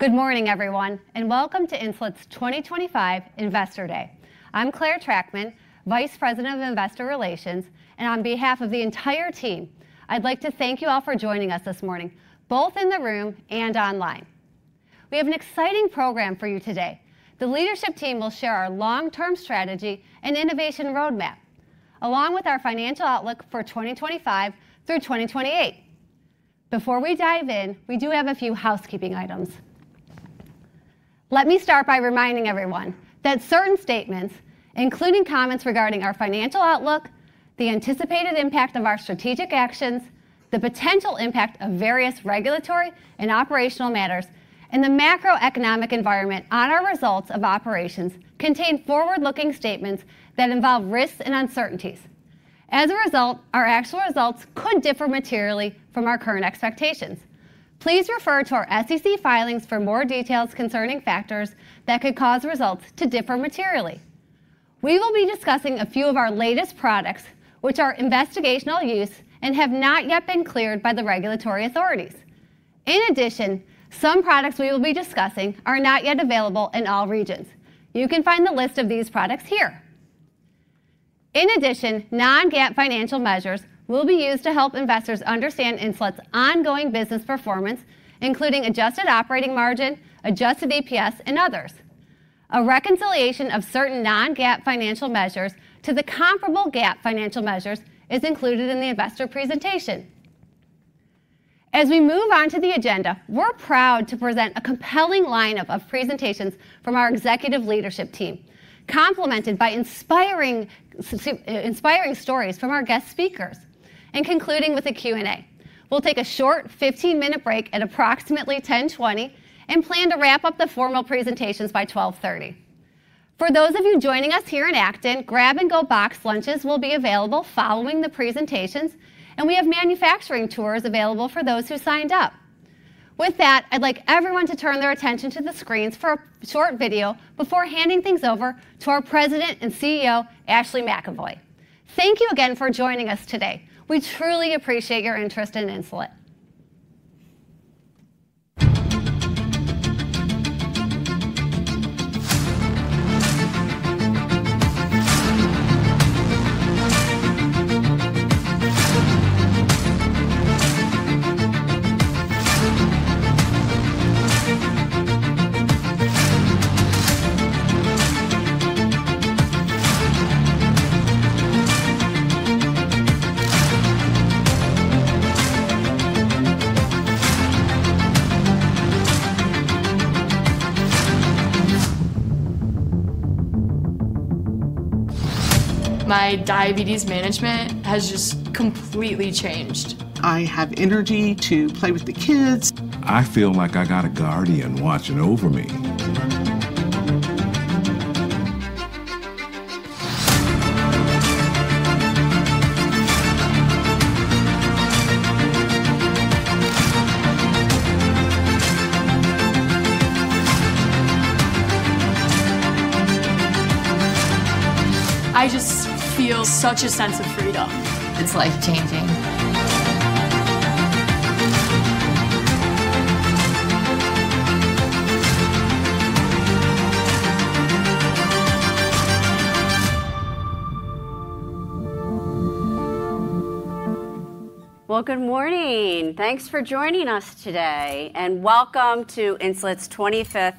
Good morning, everyone, and welcome to Insulet's 2025 Investor Day. I'm Claire Trachtman, Vice President of Investor Relations, and on behalf of the entire team, I'd like to thank you all for joining us this morning, both in the room and online. We have an exciting program for dayou today. The leadership team will share our long-term strategy and innovation roadmap, along with our financial outlook for 2025 through 2028. Before we dive in, we do have a few housekeeping items. Let me start by reminding everyone that certain statements, including comments regarding our financial outlook, the anticipated impact of our strategic actions, the potential impact of various regulatory and operational matters, and the macroeconomic environment on our results of operations, contain forward-looking statements that involve risks and uncertainties. As a result, our actual results could differ materially from our current expectations. Please refer to our SEC filings for more details concerning factors that could cause results to differ materially. We will be discussing a few of our latest products, which are investigational use and have not yet been cleared by the regulatory authorities. In addition, some products we will be discussing are not yet available in all regions. You can find the list of these products here. In addition, non-GAAP financial measures will be used to help investors understand Insulet's ongoing business performance, including adjusted operating margin, adjusted EPS, and others. A reconciliation of certain non-GAAP financial measures to the comparable GAAP financial measures is included in the investor presentation. As we move on to the agenda, we're proud to present a compelling lineup of presentations from our executive leadership team, complemented by inspiring stories from our guest speakers, and concluding with a Q&A. We'll take a short 15-minute break at approximately 10:20 and plan to wrap up the formal presentations by 12:30. For those of you joining us here in Acton, grab-and-go box lunches will be available following the presentations, and we have manufacturing tours available for those who signed up. With that, I'd like everyone to turn their attention to the screens for a short video before handing things over to our President and CEO, Ashley McEvoy. Thank you again for joining us today. We truly appreciate your interest in Insulet. My diabetes management has just completely changed. I have energy to play with the kids. I feel like I got a guardian watching over me. I just feel such a sense of freedom. It's life-changing. Good morning. Thanks for joining us today, and welcome to Insulet's 25th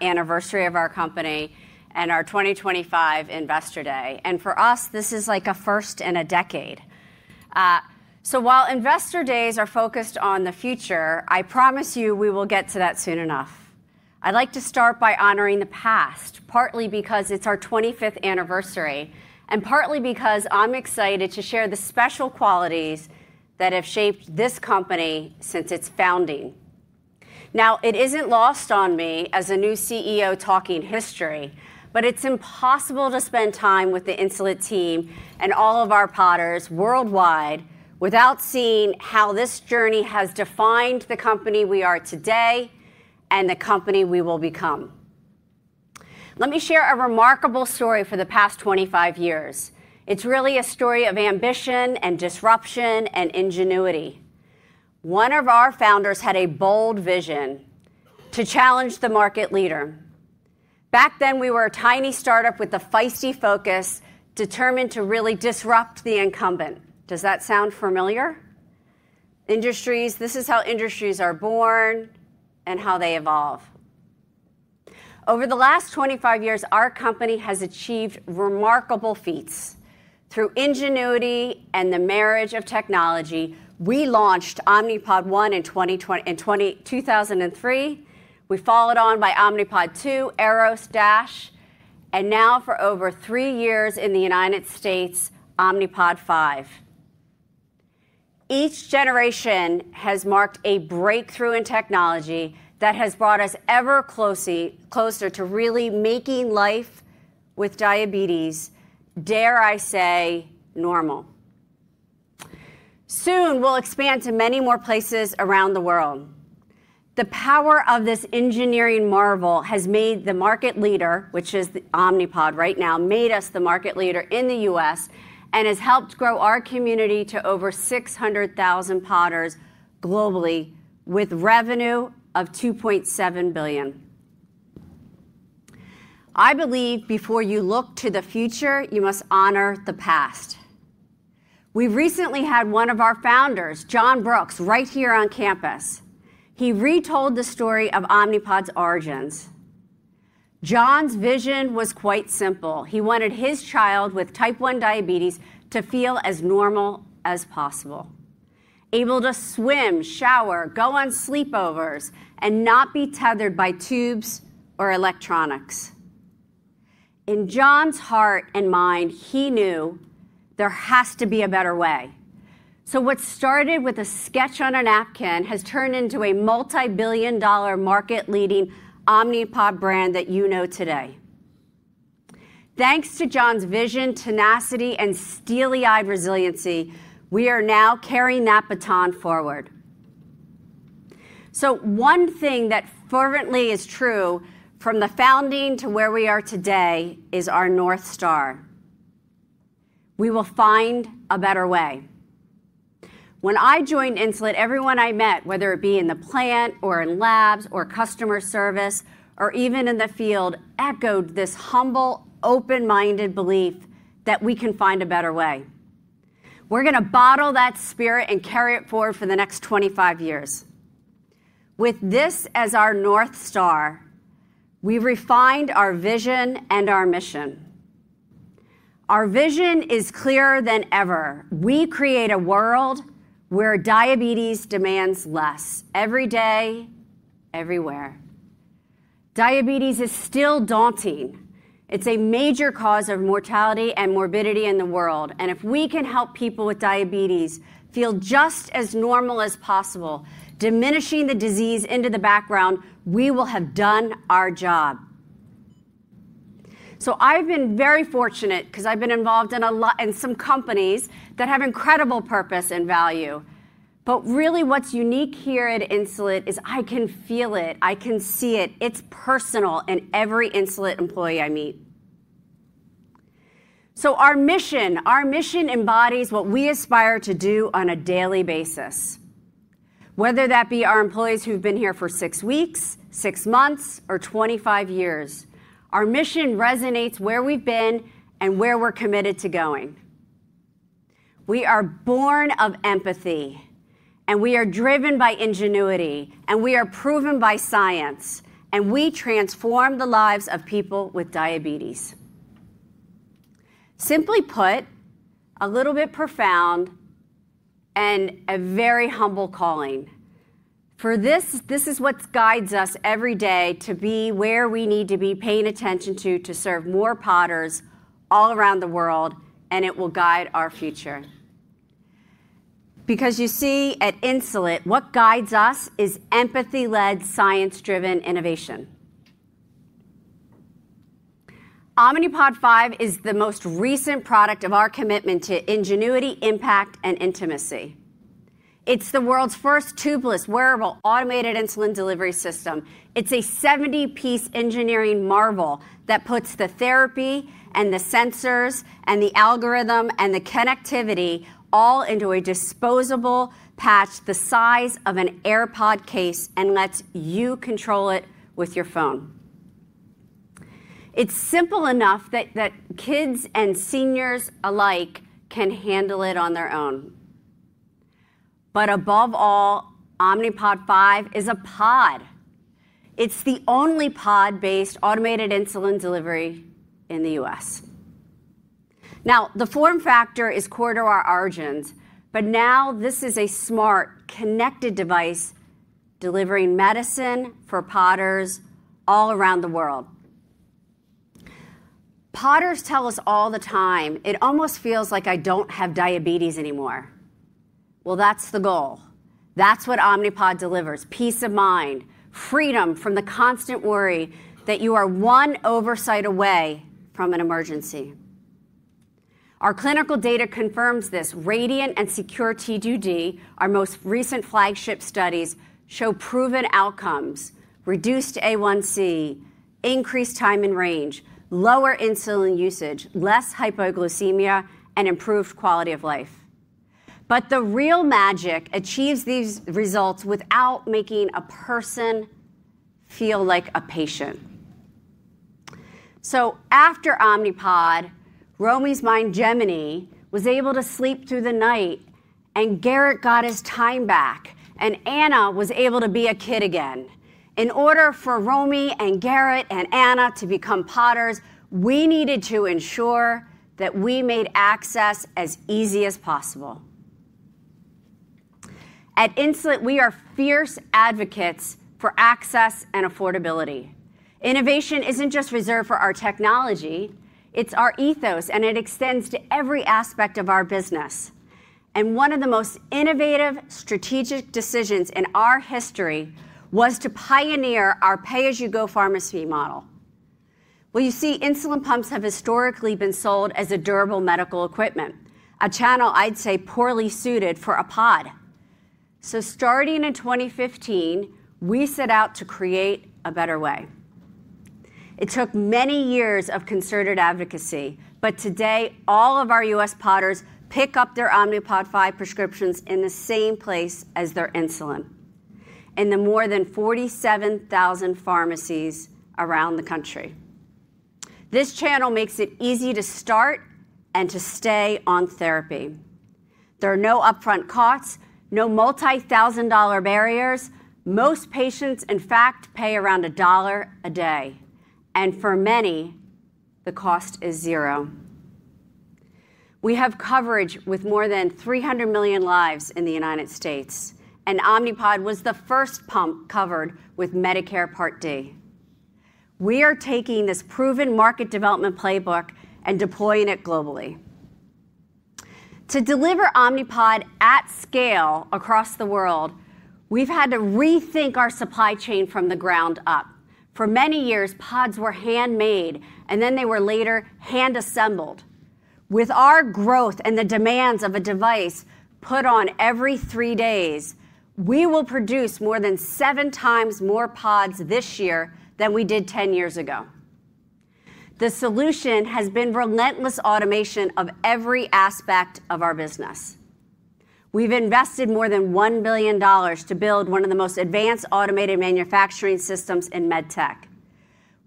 anniversary of our company and our 2025 Investor Day. For us, this is like a first in a decade. While Investor Days are focused on the future, I promise you we will get to that soon enough. I'd like to start by honoring the past, partly because it's our 25th anniversary and partly because I'm excited to share the special qualities that have shaped this company since its founding. Now, it isn't lost on me as a new CEO talking history, but it's impossible to spend time with the Insulet team and all of our Podders worldwide without seeing how this journey has definted the company we are today and the company we will become. Let me share a remarkable story for the past 25 years. It's really a story of ambition and disruption and ingenuity. One of our founders had a bold vision to challenge the market leader. Back then, we were a tiny startup with a feisty focus determined to really disrupt the incumbent. Does that sound familiar? Industries, this is how industries are born and how they evolve. Over the last 25 years, our company has achieved remarkable feats. Through ingenuity and the marriage of technology, we launched Omnipod in 2003. We followed on by Omnipod Eros, Omnipod DASH, and now for over three years in the United States, Omnipod 5. Each generation has marked a breakthrough in technology that has brought us ever closer to really making life with diabetes, dare I say, normal. Soon, we'll expand to many more places around the world. The power of this engineering marvel has made the market leader, which is Omnipod right now, made us the market leader in the U.S. and has helped grow our community to over 600,000 Podders globally with revenue of $2.7 billion. I believe before you look to the future, you must honor the past. We recently had one of our founders, John Brooks, right here on campus. He retold the story of Omnipod's origins. John's vision was quite simple. He wanted his child with type 1 diabetes to feel as normal as possible, able to swim, shower, go on sleepovers, and not be tethered by tubes or electronics. In John's heart and mind, he knew there has to be a better way. What started with a sketch on a napkin has turned into a multi-billion dollar market-leading Omnipod brand that you know today. Thanks to John's vision, tenacity, and steely-eyed resiliency, we are now carrying that baton forward. One thing that fervently is true from the founding to where we are today is our North Star. We will find a better way. When I joined Insulet, everyone I met, whether it be in the plant or in labs or customer service or even in the field, echoed this humble, open-minded belief that we can find a better way. We're going to bottle that spirit and carry it forward for the next 25 years. With this as our North Star, we refined our vision and our mission. Our vision is clearer than ever. We create a world where diabetes demands less every day, everywhere. Diabetes is still daunting. It's a major cause of mortality and morbidity in the world. If we can help people with diabetes feel just as normal as possible, diminishing the disease into the background, we will have done our job. I have been very fortunate because I have been involved in some companies that have incredible purpose and value. What is unique here at Insulet is I can feel it. I can see it. It is personal in every Insulet employee I meet. Our mission embodies what we aspire to do on a daily basis, whether that be our employees who have been here for six weeks, six months, or 25 years. Our mission resonates where we have been and where we are committed to going. We are born of empathy, and we are driven by ingenuity, and we are proven by science, and we transform the lives of people with diabetes. Simply put, a little bit profound and a very humble calling. For this, this is what guides us every day to be where we need to be paying attention to, to serve more Podders all around the world, and it will guide our future. Because you see, at Insulet, what guides us is empathy-led, science-driven innovation. Omnipod 5 is the most recent product of our commitment to ingenuity, impact, and intimacy. It's the world's first tubeless wearable automated insulin delivery system. It's a 70-piece engineering marvel that puts the therapy and the sensors and the algorithm and the connectivity all into a disposable patch the size of an AirPod case and lets you control it with your phone. It's simple enough that kids and seniors alike can handle it on their own. Above all, Omnipod 5 is a pod. It's the only pod-based automated insulin delivery in the U.S. Now, the form factor is core to our origins, but now this is a smart connected device delivering medicine for Podders all around the world. Podders tell us all the time, "It almost feels like I don't have diabetes anymore." That is the goal. That is what Omnipod delivers: peace of mind, freedom from the constant worry that you are one oversight away from an emergency. Our clinical data confirms this. RADIANT and SECURE-T2D, our most recent flagship studies, show proven outcomes: reduced A1C, increased time in range, lower insulin usage, less hypoglycemia, and improved quality of life. The real magic achieves these results without making a person feel like a patient. After Omnipod, Romy's mind, Gemini, was able to sleep through the night, and Garrett got his time back, and Anna was able to be a kid again. In order for Romy and Garrett and Ana to become Podders, we needed to ensure that we made access as easy as possible. At Insulet, we are fierce advocates for access and affordability. Innovation isn't just reserved for our technology. It's our ethos, and it extends to every aspect of our business. One of the most innovative strategic decisions in our history was to pioneer our pay-as-you-go pharmacy model. You see, insulin pumps have historically been sold as durable medical equipment, a channel I'd say poorly suited for a Pod. Starting in 2015, we set out to create a better way. It took many years of concerted advocacy, but today, all of our U.S. Podders pick up their Omnipod 5 prescriptions in the same place as their insulin in the more than 47,000 pharmacies around the country. This channel makes it easy to start and to stay on therapy. There are no upfront costs, no multi-thousand dollar barriers. Most patients, in fact, pay around $1 a day. For many, the cost is zero. We have coverage with more than 300 million lives in the United States, and Omnipod was the first pump covered with Medicare Part D. We are taking this proven market development playbook and deploying it globally. To deliver Omnipod at scale across the world, we have had to rethink our supply chain from the ground up. For many years, pods were handmade and then they were later hand-assembled. With our growth and the demands of a device put on every three days, we will produce more than seven times more pods this year than we did 10 years ago. The solution has been relentless automation of every aspect of our business. We've invested more than $1 billion to build one of the most advanced automated manufacturing systems in medtech,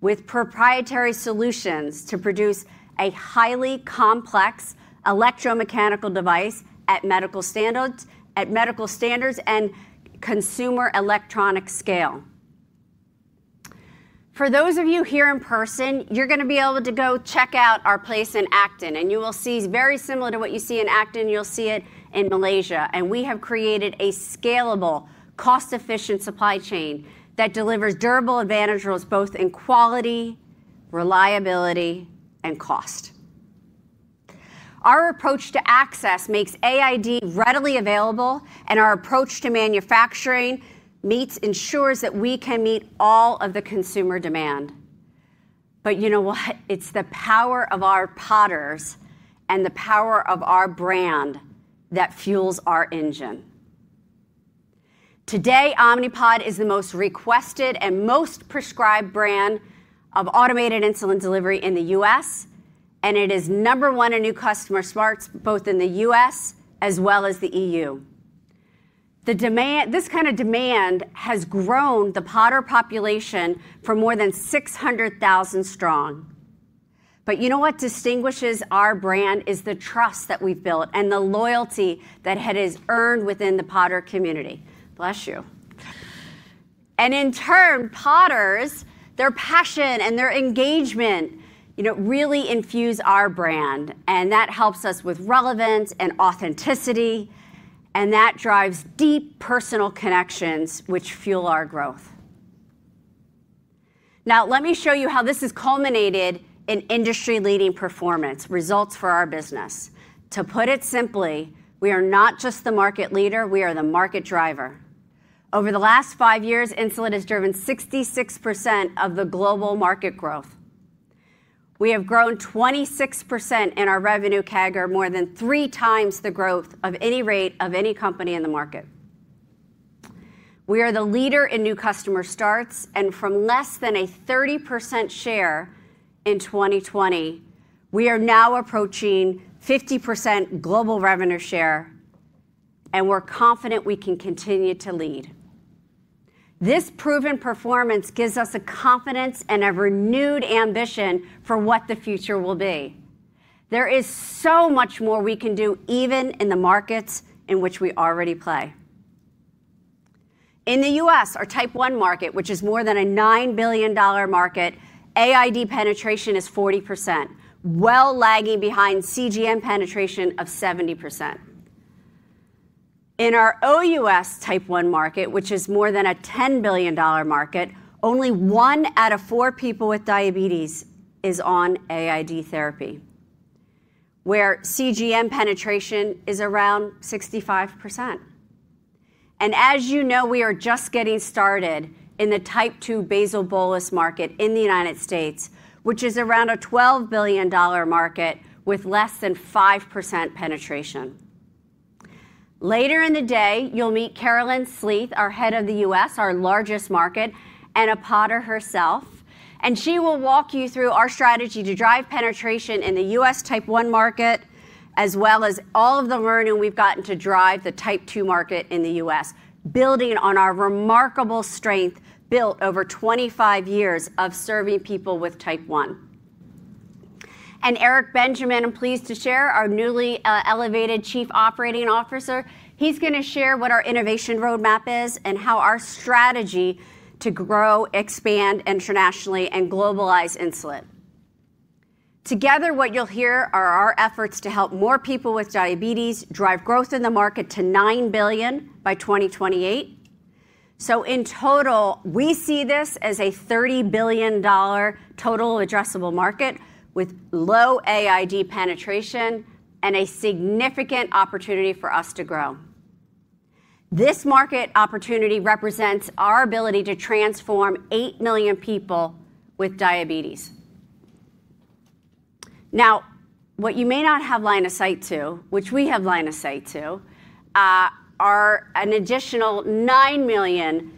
with proprietary solutions to produce a highly complex electromechanical device at medical standards and consumer electronic scale. For those of you here in person, you're going to be able to go check out our place in Acton, and you will see very similar to what you see in Acton, you'll see it in Malaysia. We have created a scalable, cost-efficient supply chain that delivers durable advantages both in quality, reliability, and cost. Our approach to access makes AID readily available, and our approach to manufacturing ensures that we can meet all of the consumer demand. You know what? It's the power of our Podders and the power of our brand that fuels our engine. Today, Omnipod is the most requested and most prescribed brand of automated insulin delivery in the U.S., and it is number one in new customer starts both in the U.S. as well as the EU. This kind of demand has grown the Podder population to more than 600,000 strong. You know what distinguishes our brand is the trust that we've built and the loyalty that has been earned within the Podder community. Bless you. In turn, Podders, their passion and their engagement really infuse our brand, and that helps us with relevance and authenticity, and that drives deep personal connections, which fuel our growth. Now, let me show you how this has culminated in industry-leading performance results for our business. To put it simply, we are not just the market leader. We are the market driver. Over the last five years, Insulet has driven 66% of the global market growth. We have grown 26% in our revenue CAGR, more than three times the growth rate of any company in the market. We are the leader in new customer starts, and from less than a 30% share in 2020, we are now approaching 50% global revenue share, and we're confident we can continue to lead. This proven performance gives us a confidence and a renewed ambition for what the future will be. There is so much more we can do even in the markets in which we already play. In the US, our type one market, which is more than a $9 billion market, AID penetration is 40%, well lagging behind CGM penetration of 70%. In our OUS type one market, which is more than a $10 billion market, only one out of four people with diabetes is on AID therapy, where CGM penetration is around 65%. As you know, we are just getting started in the type two basal bolus market in the United States, which is around a $12 billion market with less than 5% penetration. Later in the day, you'll meet Carolyn Sleeth, our Head of the US, our largest market, and a Podder herself. She will walk you through our strategy to drive penetration in the U.S. type one market, as well as all of the learning we've gotten to drive the type two market in the US, building on our remarkable strength built over 25 years of serving people with type one. Eric Benjamin, I'm pleased to share, our newly elevated Chief Operating Officer. He's going to share what our innovation roadmap is and how our strategy to grow, expand internationally, and globalize Insulet. Together, what you'll hear are our efforts to help more people with diabetes drive growth in the market to $9 billion by 2028. In total, we see this as a $30 billion total addressable market with low AID penetration and a significant opportunity for us to grow. This market opportunity represents our ability to transform 8 million people with diabetes. Now, what you may not have line of sight to, which we have line of sight to, are an additional 9 million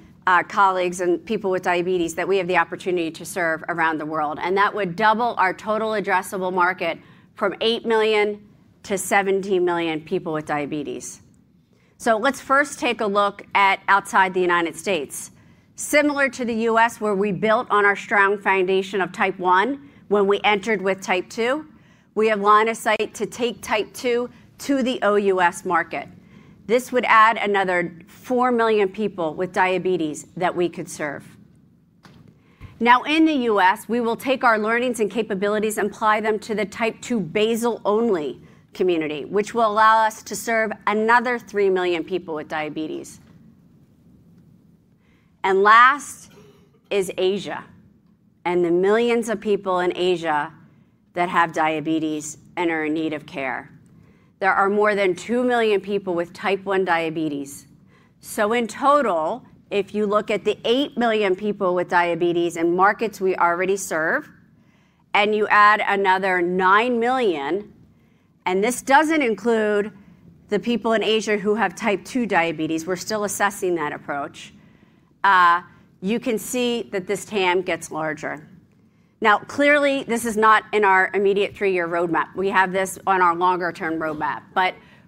colleagues and people with diabetes that we have the opportunity to serve around the world. That would double our total addressable market from 8 million to 17 million people with diabetes. Let's first take a look at outside the United States. Similar to the US, where we built on our strong foundation of type one when we entered with type two, we have line of sight to take type two to the OUS market. This would add another 4 million people with diabetes that we could serve. In the US, we will take our learnings and capabilities and apply them to the type two basal only community, which will allow us to serve another 3 million people with diabetes. Last is Asia and the millions of people in Asia that have diabetes and are in need of care. There are more than 2 million people with type one diabetes. In total, if you look at the 8 million people with diabetes in markets we already serve, and you add another 9 million, and this does not include the people in Asia who have type 2 diabetes, we are still assessing that approach, you can see that this TAM gets larger. Now, clearly, this is not in our immediate three-year roadmap. We have this on our longer-term roadmap.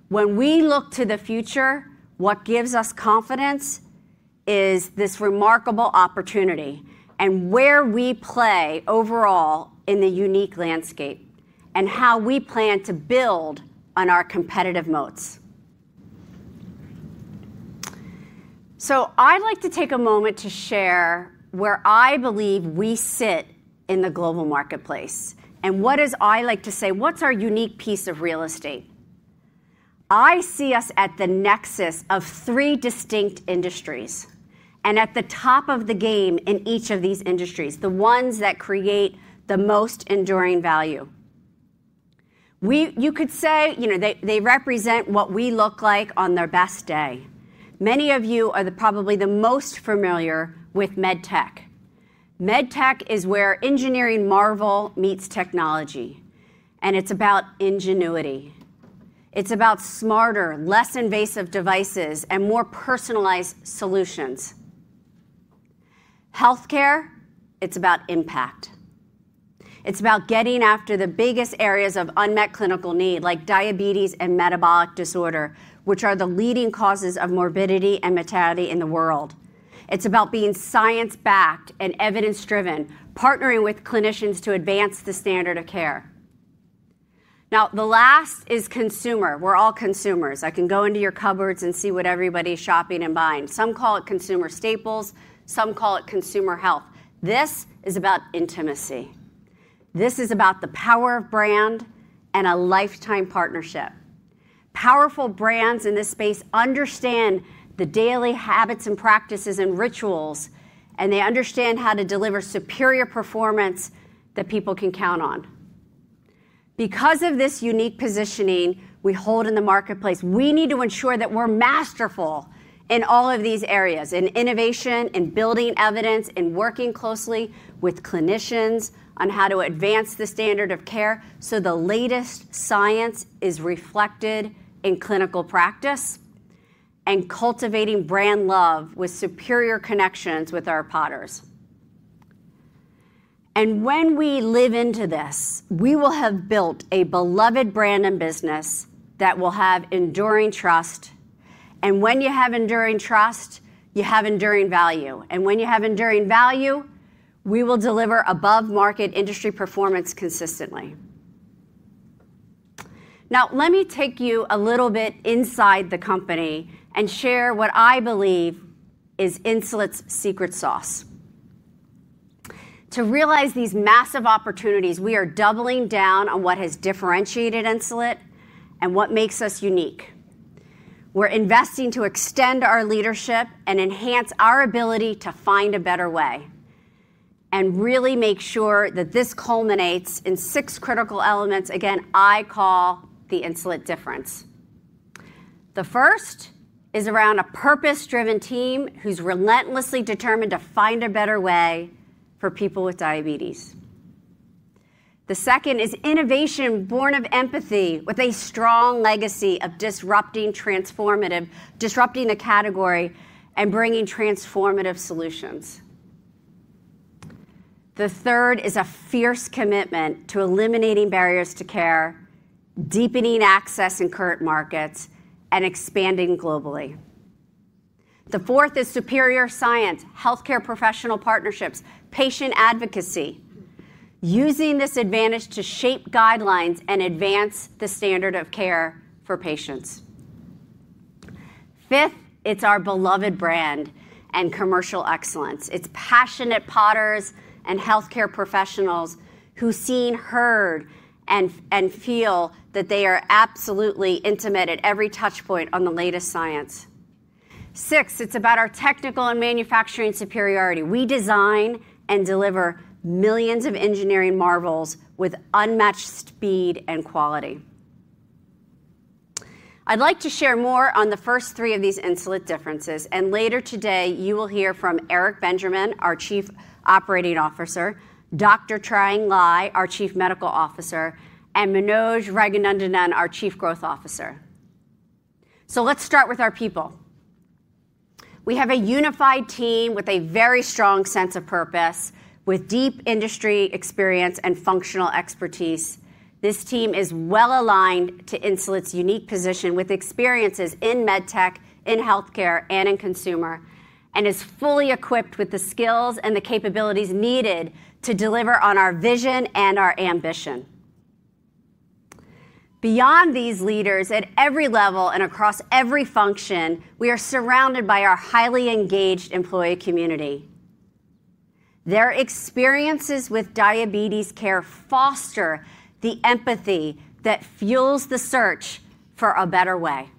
When we look to the future, what gives us confidence is this remarkable opportunity and where we play overall in the unique landscape and how we plan to build on our competitive moats. I would like to take a moment to share where I believe we sit in the global marketplace and what is, I like to say, our unique piece of real estate. I see us at the nexus of three distinct industries and at the top of the game in each of these industries, the ones that create the most enduring value. You could say they represent what we look like on their best day. Many of you are probably the most familiar with medtech. Medtech is where engineering marvel meets technology, and it's about ingenuity. It's about smarter, less invasive devices and more personalized solutions. Healthcare, it's about impact. It's about getting after the biggest areas of unmet clinical need like diabetes and metabolic disorder, which are the leading causes of morbidity and mortality in the world. It's about being science-backed and evidence-driven, partnering with clinicians to advance the standard of care. Now, the last is consumer. We're all consumers. I can go into your cupboards and see what everybody's shopping and buying. Some call it consumer staples. Some call it consumer health. This is about intimacy. This is about the power of brand and a lifetime partnership. Powerful brands in this space understand the daily habits and practices and rituals, and they understand how to deliver superior performance that people can count on. Because of this unique positioning we hold in the marketplace, we need to ensure that we're masterful in all of these areas in innovation and building evidence and working closely with clinicians on how to advance the standard of care so the latest science is reflected in clinical practice and cultivating brand love with superior connections with our Podders. When we live into this, we will have built a beloved brand and business that will have enduring trust. When you have enduring trust, you have enduring value. When you have enduring value, we will deliver above-market industry performance consistently. Now, let me take you a little bit inside the company and share what I believe is Insulet's secret sauce. To realize these massive opportunities, we are doubling down on what has differentiated Insulet and what makes us unique. We're investing to extend our leadership and enhance our ability to find a better way and really make sure that this culminates in six critical elements, again, I call the Insulet difference. The first is around a purpose-driven team who's relentlessly determined to find a better way for people with diabetes. The second is innovation born of empathy with a strong legacy of disrupting the category and bringing transformative solutions. The third is a fierce commitment to eliminating barriers to care, deepening access in current markets, and expanding globally. The fourth is superior science, healthcare professional partnerships, patient advocacy, using this advantage to shape guidelines and advance the standard of care for patients. Fifth, it's our beloved brand and commercial excellence. It's passionate Podders and healthcare professionals who see, hear, and feel that they are absolutely intimate at every touchpoint on the latest science. Sixth, it's about our technical and manufacturing superiority. We design and deliver millions of engineering marvels with unmatched speed and quality. I'd like to share more on the first three of these Insulet differences. Later today, you will hear from Eric Benjamin, our Chief Operating Officer, Dr. Trang Ly, our Chief Medical Officer, and Manoj Raghunandanan, our Chief Growth Officer. Let's start with our people. We have a unified team with a very strong sense of purpose, with deep industry experience and functional expertise. This team is well aligned to Insulet's unique position with experiences in medtech, in healthcare, and in consumer, and is fully equipped with the skills and the capabilities needed to deliver on our vision and our ambition. Beyond these leaders at every level and across every function, we are surrounded by our highly engaged employee community. Their experiences with diabetes care foster the empathy that fuels the search for a better way.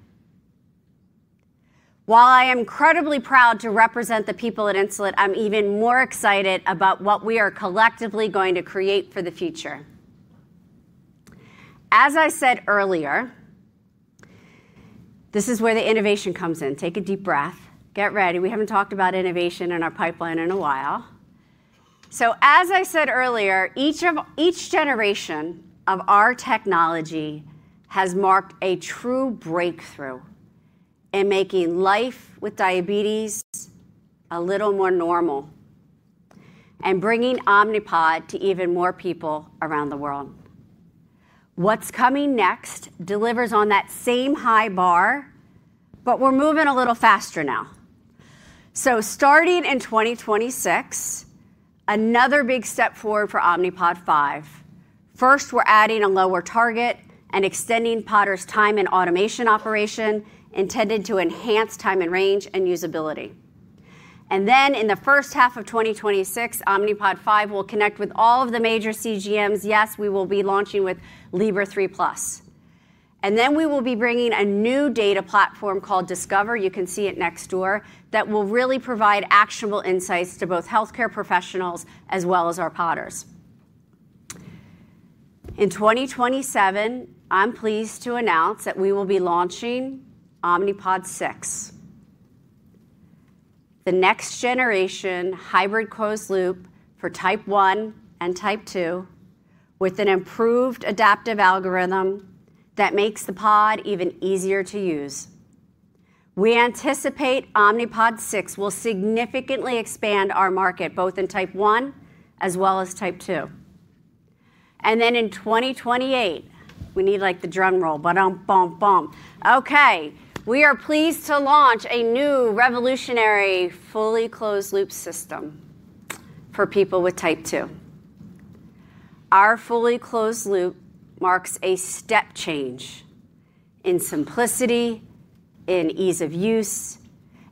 While I am incredibly proud to represent the people at Insulet, I'm even more excited about what we are collectively going to create for the future. As I said earlier, this is where the innovation comes in. Take a deep breath. Get ready. We haven't talked about innovation in our pipeline in a while. As I said earlier, each generation of our technology has marked a true breakthrough in making life with diabetes a little more normal and bringing Omnipod to even more people around the world. What's coming next delivers on that same high bar, but we're moving a little faster now. Starting in 2026, another big step forward for Omnipod 5. First, we're adding a lower target and extending Podder's time in automation operation intended to enhance time in range and usability. In the first half of 2026, Omnipod 5 will connect with all of the major CGMs. Yes, we will be launching with FreeStyle Libre 3+. We will be bringing a new data platform called Discover. You can see it next door that will really provide actionable insights to both healthcare professionals as well as our Podders. In 2027, I'm pleased to announce that we will be launching Omnipod 6, the next generation hybrid closed loop for type one and type two with an improved adaptive algorithm that makes the pod even easier to use. We anticipate Omnipod 6 will significantly expand our market both in type one as well as type two. In 2028, we need like the drum roll, bam bam bam. Okay, we are pleased to launch a new revolutionary fully closed loop system for people with type two. Our fully closed loop marks a step change in simplicity, in ease of use,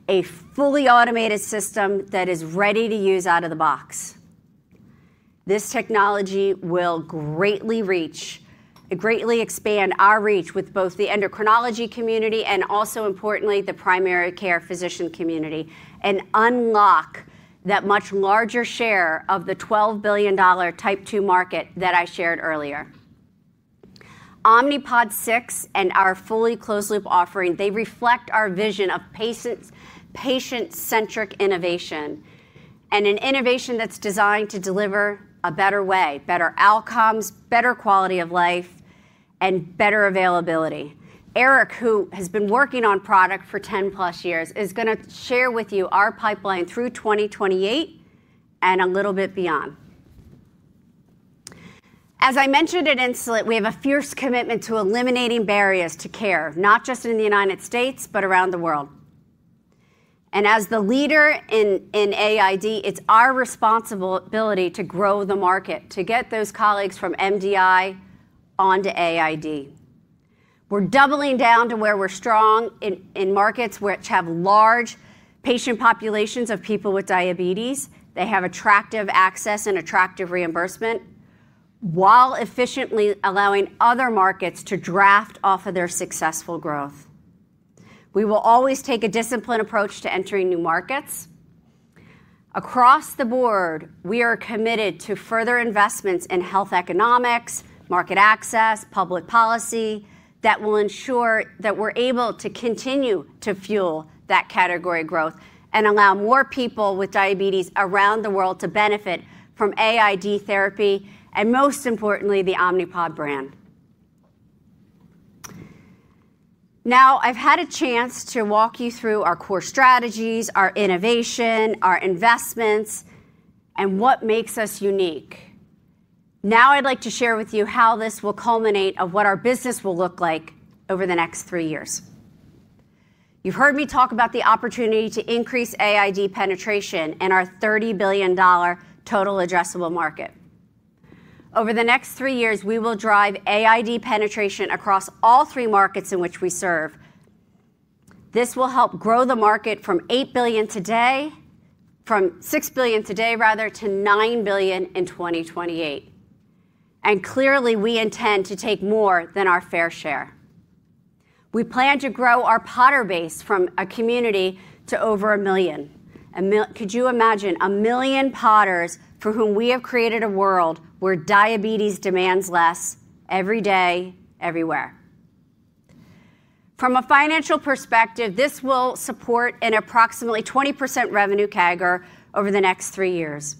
a fully automated system that is ready to use out of the box. This technology will greatly expand our reach with both the endocrinology community and also, importantly, the primary care physician community and unlock that much larger share of the $12 billion type two market that I shared earlier. Omnipod 6 and our fully closed loop offering, they reflect our vision of patient-centric innovation and an innovation that's designed to deliver a better way, better outcomes, better quality of life, and better availability. Eric, who has been working on product for 10+ years, is going to share with you our pipeline through 2028 and a little bit beyond. As I mentioned at Insulet, we have a fierce commitment to eliminating barriers to care, not just in the United States, but around the world. As the leader in AID, it's our responsibility to grow the market, to get those colleagues from MDI onto AID. We're doubling down to where we're strong in markets which have large patient populations of people with diabetes. They have attractive access and attractive reimbursement while efficiently allowing other markets to draft off of their successful growth. We will always take a disciplined approach to entering new markets. Across the board, we are committed to further investments in health economics, market access, public policy that will ensure that we're able to continue to fuel that category growth and allow more people with diabetes around the world to benefit from AID therapy and, most importantly, the Omnipod brand. Now, I've had a chance to walk you through our core strategies, our innovation, our investments, and what makes us unique. Now, I'd like to share with you how this will culminate and what our business will look like over the next three years. You've heard me talk about the opportunity to increase AID penetration in our $30 billion total addressable market. Over the next three years, we will drive AID penetration across all three markets in which we serve. This will help grow the market from $6 billion today to $9 billion in 2028. Clearly, we intend to take more than our fair share. We plan to grow our Podder base from a community to over a million. Could you imagine a million Podders for whom we have created a world where diabetes demands less every day, everywhere? From a financial perspective, this will support an approximately 20% revenue CAGR over the next three years.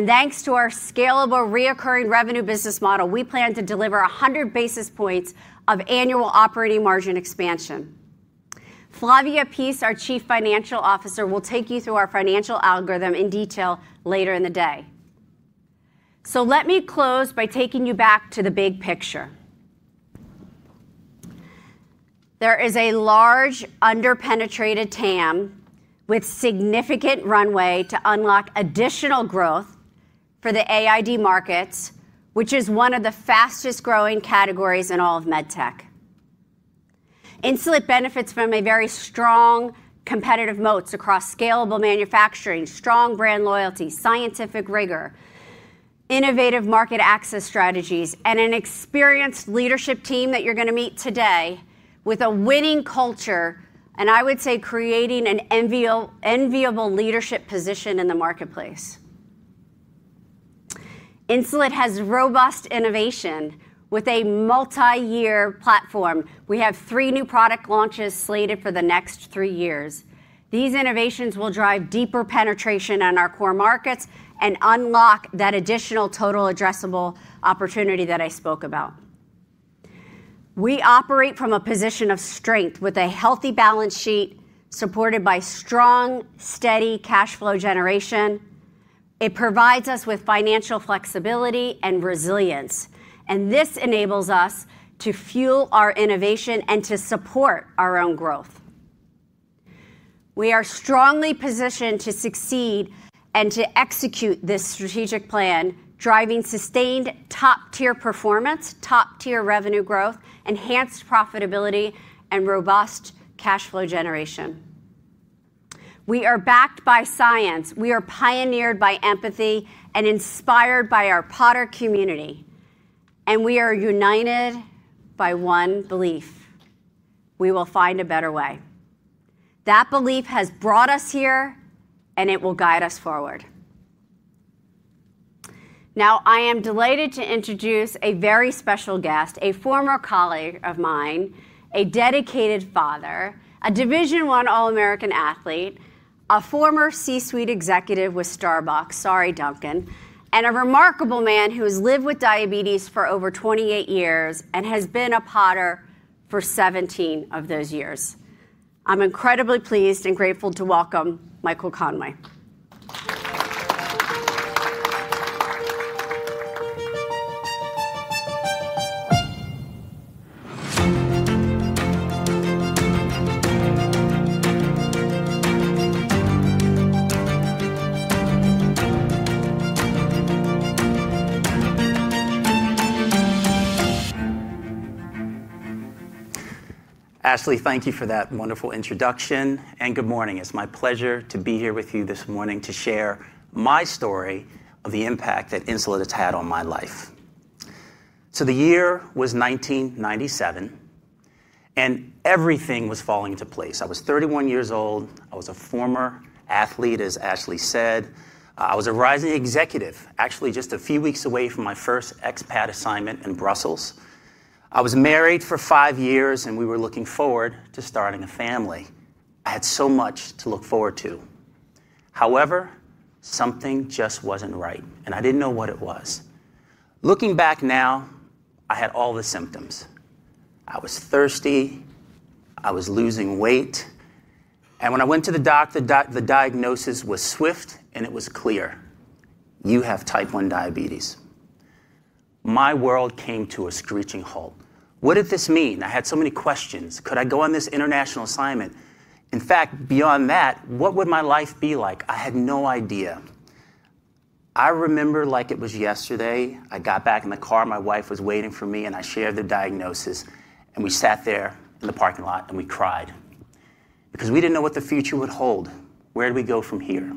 Thanks to our scalable recurring revenue business model, we plan to deliver 100 basis points of annual operating margin expansion. Flavia Pease, our Chief Financial Officer, will take you through our financial algorithm in detail later in the day. Let me close by taking you back to the big picture. There is a large under-penetrated TAM with significant runway to unlock additional growth for the AID markets, which is one of the fastest growing categories in all of medtech. Insulet benefits from a very strong competitive moat across scalable manufacturing, strong brand loyalty, scientific rigor, innovative market access strategies, and an experienced leadership team that you're going to meet today with a winning culture, and I would say creating an enviable leadership position in the marketplace. Insulet has robust innovation with a multi-year platform. We have three new product launches slated for the next three years. These innovations will drive deeper penetration on our core markets and unlock that additional total addressable opportunity that I spoke about. We operate from a position of strength with a healthy balance sheet supported by strong, steady cash flow generation. It provides us with financial flexibility and resilience, and this enables us to fuel our innovation and to support our own growth. We are strongly positioned to succeed and to execute this strategic plan, driving sustained top-tier performance, top-tier revenue growth, enhanced profitability, and robust cash flow generation. We are backed by science. We are pioneered by empathy and inspired by our Podder community. We are united by one belief: we will find a better way. That belief has brought us here, and it will guide us forward. Now, I am delighted to introduce a very special guest, a former colleague of mine, a dedicated father, a Division I All-American athlete, a former C-suite executive with Starbucks, sorry, Duncan, and a remarkable man who has lived with diabetes for over 28 years and has been a Podder for 17 of those years. I'm incredibly pleased and grateful to welcome Michael Conway. Ashley, thank you for that wonderful introduction. Good morning. It's my pleasure to be here with you this morning to share my story of the impact that Insulet has had on my life. The year was 1997, and everything was falling into place. I was 31 years old. I was a former athlete, as Ashley said. I was a rising executive, actually just a few weeks away from my first expat assignment in Brussels. I was married for five years, and we were looking forward to starting a family. I had so much to look forward to. However, something just was not right, and I did not know what it was. Looking back now, I had all the symptoms. I was thirsty. I was losing weight. When I went to the doctor, the diagnosis was swift, and it was clear: you have type 1 diabetes. My world came to a screeching halt. What did this mean? I had so many questions. Could I go on this international assignment? In fact, beyond that, what would my life be like? I had no idea. I remember like it was yesterday. I got back in the car. My wife was waiting for me, and I shared the diagnosis. We sat there in the parking lot, and we cried because we did not know what the future would hold. Where do we go from here?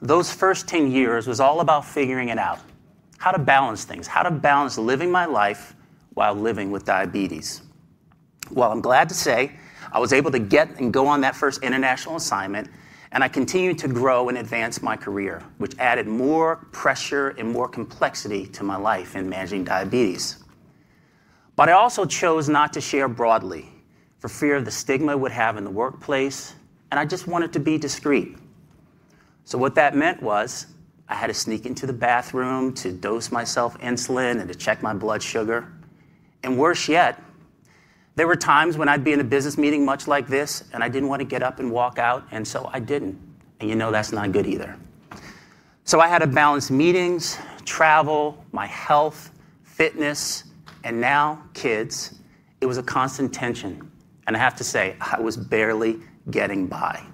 Those first 10 years was all about figuring it out, how to balance things, how to balance living my life while living with diabetes. I'm glad to say I was able to get and go on that first international assignment, and I continued to grow and advance my career, which added more pressure and more complexity to my life in managing diabetes. I also chose not to share broadly for fear of the stigma it would have in the workplace, and I just wanted to be discreet. What that meant was I had to sneak into the bathroom to dose myself insulin and to check my blood sugar. Worse yet, there were times when I'd be in a business meeting much like this, and I didn't want to get up and walk out, and I didn't. You know that's not good either. I had to balance meetings, travel, my health, fitness, and now kids. It was a constant tension. I have to say I was barely getting by.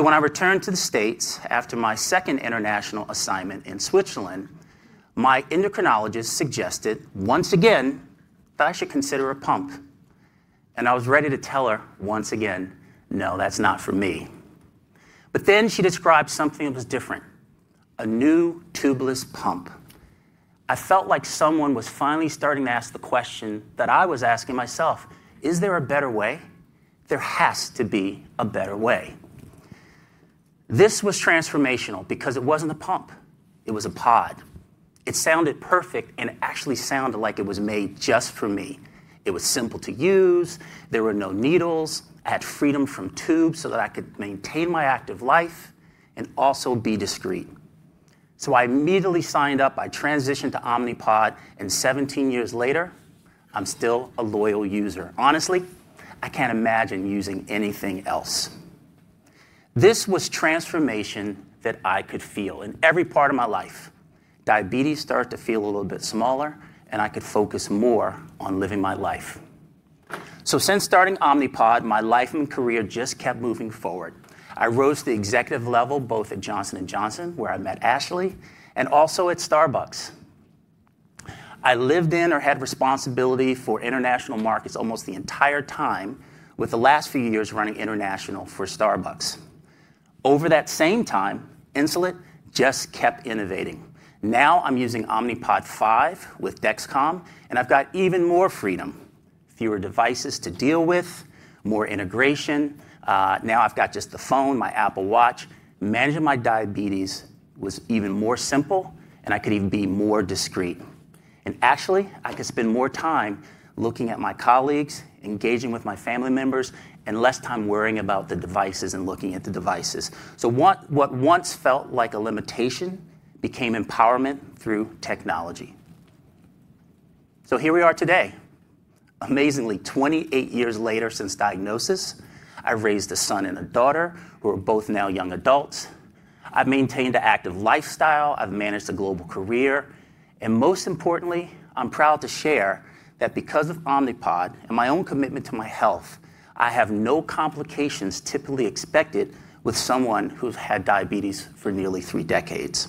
When I returned to the States after my second international assignment in Switzerland, my endocrinologist suggested once again that I should consider a pump. I was ready to tell her once again, no, that's not for me. Then she described something that was different: a new tubeless pump. I felt like someone was finally starting to ask the question that I was asking myself: is there a better way? There has to be a better way. This was transformational because it wasn't a pump. It was a pod. It sounded perfect, and it actually sounded like it was made just for me. It was simple to use. There were no needles. I had freedom from tubes so that I could maintain my active life and also be discreet. I immediately signed up. I transitioned to Omnipod, and 17 years later, I'm still a loyal user. Honestly, I can't imagine using anything else. This was transformation that I could feel in every part of my life. Diabetes started to feel a little bit smaller, and I could focus more on living my life. Since starting Omnipod, my life and career just kept moving forward. I rose to the executive level both at Johnson & Johnson, where I met Ashley, and also at Starbucks. I lived in or had responsibility for international markets almost the entire time, with the last few years running international for Starbucks. Over that same time, Insulet just kept innovating. Now I'm using Omnipod 5 with Dexcom, and I've got even more freedom, fewer devices to deal with, more integration. Now I've got just the phone, my Apple Watch. Managing my diabetes was even more simple, and I could even be more discreet. Actually, I could spend more time looking at my colleagues, engaging with my family members, and less time worrying about the devices and looking at the devices. What once felt like a limitation became empowerment through technology. Here we are today. Amazingly, 28 years later since diagnosis, I raised a son and a daughter who are both now young adults. I've maintained an active lifestyle. I've managed a global career. Most importantly, I'm proud to share that because of Omnipod and my own commitment to my health, I have no complications typically expected with someone who's had diabetes for nearly three decades.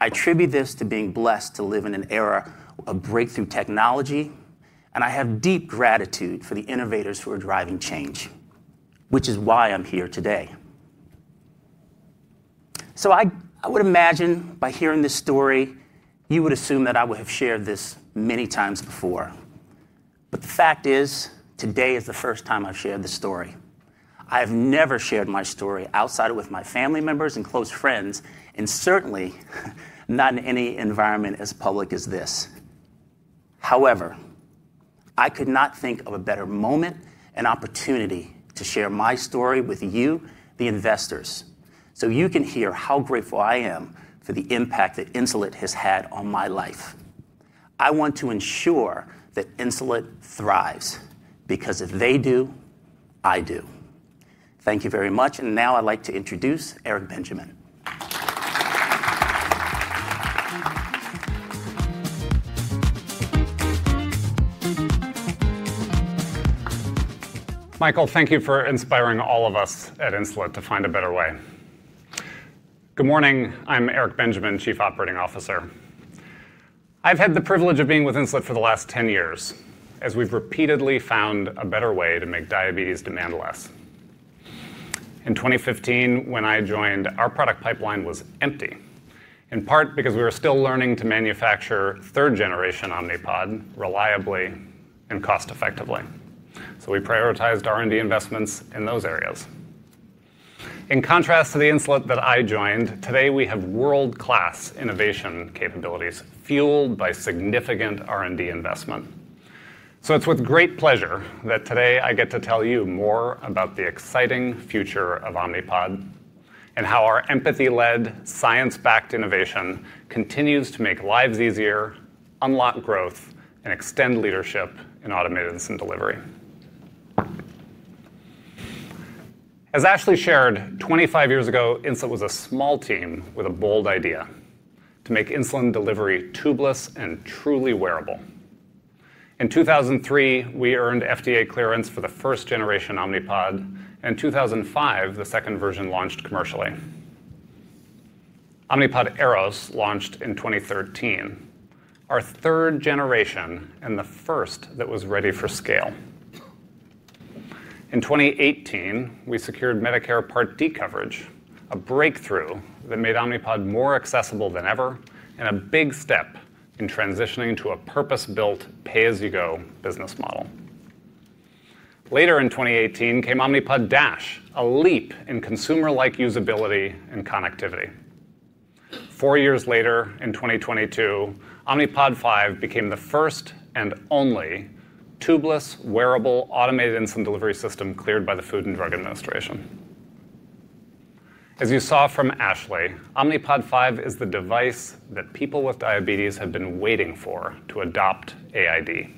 I attribute this to being blessed to live in an era of breakthrough technology, and I have deep gratitude for the innovators who are driving change, which is why I'm here today. I would imagine by hearing this story, you would assume that I would have shared this many times before. The fact is, today is the first time I've shared this story. I have never shared my story outside of with my family members and close friends, and certainly not in any environment as public as this. However, I could not think of a better moment and opportunity to share my story with you, the investors, so you can hear how grateful I am for the impact that Insulet has had on my life. I want to ensure that Insulet thrives because if they do, I do. Thank you very much. Now I'd like to introduce Eric Benjamin. Michael, thank you for inspiring all of us at Insulet to find a better way. Good morning. I'm Eric Benjamin, Chief Operating Officer. I've had the privilege of being with Insulet for the last 10 years as we've repeatedly found a better way to make diabetes demand less. In 2015, when I joined, our product pipeline was empty, in part because we were still learning to manufacture third-generation Omnipod reliably and cost-effectively. We prioritized R&D investments in those areas. In contrast to the Insulet that I joined, today we have world-class innovation capabilities fueled by significant R&D investment. It's with great pleasure that today I get to tell you more about the exciting future of Omnipod and how our empathy-led, science-backed innovation continues to make lives easier, unlock growth, and extend leadership in automated insulin delivery. As Ashley shared, 25 years ago, Insulet was a small team with a bold idea to make insulin delivery tubeless and truly wearable. In 2003, we earned FDA clearance for the first-generation Omnipod, and in 2005, the second version launched commercially. Omnipod Eros launched in 2013, our third generation and the first that was ready for scale. In 2018, we secured Medicare Part D coverage, a breakthrough that made Omnipod more accessible than ever and a big step in transitioning to a purpose-built, pay-as-you-go business model. Later in 2018 came Omnipod DASH, a leap in consumer-like usability and connectivity. Four years later, in 2022, Omnipod 5 became the first and only tubeless, wearable, automated insulin delivery system cleared by the Food and Drug Administration. As you saw from Ashley, Omnipod 5 is the device that people with diabetes have been waiting for to adopt AID: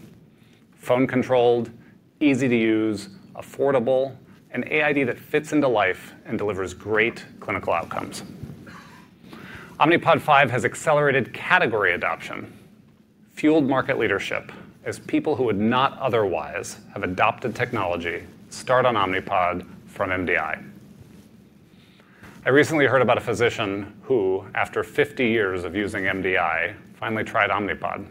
phone-controlled, easy to use, affordable, an AID that fits into life and delivers great clinical outcomes. Omnipod 5 has accelerated category adoption, fueled market leadership as people who would not otherwise have adopted technology start on Omnipod from MDI. I recently heard about a physician who, after 50 years of using MDI, finally tried Omnipod,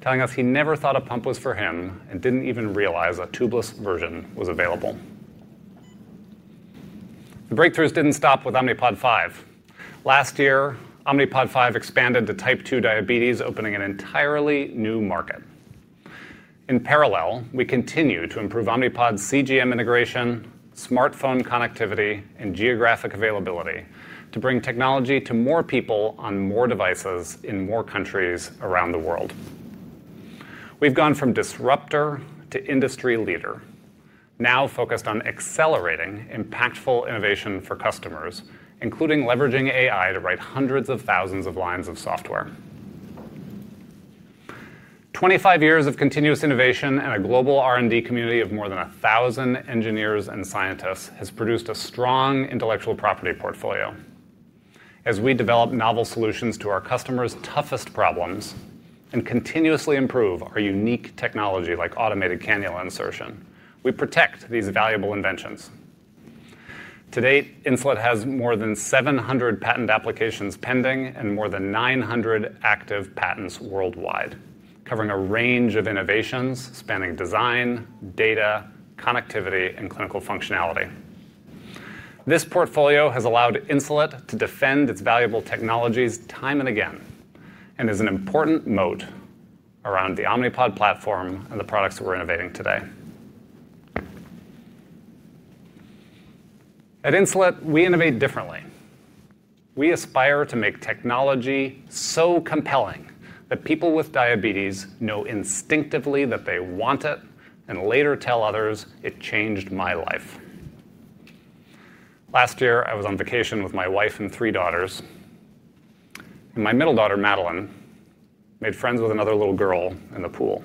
telling us he never thought a pump was for him and did not even realize a tubeless version was available. The breakthroughs did not stop with Omnipod 5. Last year, Omnipod 5 expanded to type 2 diabetes, opening an entirely new market. In parallel, we continue to improve Omnipod's CGM integration, smartphone connectivity, and geographic availability to bring technology to more people on more devices in more countries around the world. We've gone from disruptor to industry leader, now focused on accelerating impactful innovation for customers, including leveraging AI to write hundreds of thousands of lines of software. Twenty-five years of continuous innovation and a global R&D community of more than 1,000 engineers and scientists has produced a strong intellectual property portfolio. As we develop novel solutions to our customers' toughest problems and continuously improve our unique technology like automated cannula insertion, we protect these valuable inventions. To date, Insulet has more than 700 patent applications pending and more than 900 active patents worldwide, covering a range of innovations spanning design, data, connectivity, and clinical functionality. This portfolio has allowed Insulet to defend its valuable technologies time and again and is an important moat around the Omnipod platform and the products that we're innovating today. At Insulet, we innovate differently. We aspire to make technology so compelling that people with diabetes know instinctively that they want it and later tell others, "It changed my life." Last year, I was on vacation with my wife and three daughters. My middle daughter, Madeline, made friends with another little girl in the pool.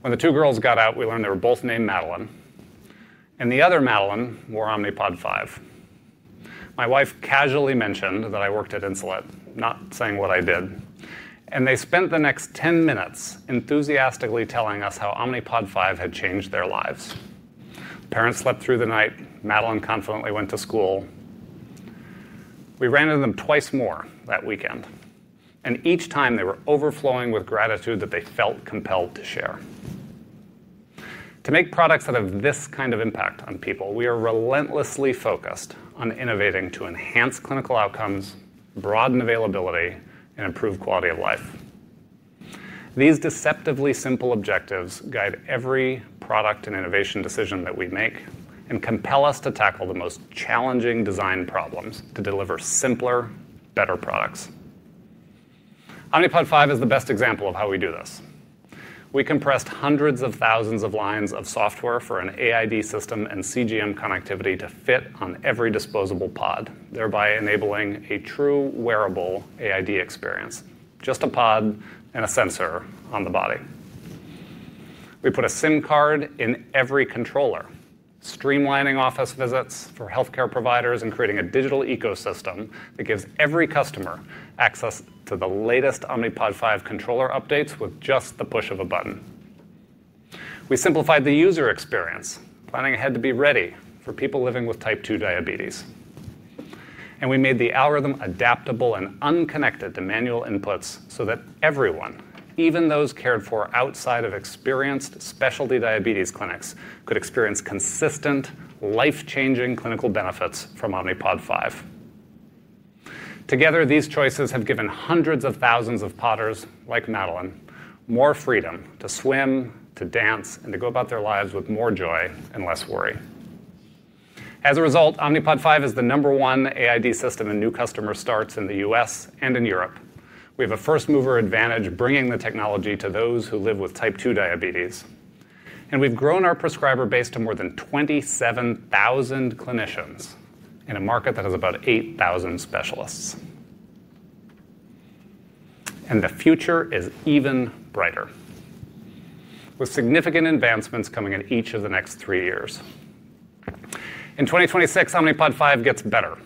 When the two girls got out, we learned they were both named Madeline. The other Madeline wore Omnipod 5. My wife casually mentioned that I worked at Insulet, not saying what I did. They spent the next 10 minutes enthusiastically telling us how Omnipod 5 had changed their lives. Parents slept through the night. Madeline confidently went to school. We ran into them twice more that weekend. Each time, they were overflowing with gratitude that they felt compelled to share. To make products that have this kind of impact on people, we are relentlessly focused on innovating to enhance clinical outcomes, broaden availability, and improve quality of life. These deceptively simple objectives guide every product and innovation decision that we make and compel us to tackle the most challenging design problems to deliver simpler, better products. Omnipod 5 is the best example of how we do this. We compressed hundreds of thousands of lines of software for an AID system and CGM connectivity to fit on every disposable pod, thereby enabling a true wearable AID experience, just a pod and a sensor on the body. We put a SIM card in every controller, streamlining office visits for healthcare providers and creating a digital ecosystem that gives every customer access to the latest Omnipod 5 controller updates with just the push of a button. We simplified the user experience, planning ahead to be ready for people living with type 2 diabetes. We made the algorithm adaptable and unconnected to manual inputs so that everyone, even those cared for outside of experienced specialty diabetes clinics, could experience consistent, life-changing clinical benefits from Omnipod 5. Together, these choices have given hundreds of thousands of Podders, like Madeline, more freedom to swim, to dance, and to go about their lives with more joy and less worry. As a result, Omnipod 5 is the number one AID system in new customer starts in the U.S. and in Europe. We have a first-mover advantage bringing the technology to those who live with type 2 diabetes. We have grown our prescriber base to more than 27,000 clinicians in a market that has about 8,000 specialists. The future is even brighter, with significant advancements coming in each of the next three years. In 2026, Omnipod 5 gets better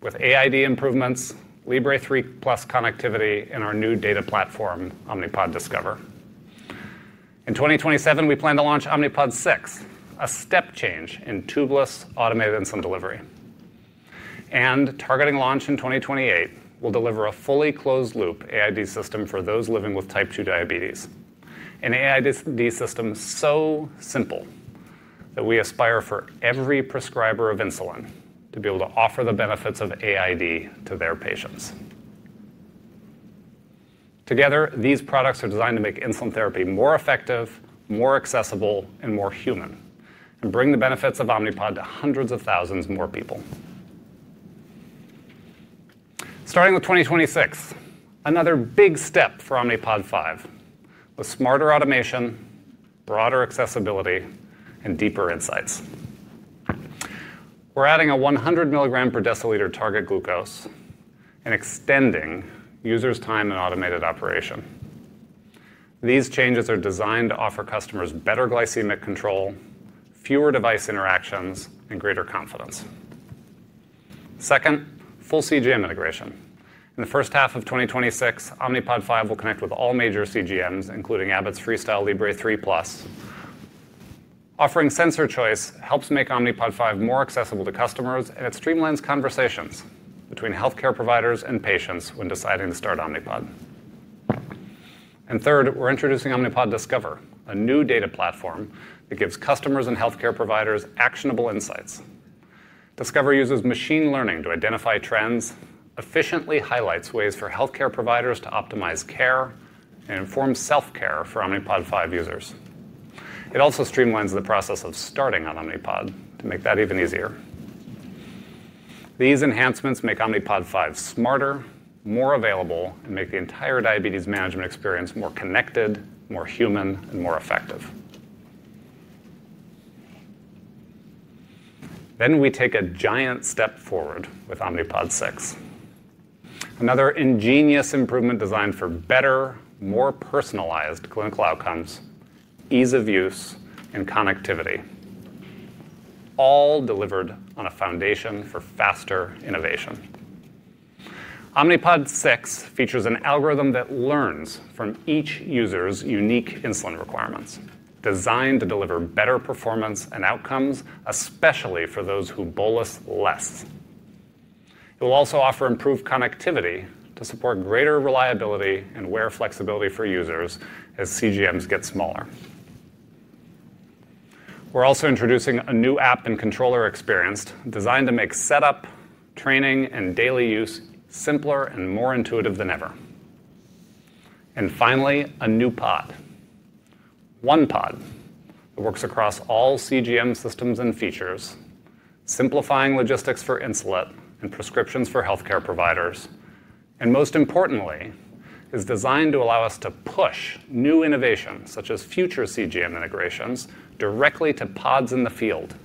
with AID improvements, Libre 3+ connectivity, and our new data platform, Omnipod Discover. In 2027, we plan to launch Omnipod 6, a step change in tubeless automated insulin delivery. Targeting launch in 2028, we'll deliver a fully closed-loop AID system for those living with type 2 diabetes, an AID system so simple that we aspire for every prescriber of insulin to be able to offer the benefits of AID to their patients. Together, these products are designed to make insulin therapy more effective, more accessible, and more human, and bring the benefits of Omnipod to hundreds of thousands more people. Starting with 2026, another big step for Omnipod 5 with smarter automation, broader accessibility, and deeper insights. We're adding a 100 mg/dL target glucose and extending users' time in automated operation. These changes are designed to offer customers better glycemic control, fewer device interactions, and greater confidence. Second, full CGM integration. In the first half of 2026, Omnipod 5 will connect with all major CGMs, including Abbott's FreeStyle Libre 3+. Offering sensor choice helps make Omnipod 5 more accessible to customers, and it streamlines conversations between healthcare providers and patients when deciding to start Omnipod. Third, we're introducing Omnipod Discover, a new data platform that gives customers and healthcare providers actionable insights. Discover uses machine learning to identify trends, efficiently highlights ways for healthcare providers to optimize care, and informs self-care for Omnipod 5 users. It also streamlines the process of starting on Omnipod to make that even easier. These enhancements make Omnipod 5 smarter, more available, and make the entire diabetes management experience more connected, more human, and more effective. We take a giant step forward with Omnipod 6, another ingenious improvement designed for better, more personalized clinical outcomes, ease of use, and connectivity, all delivered on a foundation for faster innovation. Omnipod 6 features an algorithm that learns from each user's unique insulin requirements, designed to deliver better performance and outcomes, especially for those who bolus less. It will also offer improved connectivity to support greater reliability and wear flexibility for users as CGMs get smaller. We're also introducing a new app and controller experience designed to make setup, training, and daily use simpler and more intuitive than ever. Finally, a new pod, OnePod, that works across all CGM systems and features, simplifying logistics for Insulet and prescriptions for healthcare providers. Most importantly, it is designed to allow us to push new innovations, such as future CGM integrations, directly to pods in the field.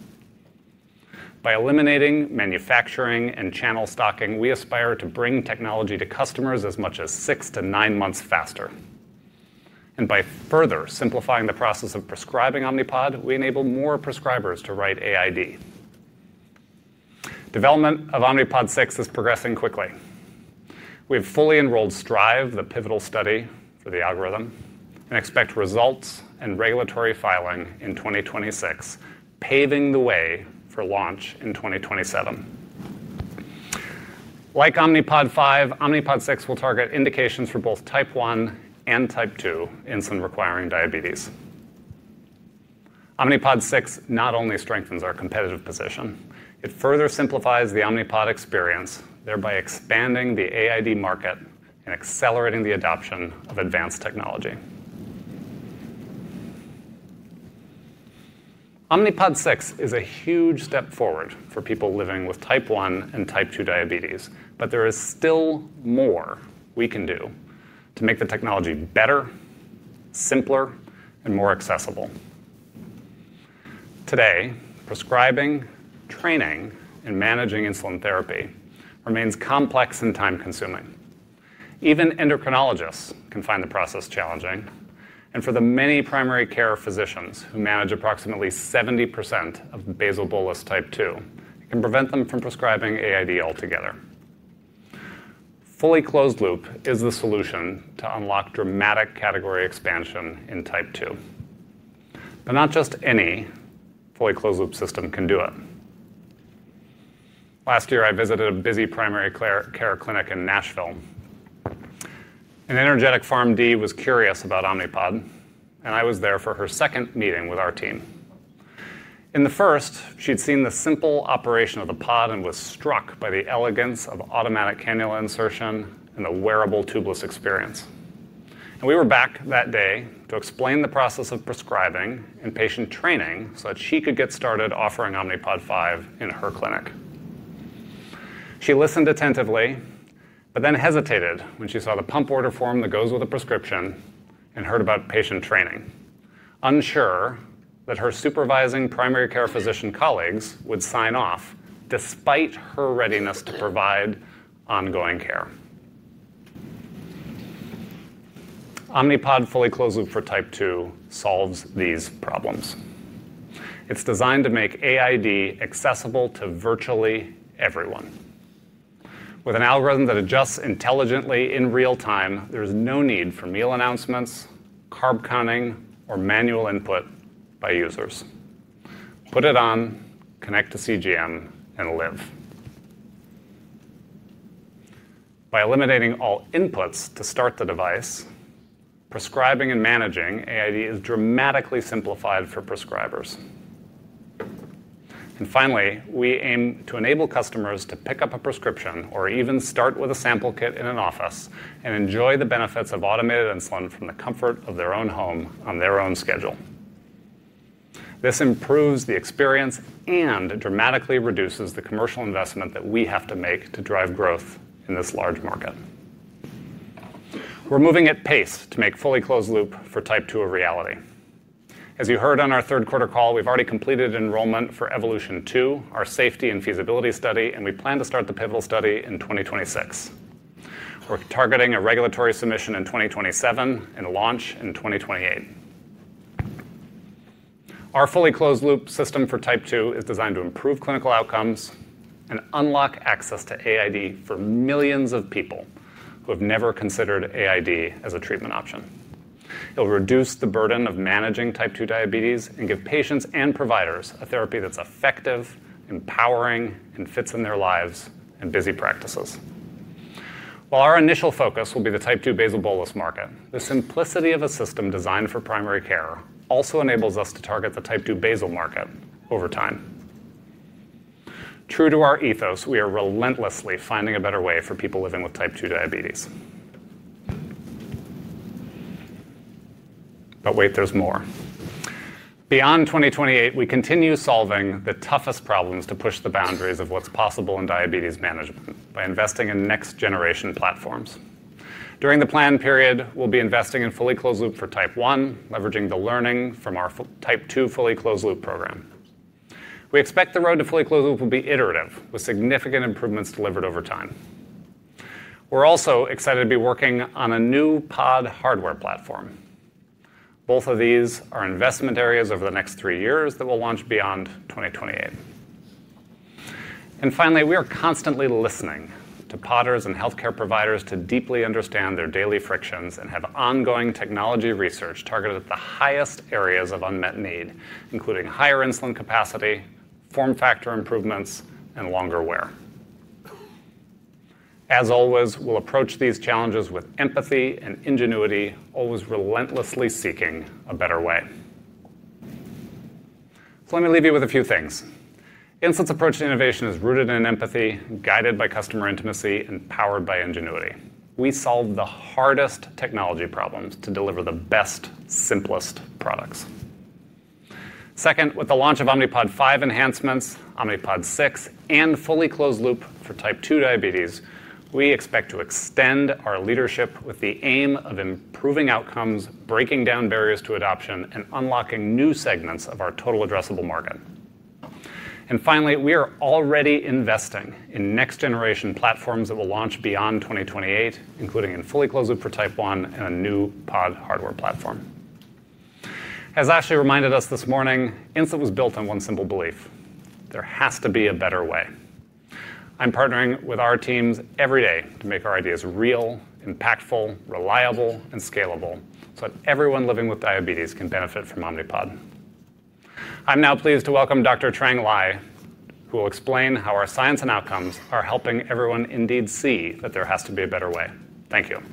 By eliminating manufacturing and channel stocking, we aspire to bring technology to customers as much as six to nine months faster. By further simplifying the process of prescribing Omnipod, we enable more prescribers to write AID. Development of Omnipod 6 is progressing quickly. We have fully enrolled STRIVE, the pivotal study for the algorithm, and expect results and regulatory filing in 2026, paving the way for launch in 2027. Like Omnipod 5, Omnipod 6 will target indications for both type 1 and type 2 insulin-requiring diabetes. Omnipod 6 not only strengthens our competitive position, it further simplifies the Omnipod experience, thereby expanding the AID market and accelerating the adoption of advanced technology. Omnipod 6 is a huge step forward for people living with type 1 and type 2 diabetes, but there is still more we can do to make the technology better, simpler, and more accessible. Today, prescribing, training, and managing insulin therapy remains complex and time-consuming. Even endocrinologists can find the process challenging. For the many primary care physicians who manage approximately 70% of basal-bolus type 2, it can prevent them from prescribing AID altogether. Fully closed-loop is the solution to unlock dramatic category expansion in type 2. Not just any fully closed-loop system can do it. Last year, I visited a busy primary care clinic in Nashville. An energetic PharmD was curious about Omnipod, and I was there for her second meeting with our team. In the first, she'd seen the simple operation of the pod and was struck by the elegance of automatic cannula insertion and the wearable tubeless experience. We were back that day to explain the process of prescribing and patient training so that she could get started offering Omnipod 5 in her clinic. She listened attentively, but then hesitated when she saw the pump order form that goes with a prescription and heard about patient training, unsure that her supervising primary care physician colleagues would sign off despite her readiness to provide ongoing care. Omnipod fully closed-loop for type 2 solves these problems. It's designed to make AID accessible to virtually everyone. With an algorithm that adjusts intelligently in real time, there is no need for meal announcements, carb counting, or manual input by users. Put it on, connect to CGM, and live. By eliminating all inputs to start the device, prescribing and managing AID is dramatically simplified for prescribers. Finally, we aim to enable customers to pick up a prescription or even start with a sample kit in an office and enjoy the benefits of automated insulin from the comfort of their own home on their own schedule. This improves the experience and dramatically reduces the commercial investment that we have to make to drive growth in this large market. We are moving at pace to make fully closed-loop for type 2 a reality. As you heard on our third quarter call, we have already completed enrollment for EVOLUTION-2, our safety and feasibility study, and we plan to start the pivotal study in 2026. We are targeting a regulatory submission in 2027 and a launch in 2028. Our fully closed-loop system for type 2 is designed to improve clinical outcomes and unlock access to AID for millions of people who have never considered AID as a treatment option. It'll reduce the burden of managing type 2 diabetes and give patients and providers a therapy that's effective, empowering, and fits in their lives and busy practices. While our initial focus will be the type 2 basal-bolus market, the simplicity of a system designed for primary care also enables us to target the type 2 basal market over time. True to our ethos, we are relentlessly finding a better way for people living with type 2 diabetes. There is more. Beyond 2028, we continue solving the toughest problems to push the boundaries of what's possible in diabetes management by investing in next-generation platforms. During the planned period, we'll be investing in fully closed-loop for type 1, leveraging the learning from our type 2 fully closed-loop program. We expect the road to fully closed-loop will be iterative, with significant improvements delivered over time. We're also excited to be working on a new pod hardware platform. Both of these are investment areas over the next three years that we'll launch beyond 2028. Finally, we are constantly listening to Podders and healthcare providers to deeply understand their daily frictions and have ongoing technology research targeted at the highest areas of unmet need, including higher insulin capacity, form factor improvements, and longer wear. As always, we'll approach these challenges with empathy and ingenuity, always relentlessly seeking a better way. Let me leave you with a few things. Insulet's approach to innovation is rooted in empathy, guided by customer intimacy, and powered by ingenuity. We solve the hardest technology problems to deliver the best, simplest products. Second, with the launch of Omnipod 5 enhancements, Omnipod 6, and fully closed-loop for type 2 diabetes, we expect to extend our leadership with the aim of improving outcomes, breaking down barriers to adoption, and unlocking new segments of our total addressable market. Finally, we are already investing in next-generation platforms that will launch beyond 2028, including in fully closed-loop for type 1 and a new pod hardware platform. As Ashley reminded us this morning, Insulet was built on one simple belief: there has to be a better way. I'm partnering with our teams every day to make our ideas real, impactful, reliable, and scalable so that everyone living with diabetes can benefit from Omnipod. I'm now pleased to welcome Dr. Trang Lai, who will explain how our science and outcomes are helping everyone indeed see that there has to be a better way. Thank you.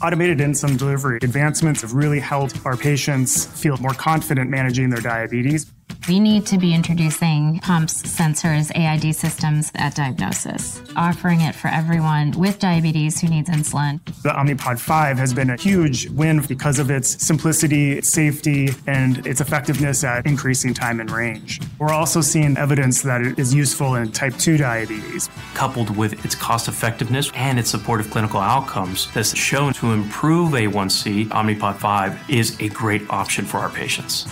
Automated insulin delivery advancements have really helped our patients feel more confident managing their diabetes. We need to be introducing pumps, sensors, AID systems at diagnosis, offering it for everyone with diabetes who needs insulin. The Omnipod 5 has been a huge win because of its simplicity, safety, and its effectiveness at increasing time in range. We're also seeing evidence that it is useful in type 2 diabetes. Coupled with its cost-effectiveness and its supportive clinical outcomes, it has shown to improve A1C. Omnipod 5 is a great option for our patients.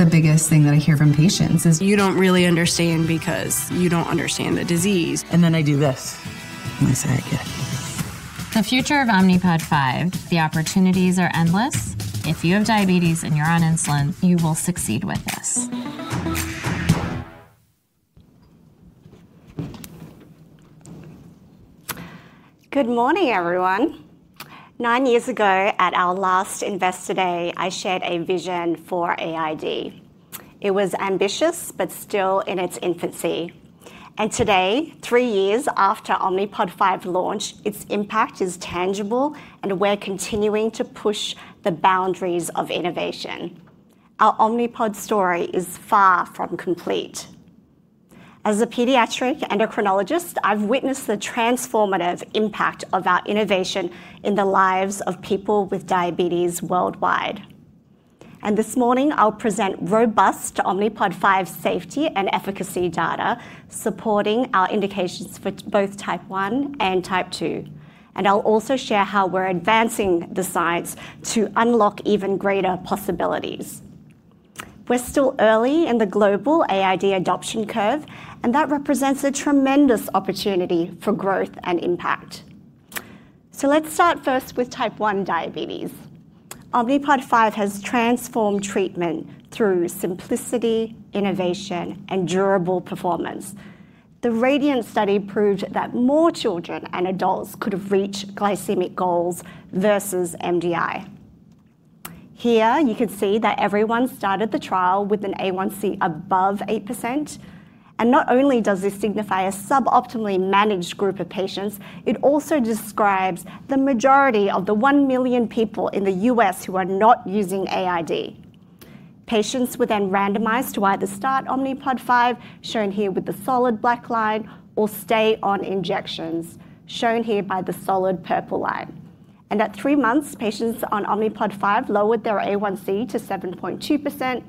The biggest thing that I hear from patients is, "You don't really understand because you don't understand the disease." And then I do this, and I say it again. The future of Omnipod 5, the opportunities are endless. If you have diabetes and you're on insulin, you will succeed with this. Good morning, everyone. Nine years ago, at our last Investor Day, I shared a vision for AID. It was ambitious, but still in its infancy. Today, three years after Omnipod 5 launched, its impact is tangible, and we're continuing to push the boundaries of innovation. Our Omnipod story is far from complete. As a pediatric endocrinologist, I've witnessed the transformative impact of our innovation in the lives of people with diabetes worldwide. This morning, I'll present robust Omnipod 5 safety and efficacy data, supporting our indications for both type 1 and type 2. I'll also share how we're advancing the science to unlock even greater possibilities. We're still early in the global AID adoption curve, and that represents a tremendous opportunity for growth and impact. Let's start first with type 1 diabetes. Omnipod 5 has transformed treatment through simplicity, innovation, and durable performance. The RADIANT study proved that more children and adults could have reached glycemic goals versus MDI. Here, you can see that everyone started the trial with an A1C above 8%. Not only does this signify a suboptimally managed group of patients, it also describes the majority of the 1 million people in the U.S. who are not using AID. Patients were then randomized to either start Omnipod 5, shown here with the solid black line, or stay on injections, shown here by the solid purple line. At three months, patients on Omnipod 5 lowered their A1C to 7.2%,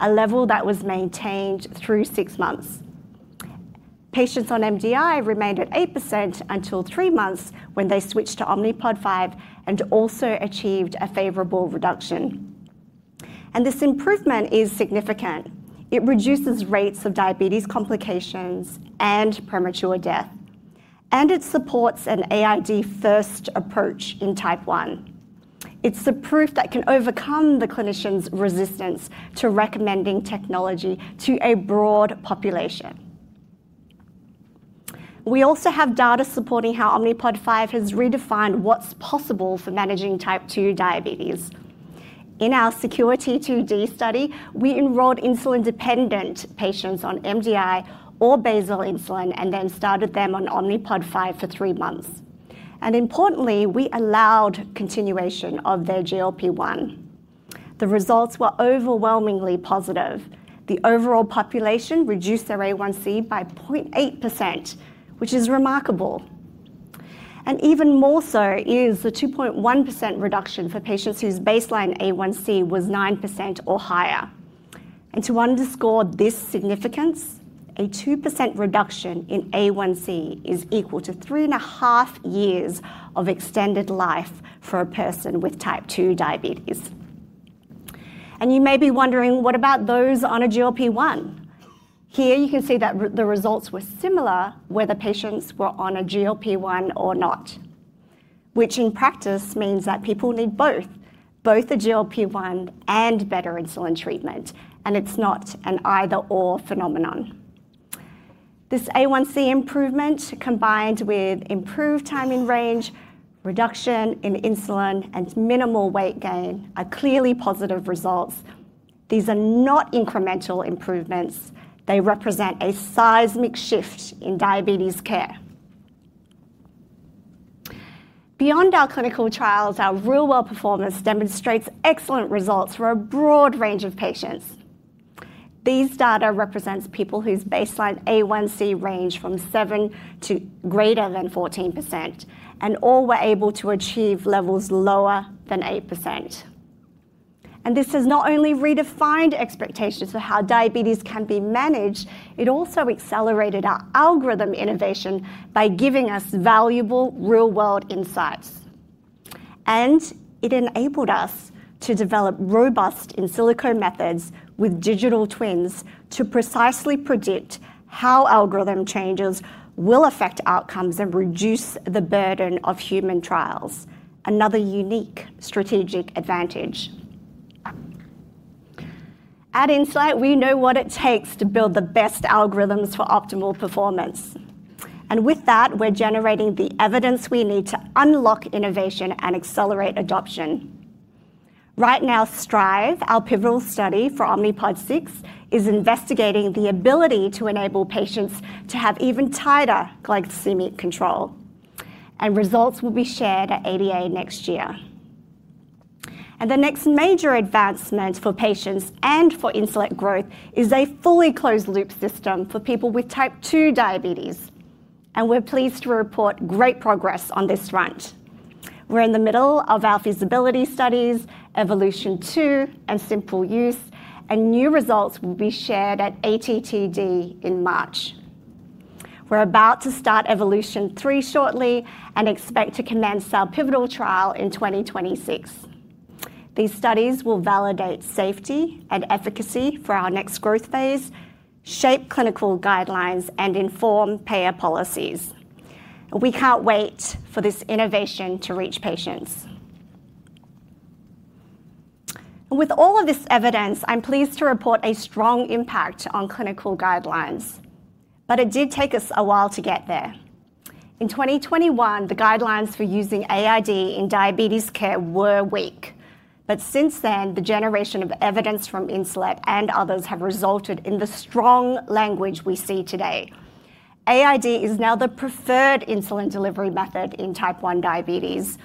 a level that was maintained through six months. Patients on MDI remained at 8% until three months when they switched to Omnipod 5 and also achieved a favorable reduction. This improvement is significant. It reduces rates of diabetes complications and premature death. It supports an AID-first approach in type 1. It is the proof that can overcome the clinician's resistance to recommending technology to a broad population. We also have data supporting how Omnipod 5 has redefined what is possible for managing type 2 diabetes. In our SECURE-T2D study, we enrolled insulin-dependent patients on MDI or basal insulin and then started them on Omnipod 5 for three months. Importantly, we allowed continuation of their GLP-1. The results were overwhelmingly positive. The overall population reduced their A1C by 0.8%, which is remarkable. Even more so is the 2.1% reduction for patients whose baseline A1C was 9% or higher. To underscore this significance, a 2% reduction in A1C is equal to three and a half years of extended life for a person with type 2 diabetes. You may be wondering, what about those on a GLP-1? Here, you can see that the results were similar whether patients were on a GLP-1 or not, which in practice means that people need both, both a GLP-1 and better insulin treatment, and it's not an either/or phenomenon. This A1C improvement, combined with improved time in range, reduction in insulin, and minimal weight gain, are clearly positive results. These are not incremental improvements. They represent a seismic shift in diabetes care. Beyond our clinical trials, our real-world performance demonstrates excellent results for a broad range of patients. These data represent people whose baseline A1C ranged from 7% to greater than 14%, and all were able to achieve levels lower than 8%. This has not only redefined expectations for how diabetes can be managed, it also accelerated our algorithm innovation by giving us valuable real-world insights. It enabled us to develop robust in silico methods with digital twins to precisely predict how algorithm changes will affect outcomes and reduce the burden of human trials, another unique strategic advantage. At Insulet, we know what it takes to build the best algorithms for optimal performance. With that, we're generating the evidence we need to unlock innovation and accelerate adoption. Right now, STRIVE, our pivotal study for Omnipod 6, is investigating the ability to enable patients to have even tighter glycemic control. Results will be shared at ADA next year. The next major advancement for patients and for insulin growth is a fully closed-loop system for people with type 2 diabetes. We're pleased to report great progress on this front. We're in the middle of our feasibility studies, EVOLUTION-2 and simple use, and new results will be shared at ATTD in March. We're about to start EVOLUTION-3 shortly and expect to commence our pivotal trial in 2026. These studies will validate safety and efficacy for our next growth phase, shape clinical guidelines, and inform payer policies. We can't wait for this innovation to reach patients. With all of this evidence, I'm pleased to report a strong impact on clinical guidelines. It did take us a while to get there. In 2021, the guidelines for using AID in diabetes care were weak. Since then, the generation of evidence from Insulet and others has resulted in the strong language we see today. AID is now the preferred insulin delivery method in type 1 diabetes.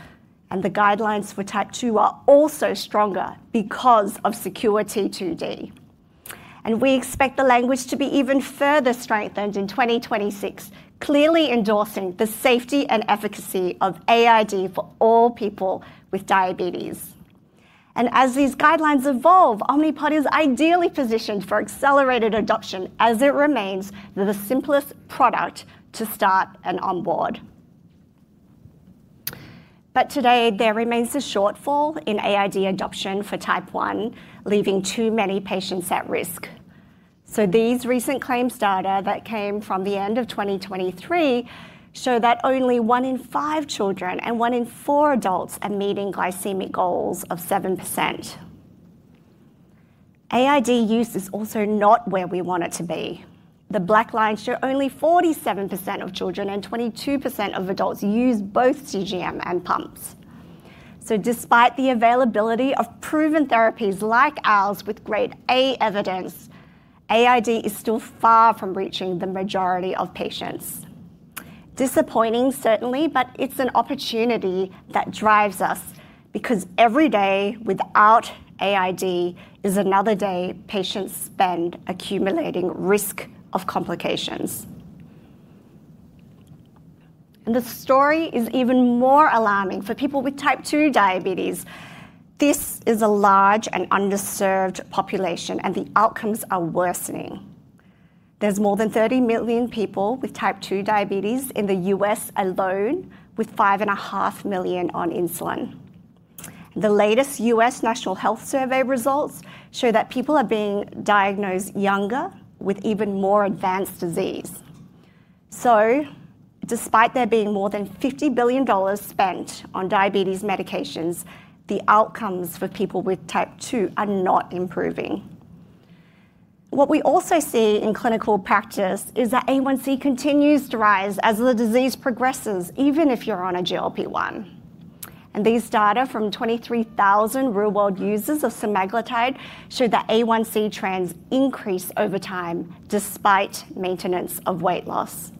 The guidelines for type 2 are also stronger because of SECURE-T2D. We expect the language to be even further strengthened in 2026, clearly endorsing the safety and efficacy of AID for all people with diabetes. As these guidelines evolve, Omnipod is ideally positioned for accelerated adoption as it remains the simplest product to start and onboard. Today, there remains a shortfall in AID adoption for type 1, leaving too many patients at risk. These recent claims data that came from the end of 2023 show that only one in five children and one in four adults are meeting glycemic goals of 7%. AID use is also not where we want it to be. The black lines show only 47% of children and 22% of adults use both CGM and pumps. Despite the availability of proven therapies like ours with grade A evidence, AID is still far from reaching the majority of patients. Disappointing, certainly, but it's an opportunity that drives us because every day without AID is another day patients spend accumulating risk of complications. The story is even more alarming for people with type 2 diabetes. This is a large and underserved population, and the outcomes are worsening. There are more than 30 million people with type 2 diabetes in the U.S. alone, with five and a half million on insulin. The latest U.S. National Health Survey results show that people are being diagnosed younger with even more advanced disease. Despite there being more than $50 billion spent on diabetes medications, the outcomes for people with type 2 are not improving. What we also see in clinical practice is that A1C continues to rise as the disease progresses, even if you're on a GLP-1. These data from 23,000 real-world users of semaglutide show that A1C trends increase over time despite maintenance of weight loss.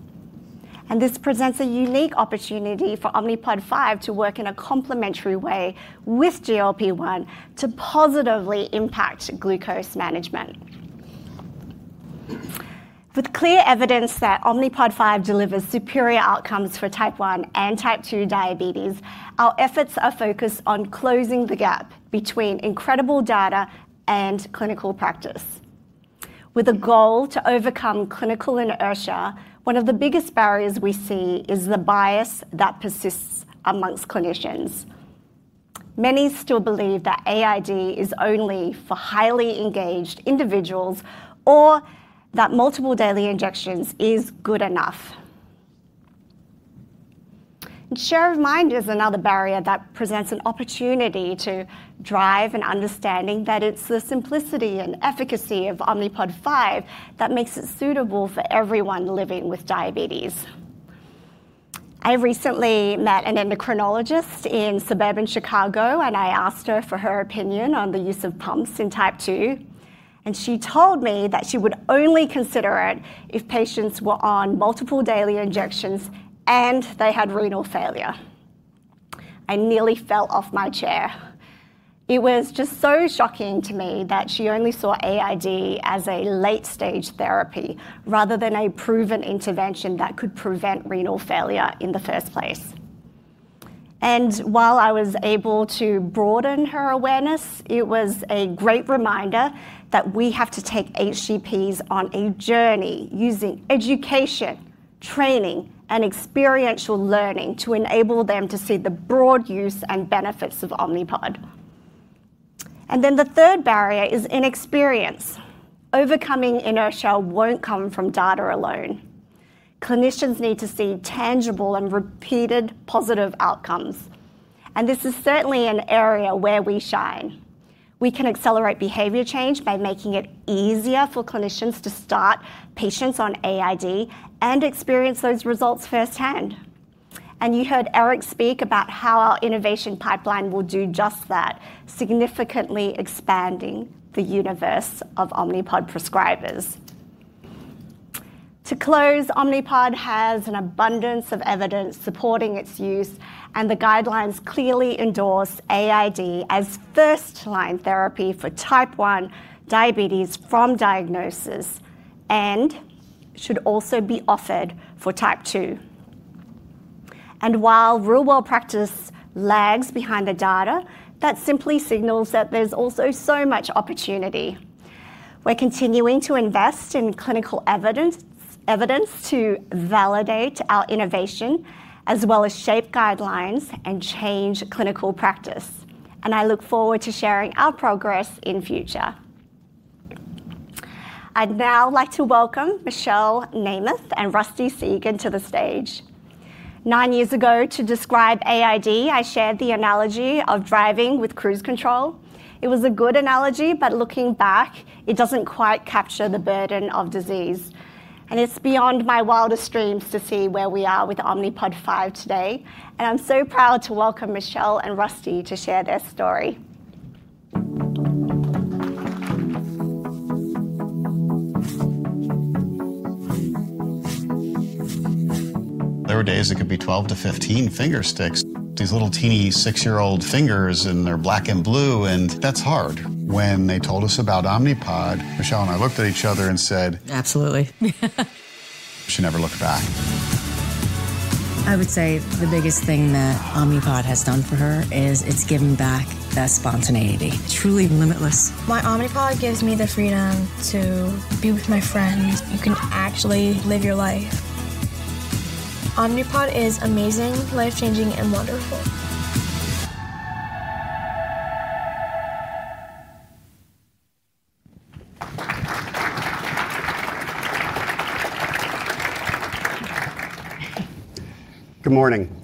This presents a unique opportunity for Omnipod 5 to work in a complementary way with GLP-1 to positively impact glucose management. With clear evidence that Omnipod 5 delivers superior outcomes for type 1 and type 2 diabetes, our efforts are focused on closing the gap between incredible data and clinical practice. With a goal to overcome clinical inertia, one of the biggest barriers we see is the bias that persists amongst clinicians. Many still believe that AID is only for highly engaged individuals or that multiple daily injections is good enough. Share of mind is another barrier that presents an opportunity to drive an understanding that it's the simplicity and efficacy of Omnipod 5 that makes it suitable for everyone living with diabetes. I recently met an endocrinologist in suburban Chicago, and I asked her for her opinion on the use of pumps in type 2. She told me that she would only consider it if patients were on multiple daily injections and they had renal failure. I nearly fell off my chair. It was just so shocking to me that she only saw AID as a late-stage therapy rather than a proven intervention that could prevent renal failure in the first place. While I was able to broaden her awareness, it was a great reminder that we have to take HCPs on a journey using education, training, and experiential learning to enable them to see the broad use and benefits of Omnipod. The third barrier is inexperience. Overcoming inertia will not come from data alone. Clinicians need to see tangible and repeated positive outcomes. This is certainly an area where we shine. We can accelerate behavior change by making it easier for clinicians to start patients on AID and experience those results firsthand. You heard Eric speak about how our innovation pipeline will do just that, significantly expanding the universe of Omnipod prescribers. To close, Omnipod has an abundance of evidence supporting its use, and the guidelines clearly endorse AID as first-line therapy for type 1 diabetes from diagnosis and should also be offered for type 2. While real-world practice lags behind the data, that simply signals that there is also so much opportunity. We are continuing to invest in clinical evidence to validate our innovation as well as shape guidelines and change clinical practice. I look forward to sharing our progress in future. I would now like to welcome Michelle Nameth and Rusty Segan to the stage. Nine years ago, to describe AID, I shared the analogy of driving with cruise control. It was a good analogy, but looking back, it doesn't quite capture the burden of disease. It is beyond my wildest dreams to see where we are with Omnipod 5 today. I am so proud to welcome Michelle and Rusty to share their story. There were days it could be 12-15 finger sticks. These little teeny six-year-old fingers and they're black and blue. That is hard. When they told us about Omnipod, Michelle and I looked at each other and said, "Absolutely." She never looked back. I would say the biggest thing that Omnipod has done for her is it's given back that spontaneity. Truly limitless. My Omnipod gives me the freedom to be with my friends. You can actually live your life. Omnipod is amazing, life-changing, and wonderful. Good morning.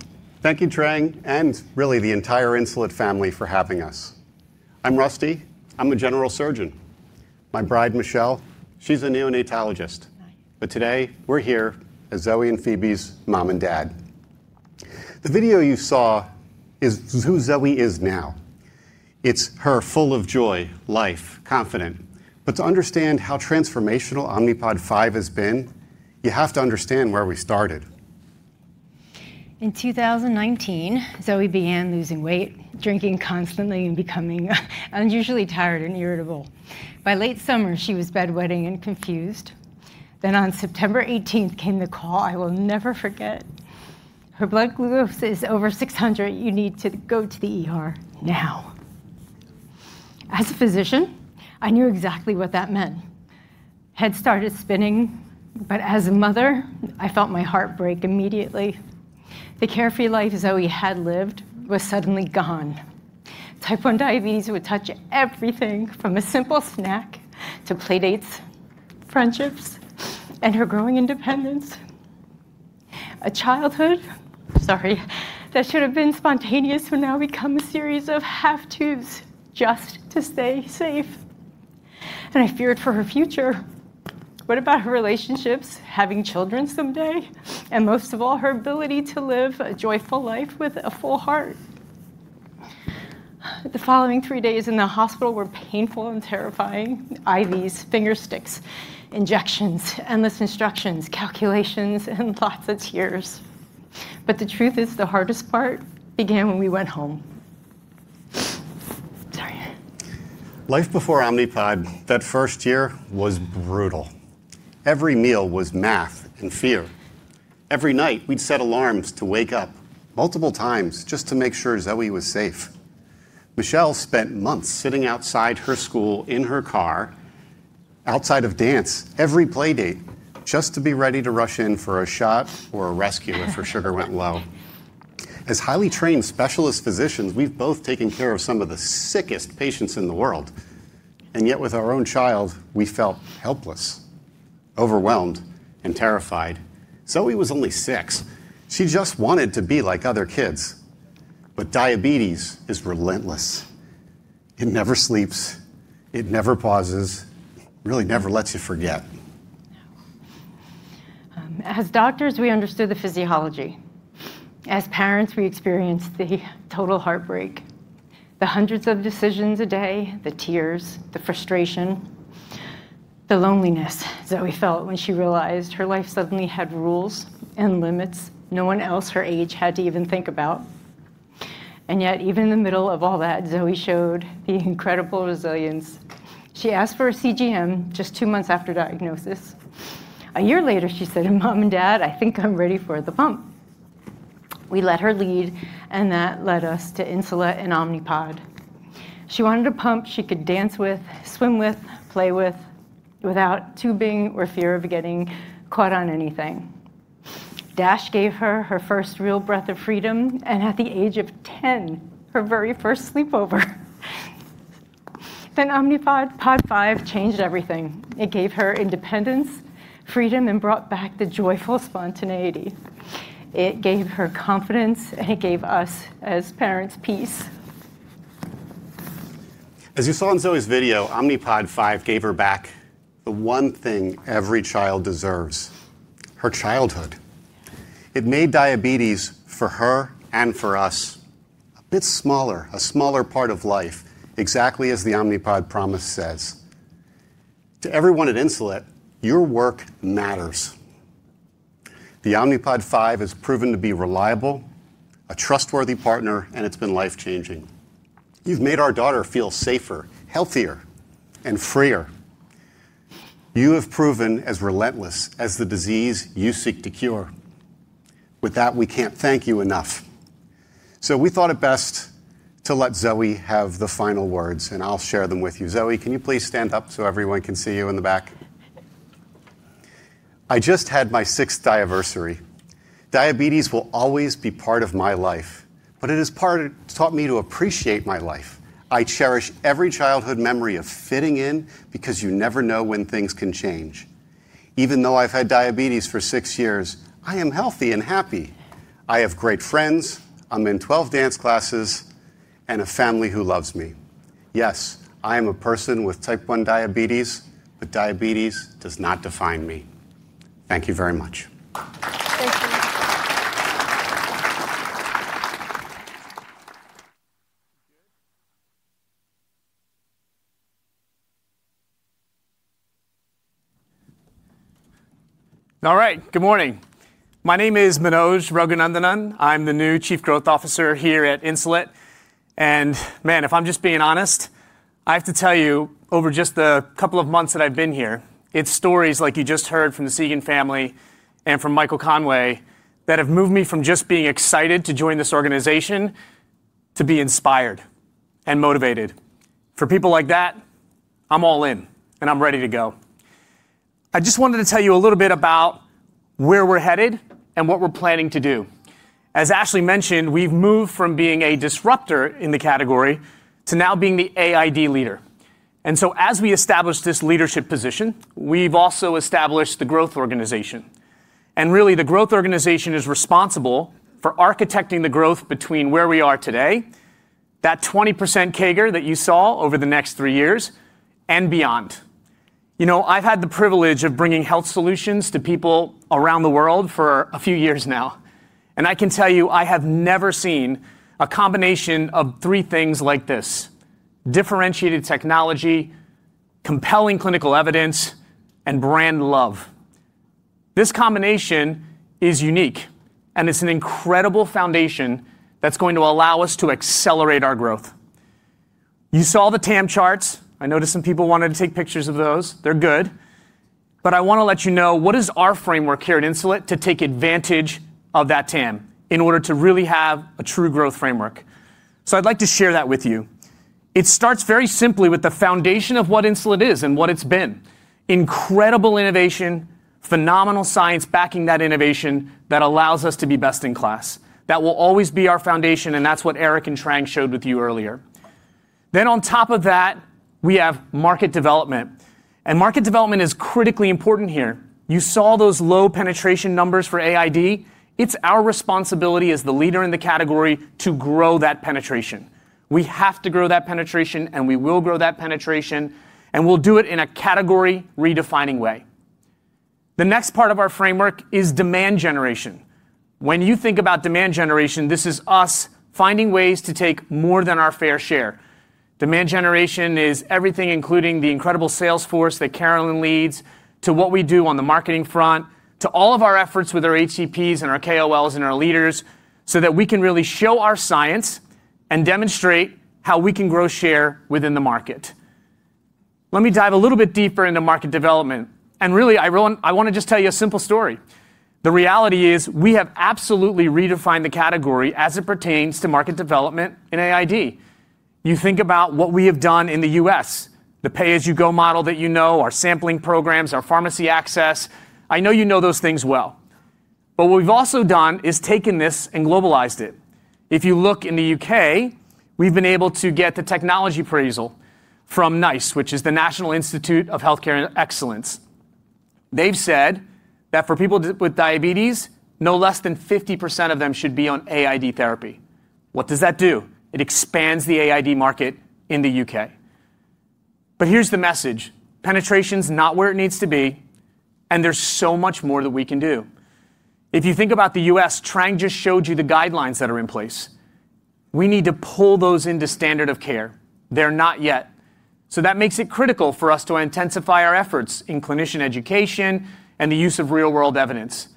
Thank you, Trang, and really the entire Insulet family for having us. I'm Rusty. I'm a general surgeon. My bride, Michelle, she's a neonatologist. Today, we're here as Zoe and Phoebe's mom and dad. The video you saw is who Zoe is now. It's her full of joy, life, confident. To understand how transformational Omnipod 5 has been, you have to understand where we started. In 2019, Zoe began losing weight, drinking constantly, and becoming unusually tired and irritable. By late summer, she was bedwetting and confused. On September 18th came the call I will never forget. Her blood glucose is over 600. You need to go to the now. As a physician, I knew exactly what that meant. Head started spinning, but as a mother, I felt my heart break immediately. The carefree life Zoe had lived was suddenly gone. Type 1 diabetes would touch everything from a simple snack to playdates, friendships, and her growing independence. A childhood, sorry, that should have been spontaneous would now become a series of have-tos just to stay safe. I feared for her future. What about her relationships, having children someday, and most of all, her ability to live a joyful life with a full heart? The following three days in the hospital were painful and terrifying. IVs, finger sticks, injections, endless instructions, calculations, and lots of tears. The truth is, the hardest part began when we went home. Sorry. Life before Omnipod, that first year was brutal. Every meal was math and fear. Every night, we'd set alarms to wake up multiple times just to make sure Zoe was safe. Michelle spent months sitting outside her school in her car, outside of dance, every playdate, just to be ready to rush in for a shot or a rescue if her sugar went low. As highly trained specialist physicians, we have both taken care of some of the sickest patients in the world. Yet, with our own child, we felt helpless, overwhelmed, and terrified. Zoe was only six. She just wanted to be like other kids. Diabetes is relentless. It never sleeps. It never pauses. It really never lets you forget. As doctors, we understood the physiology. As parents, we experienced the total heartbreak, the hundreds of decisions a day, the tears, the frustration, the loneliness Zoe felt when she realized her life suddenly had rules and limits no one else her age had to even think about. Yet, even in the middle of all that, Zoe showed the incredible resilience. She asked for a CGM just two months after diagnosis. A year later, she said, "Mom and Dad, I think I'm ready for the pump." We let her lead, and that led us to Insulet and Omnipod. She wanted a pump she could dance with, swim with, play with without tubing or fear of getting caught on anything. DASH gave her her first real breath of freedom and, at the age of 10, her very first sleepover. Omnipod 5 changed everything. It gave her independence, freedom, and brought back the joyful spontaneity. It gave her confidence, and it gave us as parents peace. As you saw in Zoe's video, Omnipod 5 gave her back the one thing every child deserves: her childhood. It made diabetes for her and for us a bit smaller, a smaller part of life, exactly as the Omnipod promise says. To everyone at Insulet, your work matters. The Omnipod 5 has proven to be reliable, a trustworthy partner, and it's been life-changing. You've made our daughter feel safer, healthier, and freer. You have proven as relentless as the disease you seek to cure. We can't thank you enough. We thought it best to let Zoe have the final words, and I'll share them with you. Zoe, can you please stand up so everyone can see you in the back? I just had my sixth diversity. Diabetes will always be part of my life, but it has taught me to appreciate my life. I cherish every childhood memory of fitting in because you never know when things can change. Even though I've had diabetes for six years, I am healthy and happy. I have great friends. I'm in 12 dance classes and a family who loves me. Yes, I am a person with type 1 diabetes, but diabetes does not define me. Thank you very much. Thank you. All right, good morning. My name is Manoj Raghunandanan. I'm the new Chief Growth Officer here at Insulet. If I'm just being honest, I have to tell you, over just the couple of months that I've been here, it's stories like you just heard from the Segan family and from Michael Conway that have moved me from just being excited to join this organization to be inspired and motivated. For people like that, I'm all in, and I'm ready to go. I just wanted to tell you a little bit about where we're headed and what we're planning to do. As Ashley mentioned, we've moved from being a disruptor in the category to now being the AID leader. As we establish this leadership position, we've also established the growth organization. Really, the growth organization is responsible for architecting the growth between where we are today, that 20% CAGR that you saw over the next three years, and beyond. You know, I've had the privilege of bringing health solutions to people around the world for a few years now. I can tell you, I have never seen a combination of three things like this: differentiated technology, compelling clinical evidence, and brand love. This combination is unique, and it's an incredible foundation that's going to allow us to accelerate our growth. You saw the TAM charts. I noticed some people wanted to take pictures of those. They're good. I want to let you know what is our framework here at Insulet to take advantage of that TAM in order to really have a true growth framework. I'd like to share that with you. It starts very simply with the foundation of what Insulet is and what it's been: incredible innovation, phenomenal science backing that innovation that allows us to be best in class. That will always be our foundation, and that's what Eric and Trang showed with you earlier. On top of that, we have market development. Market development is critically important here. You saw those low penetration numbers for AID. It's our responsibility as the leader in the category to grow that penetration. We have to grow that penetration, and we will grow that penetration, and we'll do it in a category-redefining way. The next part of our framework is demand generation. When you think about demand generation, this is us finding ways to take more than our fair share. Demand generation is everything, including the incredible sales force that Carolyn leads, to what we do on the marketing front, to all of our efforts with our HCPs and our KOLs and our leaders so that we can really show our science and demonstrate how we can grow share within the market. Let me dive a little bit deeper into market development. I want to just tell you a simple story. The reality is we have absolutely redefined the category as it pertains to market development in AID. You think about what we have done in the U.S.: the pay-as-you-go model that you know, our sampling programs, our pharmacy access. I know you know those things well. What we have also done is taken this and globalized it. If you look in the U.K., we have been able to get the technology appraisal from NICE, which is the National Institute of Healthcare Excellence. They have said that for people with diabetes, no less than 50% of them should be on AID therapy. What does that do? It expands the AID market in the U.K. Here is the message: penetration is not where it needs to be, and there is so much more that we can do. If you think about the U.S., Trang just showed you the guidelines that are in place. We need to pull those into standard of care. They are not yet. That makes it critical for us to intensify our efforts in clinician education and the use of real-world evidence.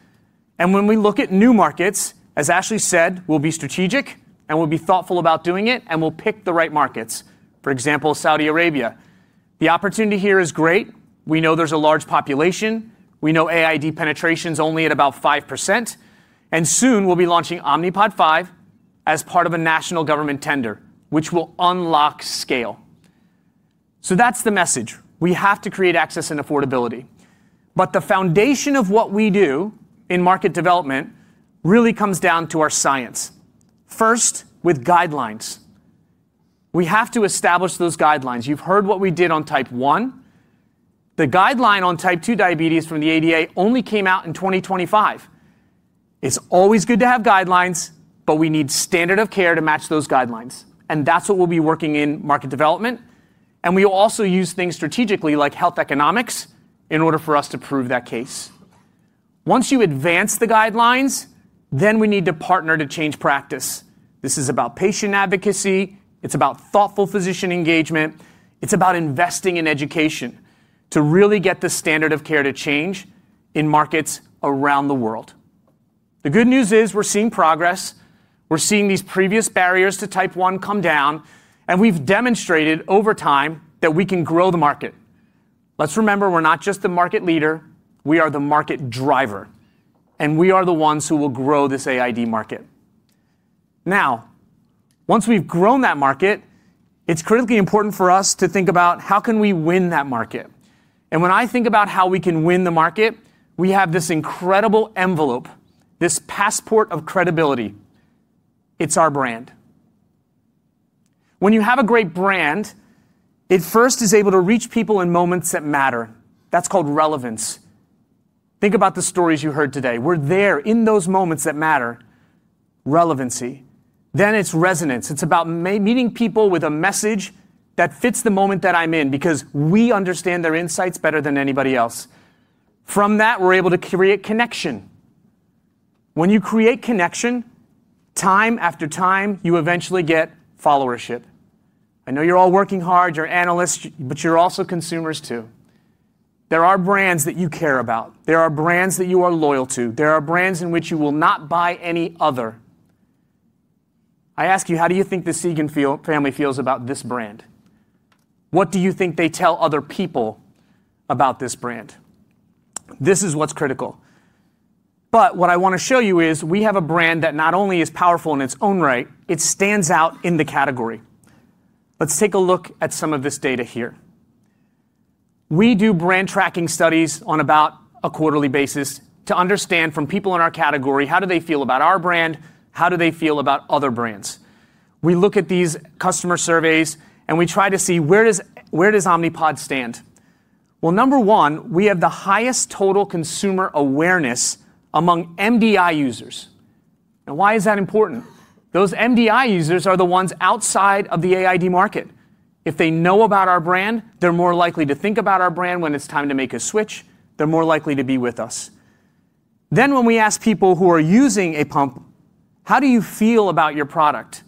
When we look at new markets, as Ashley said, we'll be strategic, and we'll be thoughtful about doing it, and we'll pick the right markets. For example, Saudi Arabia. The opportunity here is great. We know there's a large population. We know AID penetration's only at about 5%. Soon, we'll be launching Omnipod 5 as part of a national government tender, which will unlock scale. That's the message. We have to create access and affordability. The foundation of what we do in market development really comes down to our science, first with guidelines. We have to establish those guidelines. You've heard what we did on type 1. The guideline on type 2 diabetes from the ADA only came out in 2025. It's always good to have guidelines, but we need standard of care to match those guidelines. That's what we'll be working in market development. We'll also use things strategically like health economics in order for us to prove that case. Once you advance the guidelines, we need to partner to change practice. This is about patient advocacy. It's about thoughtful physician engagement. It's about investing in education to really get the standard of care to change in markets around the world. The good news is we're seeing progress. We're seeing these previous barriers to type 1 come down, and we've demonstrated over time that we can grow the market. Let's remember, we're not just the market leader. We are the market driver. We are the ones who will grow this AID market. Now, once we've grown that market, it's critically important for us to think about how can we win that market. When I think about how we can win the market, we have this incredible envelope, this passport of credibility. It's our brand. When you have a great brand, it first is able to reach people in moments that matter. That's called relevance. Think about the stories you heard today. We're there in those moments that matter: relevancy. It is resonance. It's about meeting people with a message that fits the moment that I'm in because we understand their insights better than anybody else. From that, we're able to create connection. When you create connection, time after time, you eventually get followership. I know you're all working hard. You're analysts, but you're also consumers, too. There are brands that you care about. There are brands that you are loyal to. There are brands in which you will not buy any other. I ask you, how do you think the Segan family feels about this brand? What do you think they tell other people about this brand? This is what is critical. What I want to show you is we have a brand that not only is powerful in its own right, it stands out in the category. Let's take a look at some of this data here. We do brand tracking studies on about a quarterly basis to understand from people in our category how do they feel about our brand, how do they feel about other brands. We look at these customer surveys, and we try to see where does Omnipod stand. Number one, we have the highest total consumer awareness among MDI users. Why is that important? Those MDI users are the ones outside of the AID market. If they know about our brand, they're more likely to think about our brand when it's time to make a switch. They're more likely to be with us. When we ask people who are using a pump, how do you feel about your product?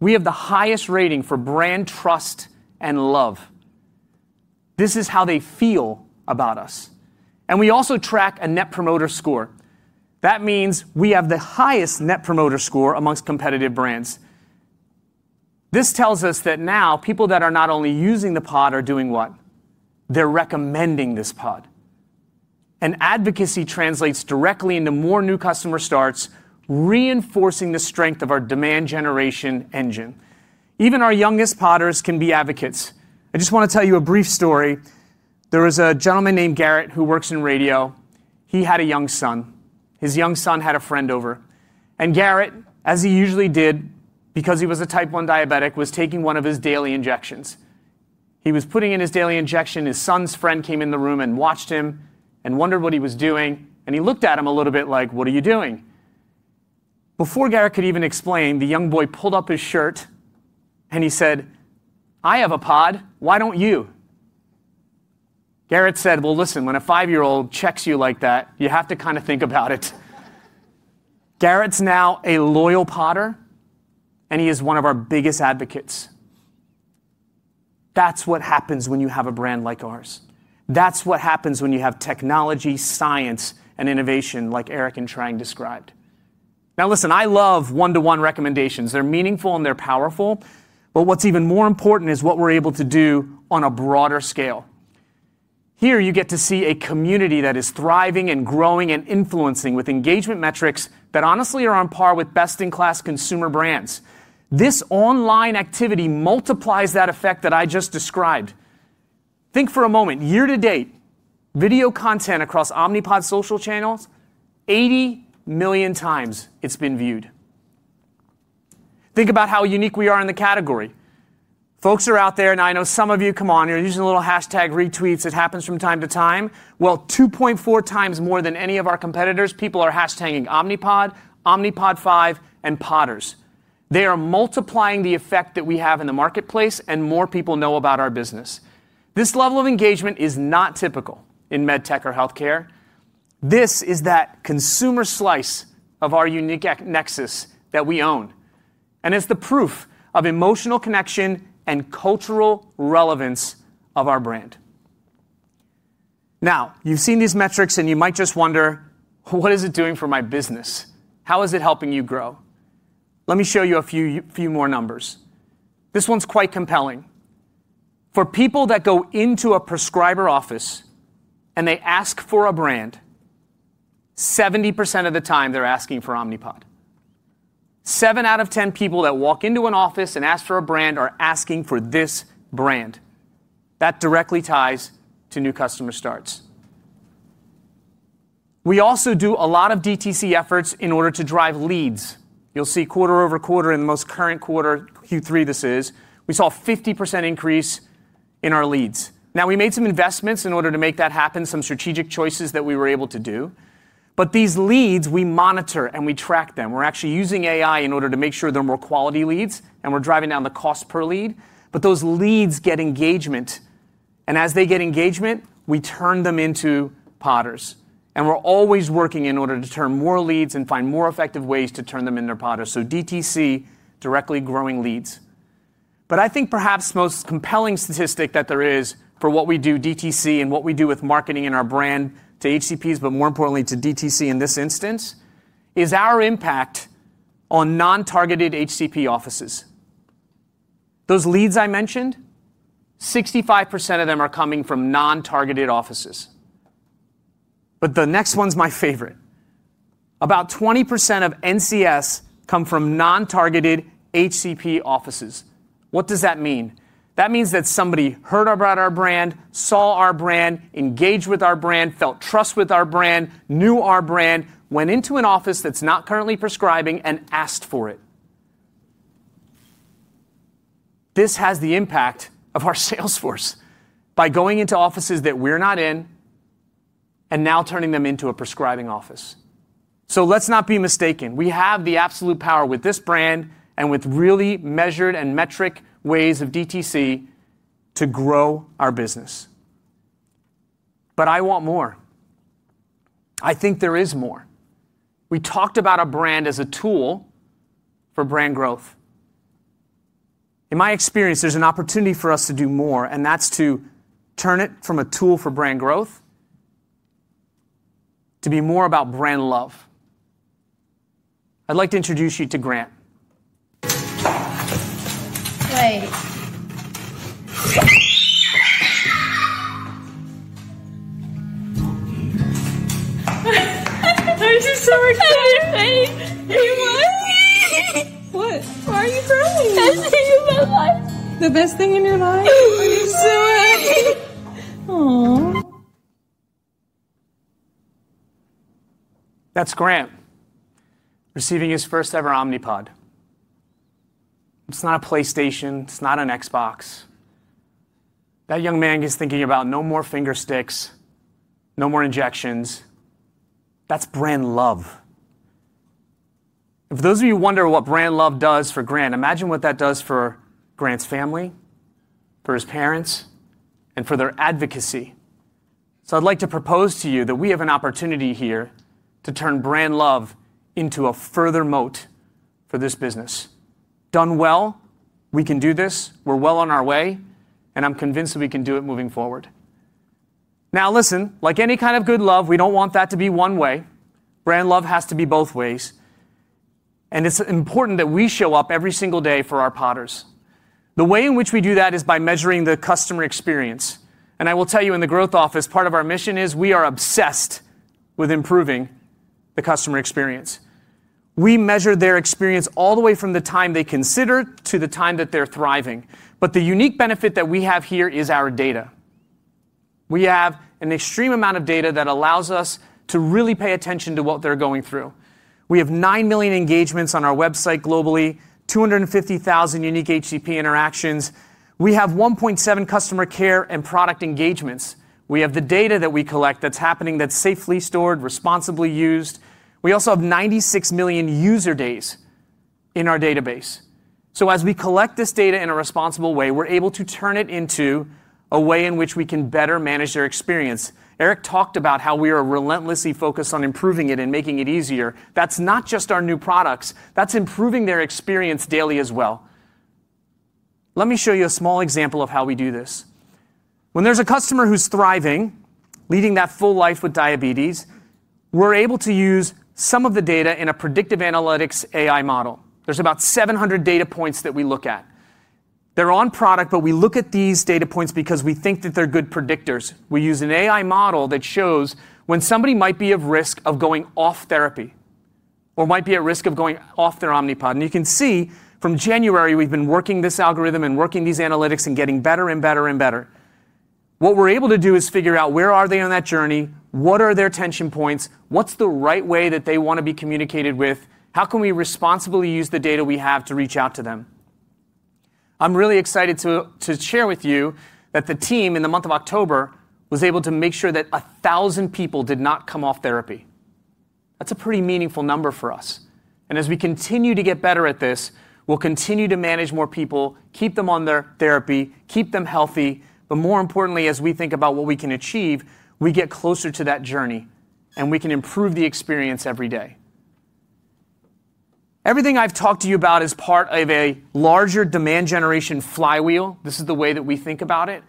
We have the highest rating for brand trust and love. This is how they feel about us. We also track a net promoter score. That means we have the highest net promoter score amongst competitive brands. This tells us that now people that are not only using the pod are doing what? They're recommending this pod. Advocacy translates directly into more new customer starts, reinforcing the strength of our demand generation engine. Even our youngest Podders can be advocates. I just want to tell you a brief story. There was a gentleman named Garrett who works in radio. He had a young son. His young son had a friend over. Garrett, as he usually did because he was a type 1 diabetic, was taking one of his daily injections. He was putting in his daily injection. His son's friend came in the room and watched him and wondered what he was doing. He looked at him a little bit like, "What are you doing?" Before Garrett could even explain, the young boy pulled up his shirt and he said, "I have a pod. Why don't you?" Garrett said, "Listen, when a five-year-old checks you like that, you have to kind of think about it." Garrett's now a loyal Podder, and he is one of our biggest advocates. That's what happens when you have a brand like ours. That's what happens when you have technology, science, and innovation like Eric and Trang described. Now, listen, I love one-to-one recommendations. They're meaningful and they're powerful. What is even more important is what we're able to do on a broader scale. Here, you get to see a community that is thriving and growing and influencing with engagement metrics that honestly are on par with best-in-class consumer brands. This online activity multiplies that effect that I just described. Think for a moment. Year to date, video content across Omnipod social channels, 80 million times it's been viewed. Think about how unique we are in the category. Folks are out there, and I know some of you, come on, you're using a little hashtag retweets. It happens from time to time. 2.4 times more than any of our competitors, people are hashtagging Omnipod, Omnipod 5, and Podders. They are multiplying the effect that we have in the marketplace, and more people know about our business. This level of engagement is not typical in med tech or healthcare. This is that consumer slice of our unique nexus that we own. It is the proof of emotional connection and cultural relevance of our brand. Now, you have seen these metrics, and you might just wonder, "What is it doing for my business? How is it helping you grow?" Let me show you a few more numbers. This one is quite compelling. For people that go into a prescriber office and they ask for a brand, 70% of the time they are asking for Omnipod. Seven out of ten people that walk into an office and ask for a brand are asking for this brand. That directly ties to new customer starts. We also do a lot of DTC efforts in order to drive leads. You'll see quarter over quarter in the most current quarter, Q3 this is, we saw a 50% increase in our leads. Now, we made some investments in order to make that happen, some strategic choices that we were able to do. These leads, we monitor and we track them. We're actually using AI in order to make sure they're more quality leads, and we're driving down the cost per lead. Those leads get engagement. As they get engagement, we turn them into Podders. We're always working in order to turn more leads and find more effective ways to turn them into Podders. DTC, directly growing leads. I think perhaps the most compelling statistic that there is for what we do DTC and what we do with marketing and our brand to HCPs, but more importantly to DTC in this instance, is our impact on non-targeted HCP offices. Those leads I mentioned, 65% of them are coming from non-targeted offices. The next one's my favorite. About 20% of NCS come from non-targeted HCP offices. What does that mean? That means that somebody heard about our brand, saw our brand, engaged with our brand, felt trust with our brand, knew our brand, went into an office that's not currently prescribing, and asked for it. This has the impact of our sales force by going into offices that we're not in and now turning them into a prescribing office. Let's not be mistaken. We have the absolute power with this brand and with really measured and metric ways of DTC to grow our business. I want more. I think there is more. We talked about a brand as a tool for brand growth. In my experience, there's an opportunity for us to do more, and that's to turn it from a tool for brand growth to be more about brand love. I'd like to introduce you to Grant. I'm so excited. Hey, babe. Hey, babe. What? Why are you crying? That's the thing in my life. The best thing in your life? I'm so happy. Aw. That's Grant, receiving his first ever Omnipod. It's not a PlayStation. It's not an Xbox. That young man is thinking about no more finger sticks, no more injections. That's brand love. For those of you who wonder what brand love does for Grant, imagine what that does for Grant's family, for his parents, and for their advocacy. I would like to propose to you that we have an opportunity here to turn brand love into a further moat for this business. Done well, we can do this. We're well on our way, and I'm convinced that we can do it moving forward. Now, listen, like any kind of good love, we don't want that to be one way. Brand love has to be both ways. It is important that we show up every single day for our Podders. The way in which we do that is by measuring the customer experience. I will tell you, in the growth office, part of our mission is we are obsessed with improving the customer experience. We measure their experience all the way from the time they consider to the time that they're thriving. The unique benefit that we have here is our data. We have an extreme amount of data that allows us to really pay attention to what they're going through. We have 9 million engagements on our website globally, 250,000 unique HCP interactions. We have 1.7 million customer care and product engagements. We have the data that we collect that's happening that's safely stored, responsibly used. We also have 96 million user days in our database. As we collect this data in a responsible way, we're able to turn it into a way in which we can better manage their experience. Eric talked about how we are relentlessly focused on improving it and making it easier. That's not just our new products. That's improving their experience daily as well. Let me show you a small example of how we do this. When there's a customer who's thriving, leading that full life with diabetes, we're able to use some of the data in a predictive analytics AI model. There's about 700 data points that we look at. They're on product, but we look at these data points because we think that they're good predictors. We use an AI model that shows when somebody might be at risk of going off therapy or might be at risk of going off their Omnipod. You can see from January, we've been working this algorithm and working these analytics and getting better and better and better. What we're able to do is figure out where are they on that journey, what are their tension points, what's the right way that they want to be communicated with, how can we responsibly use the data we have to reach out to them. I'm really excited to share with you that the team in the month of October was able to make sure that 1,000 people did not come off therapy. That's a pretty meaningful number for us. As we continue to get better at this, we'll continue to manage more people, keep them on their therapy, keep them healthy. More importantly, as we think about what we can achieve, we get closer to that journey, and we can improve the experience every day. Everything I've talked to you about is part of a larger demand generation flywheel. This is the way that we think about it.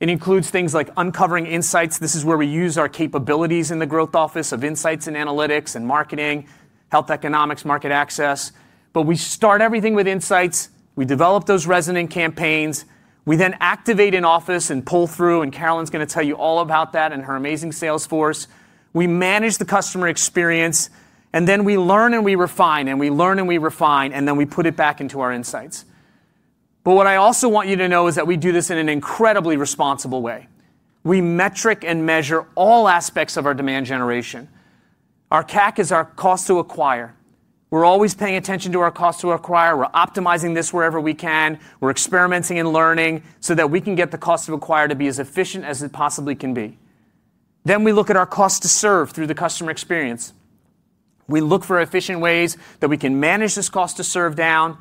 It includes things like uncovering insights. This is where we use our capabilities in the growth office of insights and analytics and marketing, health economics, market access. We start everything with insights. We develop those resident campaigns. We then activate in office and pull through, and Carolyn's going to tell you all about that and her amazing sales force. We manage the customer experience, and then we learn and we refine, and we learn and we refine, and then we put it back into our insights. What I also want you to know is that we do this in an incredibly responsible way. We metric and measure all aspects of our demand generation. Our CAC is our cost to acquire. We're always paying attention to our cost to acquire. We're optimizing this wherever we can. We're experimenting and learning so that we can get the cost to acquire to be as efficient as it possibly can be. We look at our cost to serve through the customer experience. We look for efficient ways that we can manage this cost to serve down.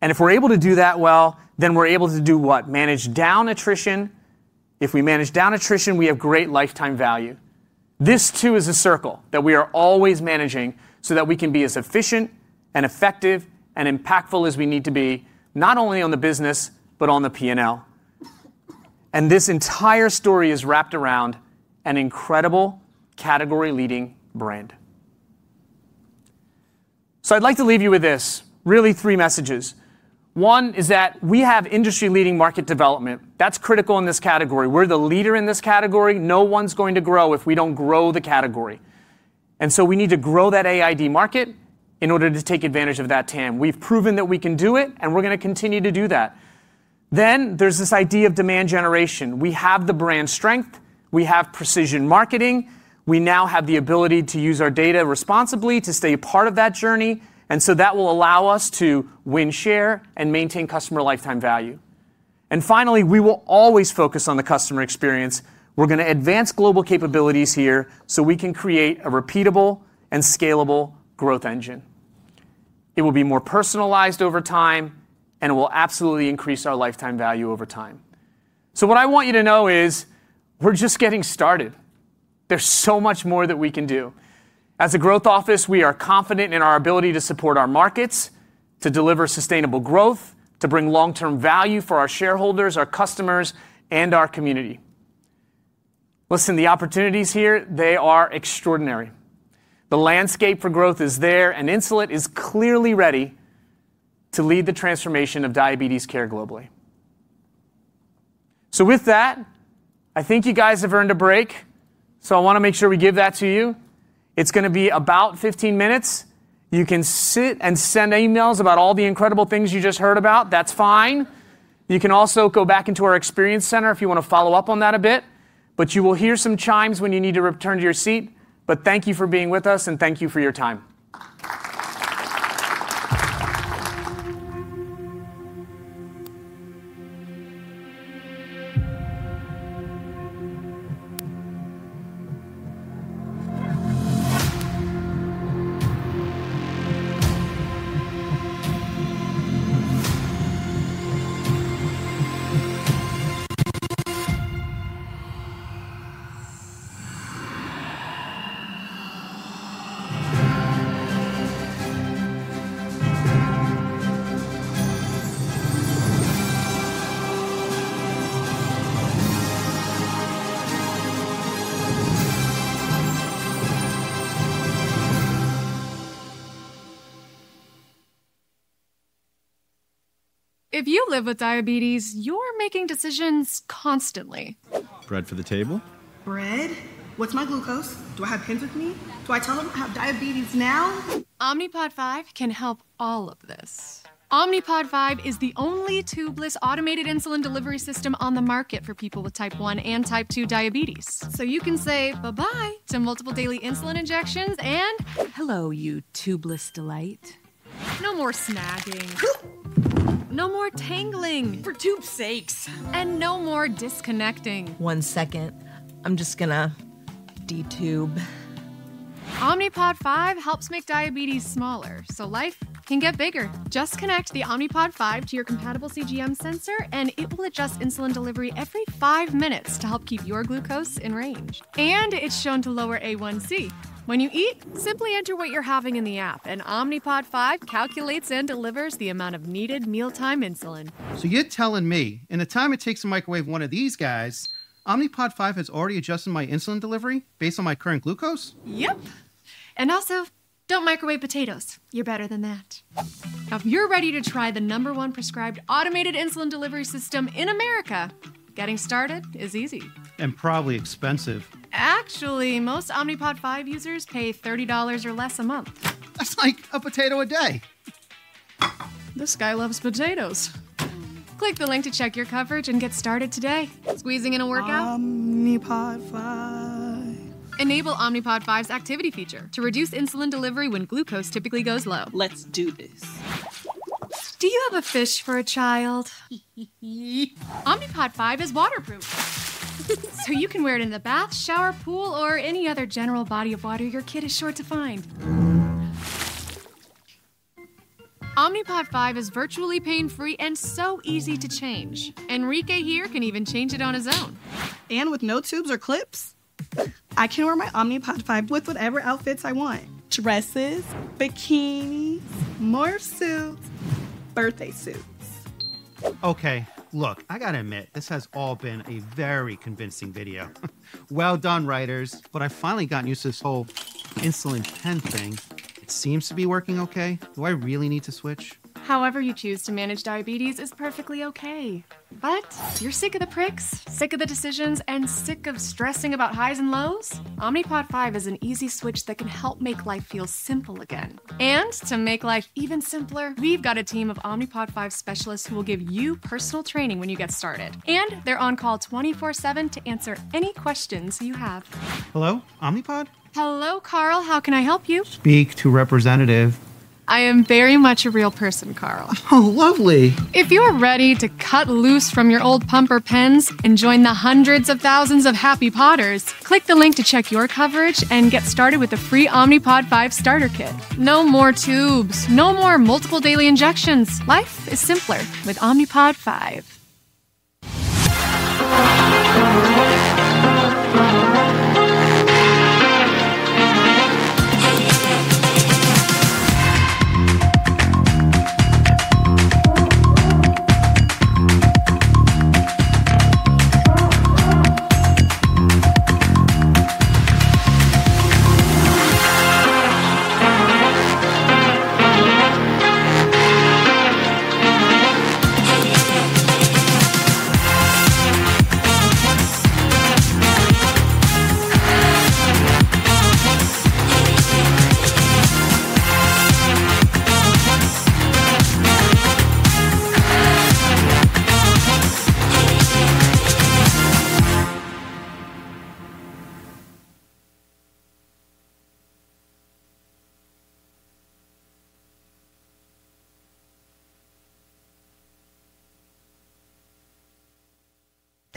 If we're able to do that well, we're able to do what? Manage down attrition. If we manage down attrition, we have great lifetime value. This too is a circle that we are always managing so that we can be as efficient and effective and impactful as we need to be, not only on the business, but on the P&L. This entire story is wrapped around an incredible category-leading brand. I'd like to leave you with this, really three messages. One is that we have industry-leading market development. That is critical in this category. We are the leader in this category. No one is going to grow if we do not grow the category. We need to grow that AID market in order to take advantage of that TAM. We have proven that we can do it, and we are going to continue to do that. There is this idea of demand generation. We have the brand strength. We have precision marketing. We now have the ability to use our data responsibly to stay a part of that journey. That will allow us to win share and maintain customer lifetime value. Finally, we will always focus on the customer experience. We are going to advance global capabilities here so we can create a repeatable and scalable growth engine. It will be more personalized over time, and it will absolutely increase our lifetime value over time. What I want you to know is we're just getting started. There's so much more that we can do. As a growth office, we are confident in our ability to support our markets, to deliver sustainable growth, to bring long-term value for our shareholders, our customers, and our community. Listen, the opportunities here, they are extraordinary. The landscape for growth is there, and Insulet is clearly ready to lead the transformation of diabetes care globally. With that, I think you guys have earned a break, so I want to make sure we give that to you. It's going to be about 15 minutes. You can sit and send emails about all the incredible things you just heard about. That's fine. You can also go back into our experience center if you want to follow up on that a bit. You will hear some chimes when you need to return to your seat. Thank you for being with us, and thank you for your time. If you live with diabetes, you're making decisions constantly. Bread for the table? Bread? What's my glucose? Do I have kids with me? Do I tell them I have diabetes now? Omnipod 5 can help all of this. Omnipod 5 is the only tubeless automated insulin delivery system on the market for people with type 1 and type 2 diabetes. You can say bye-bye to multiple daily insulin injections and hello, you tubeless delight. No more snagging. No more tangling. For tube's sakes. No more disconnecting. One second. I'm just going to detube. Omnipod 5 helps make diabetes smaller so life can get bigger. Just connect the Omnipod 5 to your compatible CGM sensor, and it will adjust insulin delivery every five minutes to help keep your glucose in range. It's shown to lower A1C. When you eat, simply enter what you're having in the app, and Omnipod 5 calculates and delivers the amount of needed mealtime insulin. You're telling me in the time it takes to microwave one of these guys, Omnipod 5 has already adjusted my insulin delivery based on my current glucose? Yep. Also, don't microwave potatoes. You're better than that. Now, if you're ready to try the number one prescribed automated insulin delivery system in America, getting started is easy. Probably expensive. Actually, most Omnipod 5 users pay $30 or less a month. That's like a potato a day. This guy loves potatoes. Click the link to check your coverage and get started today. Squeezing in a workout? Omnipod 5. Enable Omnipod 5's activity feature to reduce insulin delivery when glucose typically goes low. Let's do this. Do you have a fish for a child? Hehehe. Omnipod 5 is waterproof. You can wear it in the bath, shower, pool, or any other general body of water your kid is sure to find. Omnipod 5 is virtually pain-free and so easy to change. Enrique here can even change it on his own. With no tubes or clips, I can wear my Omnipod 5 with whatever outfits I want: dresses, bikinis, more suits, birthday suits. Okay, look, I got to admit, this has all been a very convincing video. Well done, writers. I finally gotten used to this whole insulin pen thing. It seems to be working okay. Do I really need to switch? However you choose to manage diabetes is perfectly okay. If you're sick of the pricks, sick of the decisions, and sick of stressing about highs and lows, Omnipod 5 is an easy switch that can help make life feel simple again. To make life even simpler, we've got a team of Omnipod 5 specialists who will give you personal training when you get started. They're on call 24/7 to answer any questions you have. Hello, Omnipod? Hello, Carl. How can I help you? Speak to representative. I am very much a real person, Carl. Oh, lovely. If you are ready to cut loose from your old pump or pens and join the hundreds of thousands of happy Podders, click the link to check your coverage and get started with the free Omnipod 5 starter kit. No more tubes. No more multiple daily injections. Life is simpler with Omnipod 5.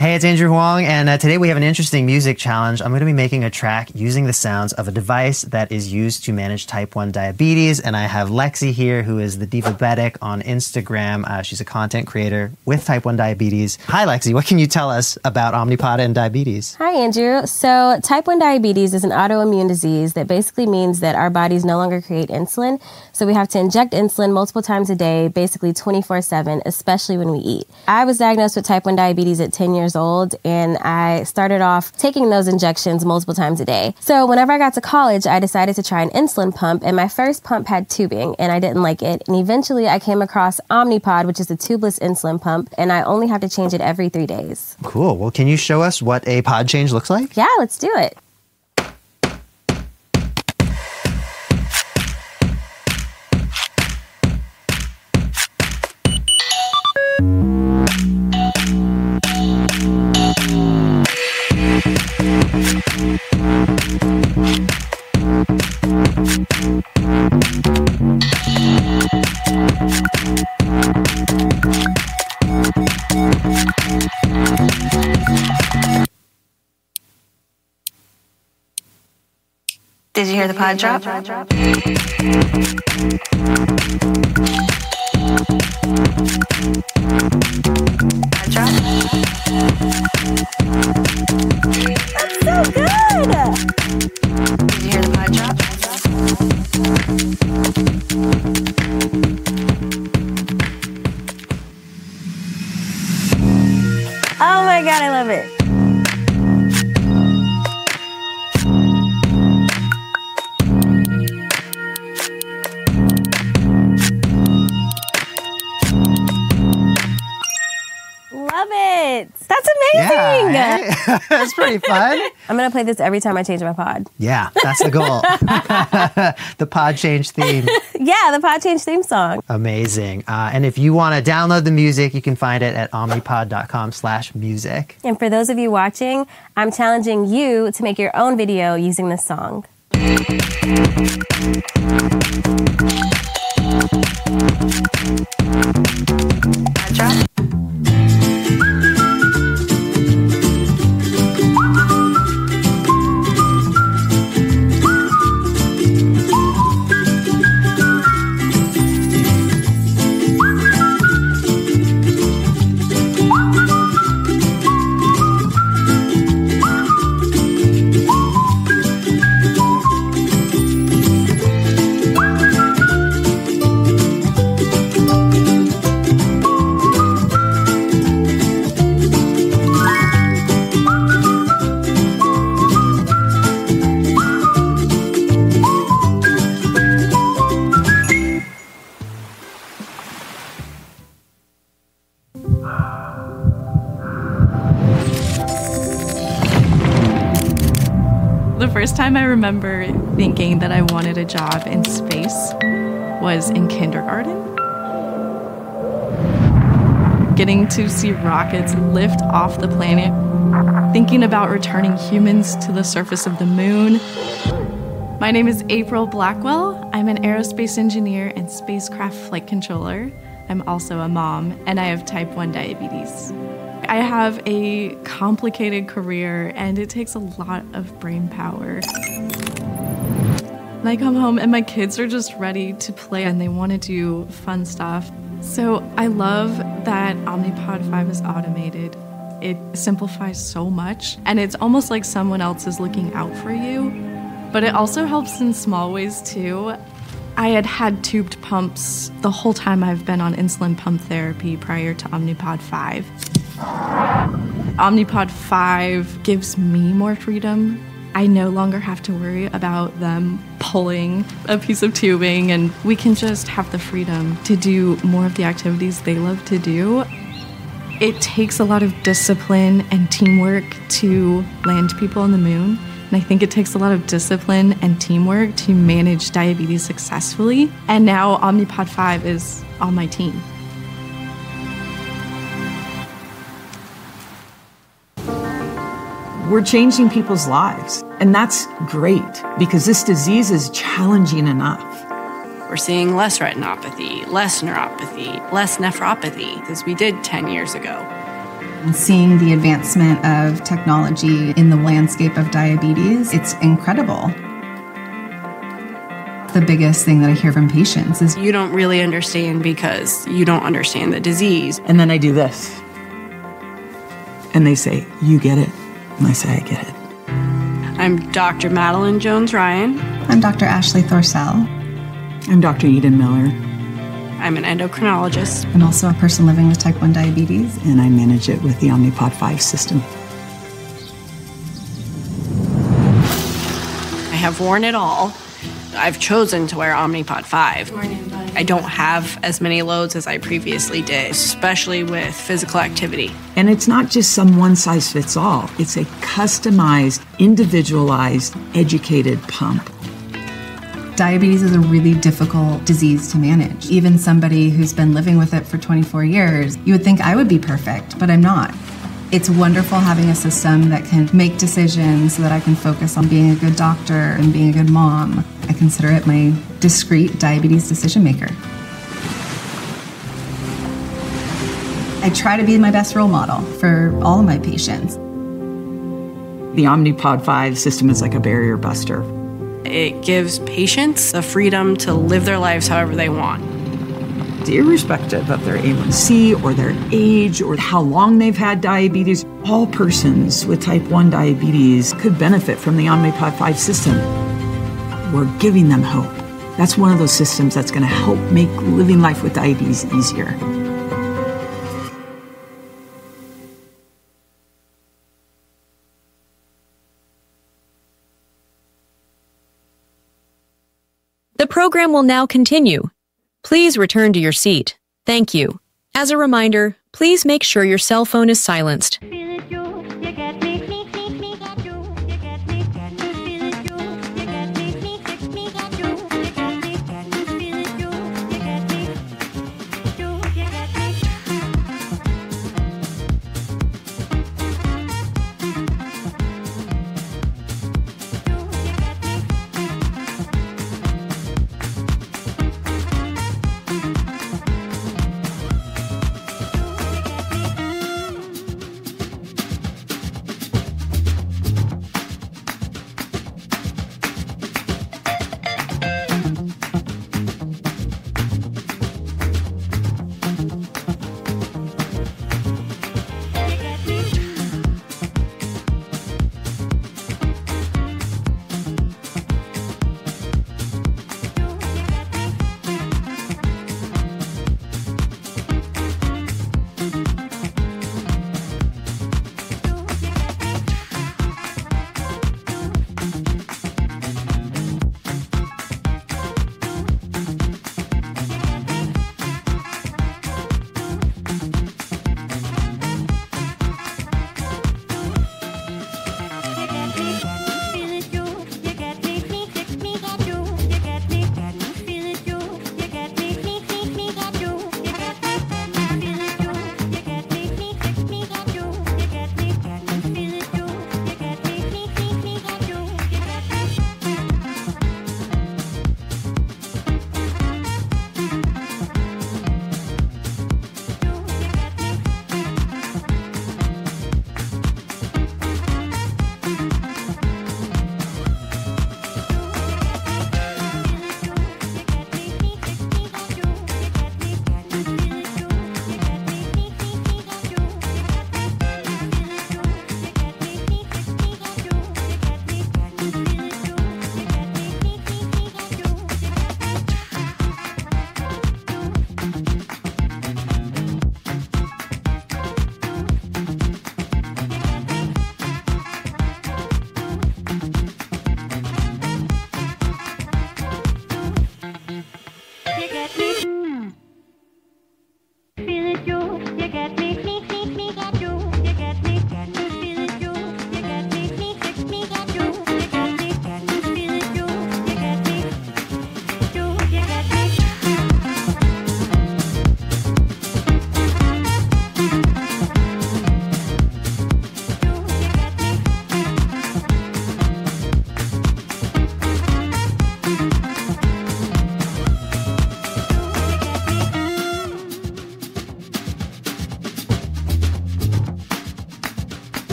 Hey, it's Andrew Huang. Today we have an interesting music challenge. I'm going to be making a track using the sounds of a device that is used to manage type 1 diabetes. I have Lexi here, who is the Diabetic on Instagram. She's a content creator with type 1 diabetes. Hi, Lexi. What can you tell us about Omnipod and diabetes? Hi, Andrew. Type 1 diabetes is an autoimmune disease that basically means that our bodies no longer create insulin. We have to inject insulin multiple times a day, basically 24/7, especially when we eat. I was diagnosed with type 1 diabetes at 10 years old, and I started off taking those injections multiple times a day. Whenever I got to college, I decided to try an insulin pump, and my first pump had tubing, and I did not like it. Eventually, I came across Omnipod, which is a tubeless insulin pump, and I only have to change it every three days. Cool. Can you show us what a pod change looks like? Yeah, let's do it. Did you hear the pod drop? That's so good. Did you hear the pod drop? Oh, my God, I love it. Love it. That's amazing. That's pretty fun. I'm going to play this every time I change my pod. Yeah, that's the goal. The pod change theme. Yeah, the pod change theme song. Amazing. If you want to download the music, you can find it at omnipod.com/music. For those of you watching, I'm challenging you to make your own video using this song. The first time I remember thinking that I wanted a job in space was in kindergarten. Getting to see rockets lift off the planet, thinking about returning humans to the surface of the moon. My name is April Blackwell. I'm an aerospace engineer and spacecraft flight controller. I'm also a mom, and I have type 1 diabetes. I have a complicated career, and it takes a lot of brain power. When I come home, my kids are just ready to play, and they want to do fun stuff. I love that Omnipod 5 is automated. It simplifies so much, and it's almost like someone else is looking out for you. It also helps in small ways, too. I had had tubed pumps the whole time I've been on insulin pump therapy prior to Omnipod 5. Omnipod 5 gives me more freedom. I no longer have to worry about them pulling a piece of tubing, and we can just have the freedom to do more of the activities they love to do. It takes a lot of discipline and teamwork to land people on the moon. I think it takes a lot of discipline and teamwork to manage diabetes successfully. Now Omnipod 5 is on my team. We're changing people's lives, and that's great because this disease is challenging enough. We're seeing less retinopathy, less neuropathy, less nephropathy as we did 10 years ago. Seeing the advancement of technology in the landscape of diabetes, it's incredible. The biggest thing that I hear from patients is, "You don't really understand because you don't understand the disease. I do this. They say, "You get it?" I say, "I get it. I'm Dr. Madeline Jones Ryan. I'm Dr. Ashley Thorzell. I'm Dr. Eden Miller. I'm an endocrinologist. I am also a person living with type 1 diabetes. I manage it with the Omnipod 5 system. I have worn it all. I've chosen to wear Omnipod 5. I don't have as many lows as I previously did, especially with physical activity. It is not just some one-size-fits-all. It is a customized, individualized, educated pump. Diabetes is a really difficult disease to manage. Even somebody who has been living with it for 24 years, you would think I would be perfect, but I am not. It is wonderful having a system that can make decisions so that I can focus on being a good doctor and being a good mom. I consider it my discreet diabetes decision maker. I try to be my best role model for all of my patients. The Omnipod 5 system is like a barrier buster. It gives patients the freedom to live their lives however they want. Irrespective of their A1C or their age or how long they've had diabetes, all persons with type 1 diabetes could benefit from the Omnipod 5 system. We're giving them hope. That's one of those systems that's going to help make living life with diabetes easier. The program will now continue. Please return to your seat. Thank you. As a reminder, please make sure your cell phone is silenced.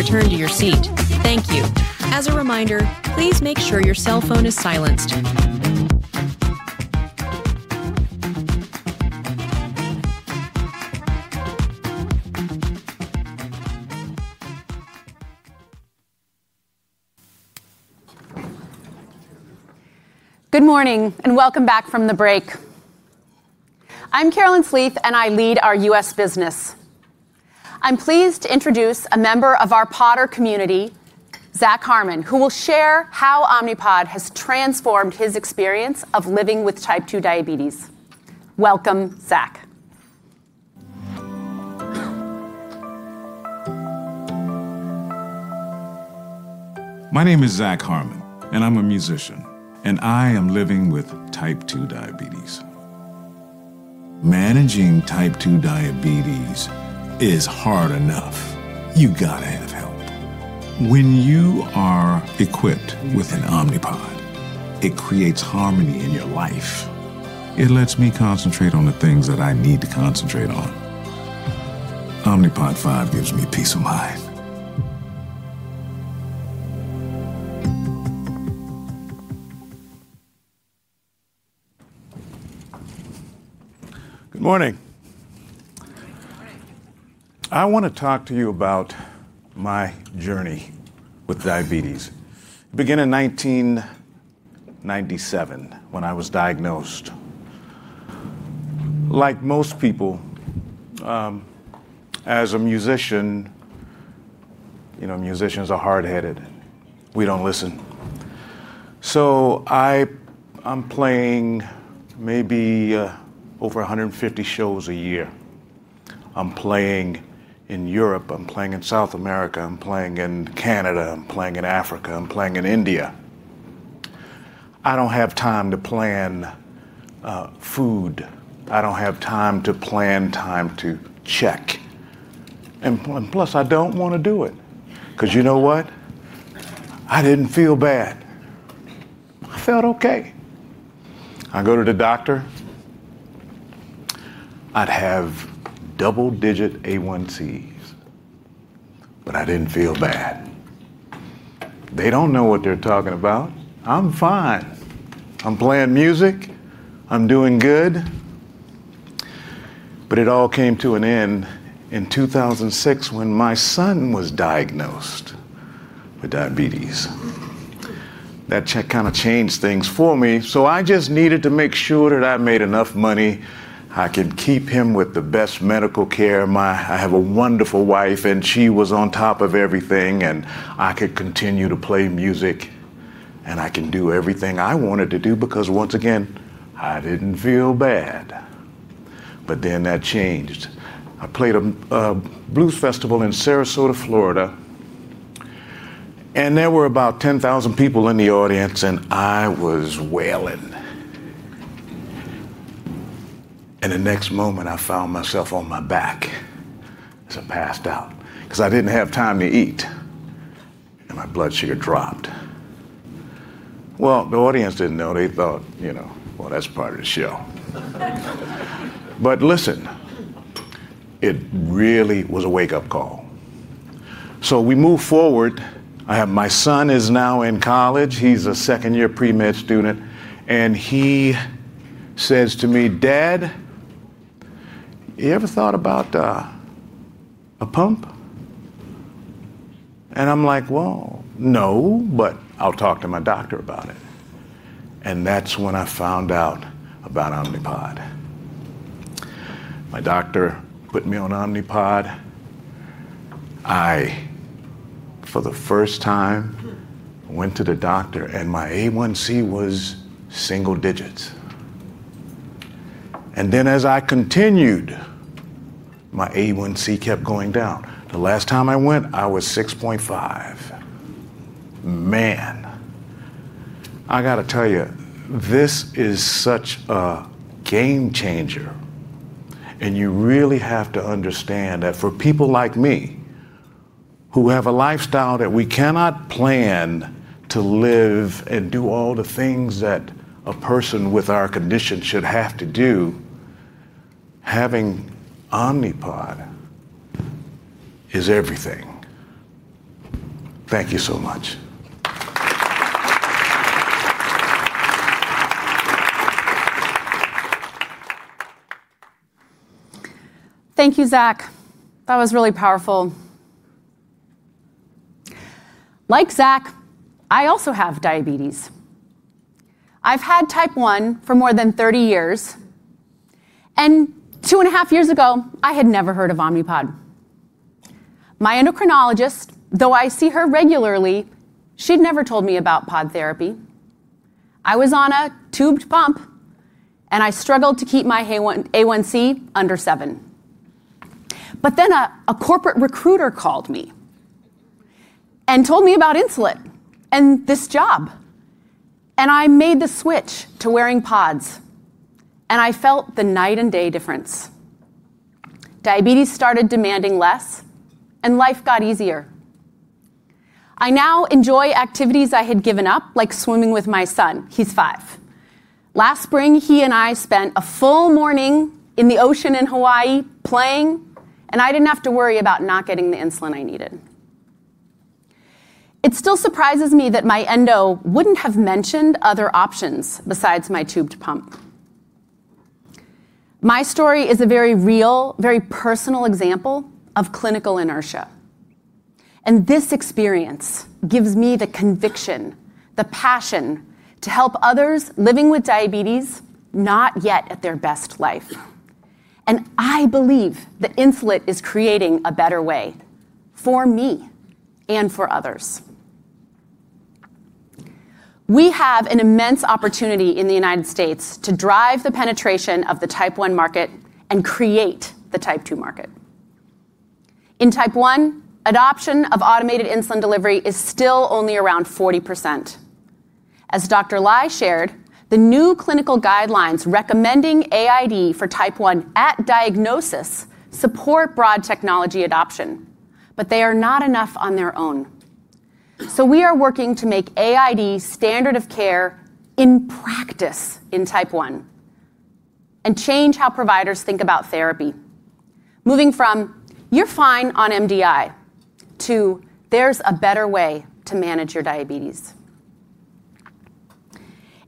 The program will now continue. Please return to your seat. Thank you. As a reminder, please make sure your cell phone is silenced. Good morning and welcome back from the break. I'm Carolyn Sleeth, and I lead our U.S. business. I'm pleased to introduce a member of our Podder community, Zach Harman, who will share how Omnipod has transformed his experience of living with type 2 diabetes. Welcome, Zach. My name is Zach Harmon, and I'm a musician, and I am living with type 2 diabetes. Managing type 2 diabetes is hard enough. You've got to have help. When you are equipped with an Omnipod, it creates harmony in your life. It lets me concentrate on the things that I need to concentrate on. Omnipod 5 gives me peace of mind. Good morning. I want to talk to you about my journey with diabetes. It began in 1997 when I was diagnosed. Like most people, as a musician, you know, musicians are hard-headed. We don't listen. I'm playing maybe over 150 shows a year. I'm playing in Europe. I'm playing in South America. I'm playing in Canada. I'm playing in Africa. I'm playing in India. I don't have time to plan food. I don't have time to plan time to check. Plus, I don't want to do it. Because you know what? I didn't feel bad. I felt OK. I go to the doctor. I'd have double-digit A1Cs, but I didn't feel bad. They don't know what they're talking about. I'm fine. I'm playing music. I'm doing good. It all came to an end in 2006 when my son was diagnosed with diabetes. That check kind of changed things for me. I just needed to make sure that I made enough money I could keep him with the best medical care. I have a wonderful wife, and she was on top of everything. I could continue to play music, and I can do everything I wanted to do because, once again, I didn't feel bad. That changed. I played a blues festival in Sarasota, Florida. There were about 10,000 people in the audience, and I was wailing. The next moment, I found myself on my back as I passed out because I did not have time to eat. My blood sugar dropped. The audience did not know. They thought, you know, that is part of the show. Listen, it really was a wake-up call. We move forward. My son is now in college. He is a second-year pre-med student. He says to me, "Dad, you ever thought about a pump?" I am like, "No, but I will talk to my doctor about it." That is when I found out about Omnipod. My doctor put me on Omnipod. I, for the first time, went to the doctor, and my A1C was single digits. As I continued, my A1C kept going down. The last time I went, I was 6.5. Man, I got to tell you, this is such a game changer. You really have to understand that for people like me who have a lifestyle that we cannot plan to live and do all the things that a person with our condition should have to do, having Omnipod is everything. Thank you so much. Thank you, Zach. That was really powerful. Like Zach, I also have diabetes. I've had type 1 for more than 30 years. Two and a half years ago, I had never heard of Omnipod. My endocrinologist, though I see her regularly, she'd never told me about pod therapy. I was on a tubed pump, and I struggled to keep my A1C under 7%. A corporate recruiter called me and told me about Insulet and this job. I made the switch to wearing pods. I felt the night-and-day difference. Diabetes started demanding less, and life got easier. I now enjoy activities I had given up, like swimming with my son. He's five. Last spring, he and I spent a full morning in the ocean in Hawaii playing, and I didn't have to worry about not getting the insulin I needed. It still surprises me that my endo would not have mentioned other options besides my tubed pump. My story is a very real, very personal example of clinical inertia. This experience gives me the conviction, the passion to help others living with diabetes not yet at their best life. I believe that Insulet is creating a better way for me and for others. We have an immense opportunity in the United States to drive the penetration of the type 1 market and create the type 2 market. In type 1, adoption of automated insulin delivery is still only around 40%. As Dr. Ly shared, the new clinical guidelines recommending AID for type 1 at diagnosis support broad technology adoption, but they are not enough on their own. We are working to make AID standard of care in practice in type 1 and change how providers think about therapy, moving from "You're fine on MDI" to "There's a better way to manage your diabetes."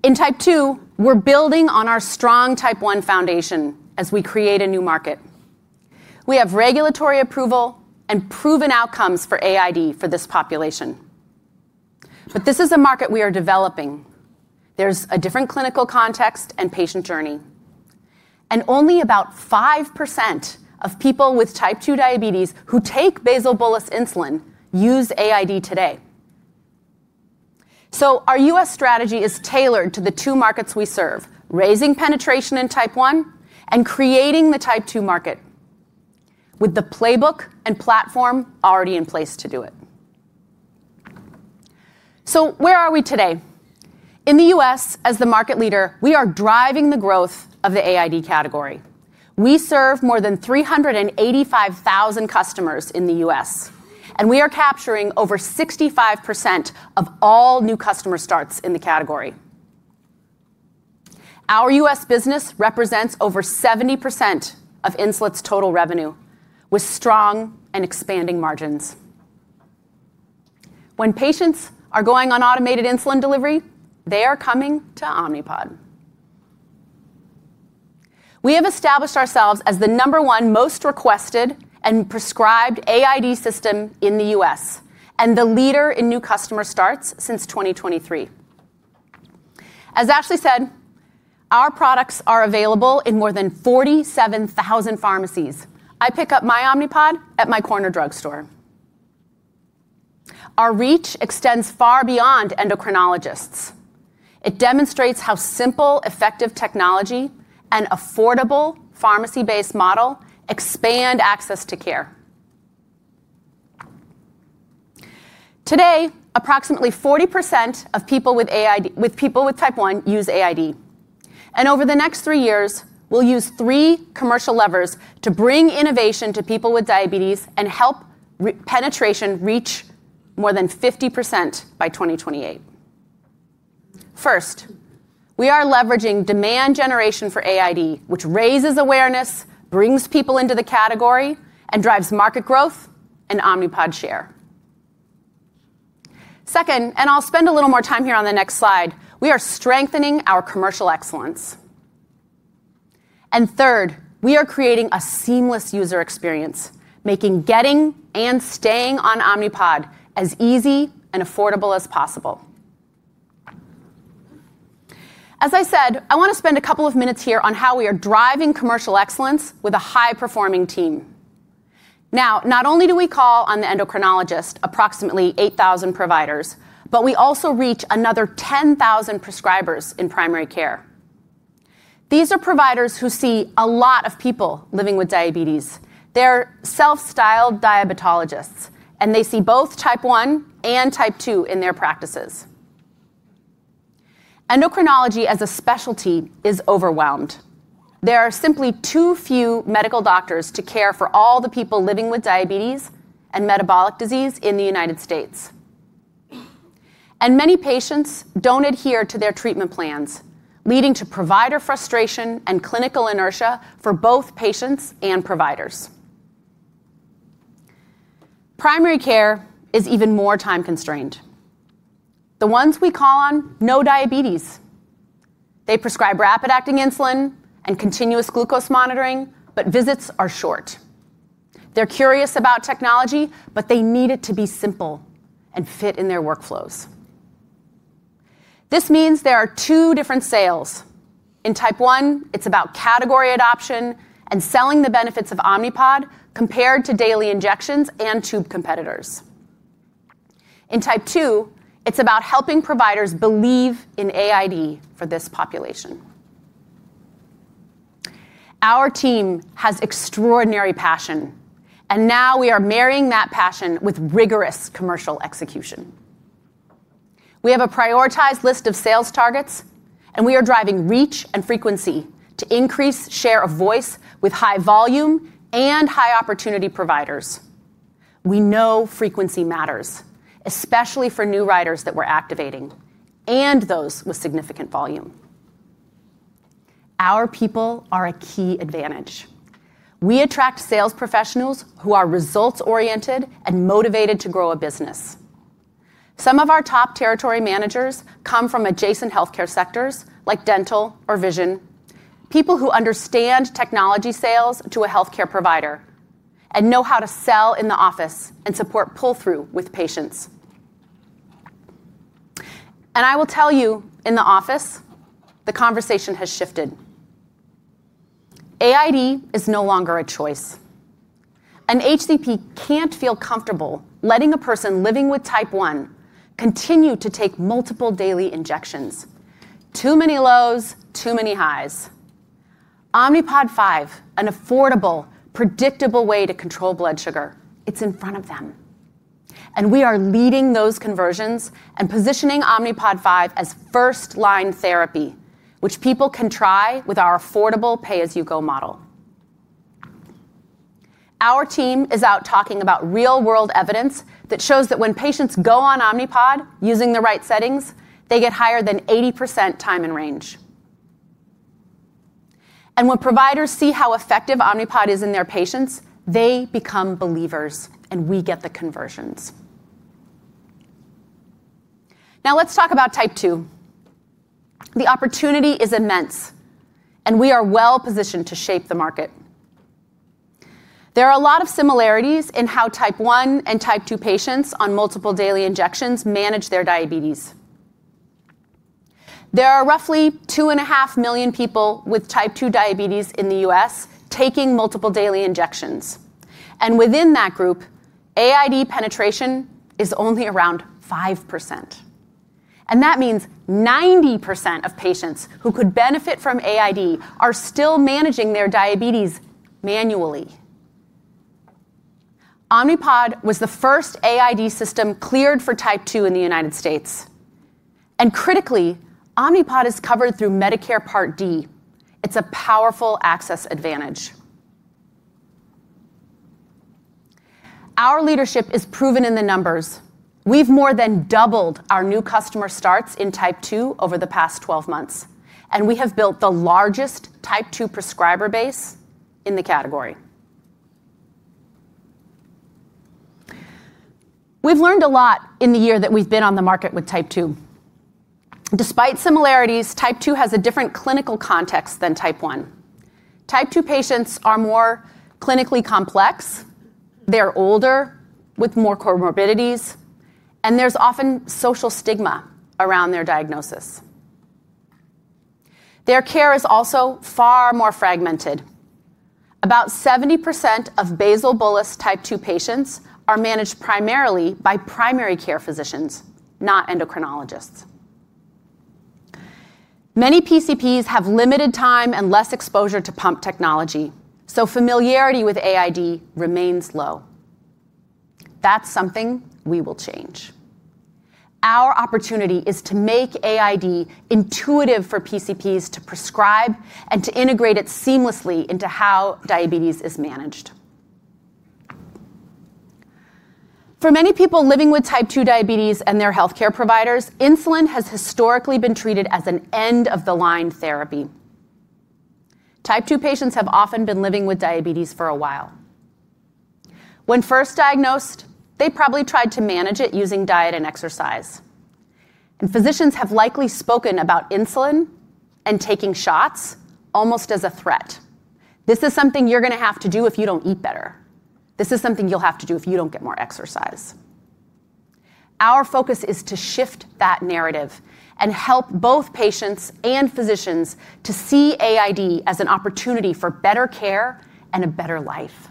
In type 2, we're building on our strong type 1 foundation as we create a new market. We have regulatory approval and proven outcomes for AID for this population. This is a market we are developing. There's a different clinical context and patient journey. Only about 5% of people with type 2 diabetes who take basal-bolus insulin use AID today. Our U.S. strategy is tailored to the two markets we serve, raising penetration in type 1 and creating the type 2 market with the playbook and platform already in place to do it. Where are we today? In the US, as the market leader, we are driving the growth of the AID category. We serve more than 385,000 customers in the US, and we are capturing over 65% of all new customer starts in the category. Our U.S. business represents over 70% of Insulet's total revenue, with strong and expanding margins. When patients are going on automated insulin delivery, they are coming to Omnipod. We have established ourselves as the number one most requested and prescribed AID system in the U.S. and the leader in new customer starts since 2023. As Ashley said, our products are available in more than 47,000 pharmacies. I pick up my Omnipod at my corner drugstore. Our reach extends far beyond endocrinologists. It demonstrates how simple, effective technology and affordable pharmacy-based model expand access to care. Today, approximately 40% of people with type 1 use AID. Over the next three years, we'll use three commercial levers to bring innovation to people with diabetes and help penetration reach more than 50% by 2028. First, we are leveraging demand generation for AID, which raises awareness, brings people into the category, and drives market growth and Omnipod share. Second, and I'll spend a little more time here on the next slide, we are strengthening our commercial excellence. Third, we are creating a seamless user experience, making getting and staying on Omnipod as easy and affordable as possible. As I said, I want to spend a couple of minutes here on how we are driving commercial excellence with a high-performing team. Not only do we call on the endocrinologists, approximately 8,000 providers, but we also reach another 10,000 prescribers in primary care. These are providers who see a lot of people living with diabetes. They're self-styled diabetologists, and they see both type 1 and type 2 in their practices. Endocrinology, as a specialty, is overwhelmed. There are simply too few medical doctors to care for all the people living with diabetes and metabolic disease in the United States. Many patients don't adhere to their treatment plans, leading to provider frustration and clinical inertia for both patients and providers. Primary care is even more time-constrained. The ones we call on know diabetes. They prescribe rapid-acting insulin and continuous glucose monitoring, but visits are short. They're curious about technology, but they need it to be simple and fit in their workflows. This means there are two different sales. In type 1, it's about category adoption and selling the benefits of Omnipod compared to daily injections and tube competitors. In type 2, it's about helping providers believe in AID for this population. Our team has extraordinary passion, and now we are marrying that passion with rigorous commercial execution. We have a prioritized list of sales targets, and we are driving reach and frequency to increase share of voice with high volume and high opportunity providers. We know frequency matters, especially for new riders that we're activating and those with significant volume. Our people are a key advantage. We attract sales professionals who are results-oriented and motivated to grow a business. Some of our top territory managers come from adjacent healthcare sectors like dental or vision, people who understand technology sales to a healthcare provider and know how to sell in the office and support pull-through with patients. I will tell you, in the office, the conversation has shifted. AID is no longer a choice. An HCP can't feel comfortable letting a person living with type 1 continue to take multiple daily injections. Too many lows, too many highs. Omnipod 5, an affordable, predictable way to control blood sugar, it's in front of them. We are leading those conversions and positioning Omnipod 5 as first-line therapy, which people can try with our affordable pay-as-you-go model. Our team is out talking about real-world evidence that shows that when patients go on Omnipod using the right settings, they get higher than 80% time in range. When providers see how effective Omnipod is in their patients, they become believers, and we get the conversions. Now, let's talk about type 2. The opportunity is immense, and we are well-positioned to shape the market. There are a lot of similarities in how type 1 and type 2 patients on multiple daily injections manage their diabetes. There are roughly two and a half million people with type 2 diabetes in the U.S. taking multiple daily injections. Within that group, AID penetration is only around 5%. That means 90% of patients who could benefit from AID are still managing their diabetes manually. Omnipod was the first AID system cleared for type 2 in the United States. Critically, Omnipod is covered through Medicare Part D. It's a powerful access advantage. Our leadership is proven in the numbers. We've more than doubled our new customer starts in type 2 over the past 12 months, and we have built the largest type 2 prescriber base in the category. We've learned a lot in the year that we've been on the market with type 2. Despite similarities, type 2 has a different clinical context than type 1. Type 2 patients are more clinically complex. They're older, with more comorbidities, and there's often social stigma around their diagnosis. Their care is also far more fragmented. About 70% of basal-bolus type 2 patients are managed primarily by primary care physicians, not endocrinologists. Many PCPs have limited time and less exposure to pump technology, so familiarity with AID remains low. That's something we will change. Our opportunity is to make AID intuitive for PCPs to prescribe and to integrate it seamlessly into how diabetes is managed. For many people living with type 2 diabetes and their healthcare providers, insulin has historically been treated as an end-of-the-line therapy. Type 2 patients have often been living with diabetes for a while. When first diagnosed, they probably tried to manage it using diet and exercise. Physicians have likely spoken about insulin and taking shots almost as a threat. This is something you're going to have to do if you don't eat better. This is something you'll have to do if you don't get more exercise. Our focus is to shift that narrative and help both patients and physicians to see AID as an opportunity for better care and a better life.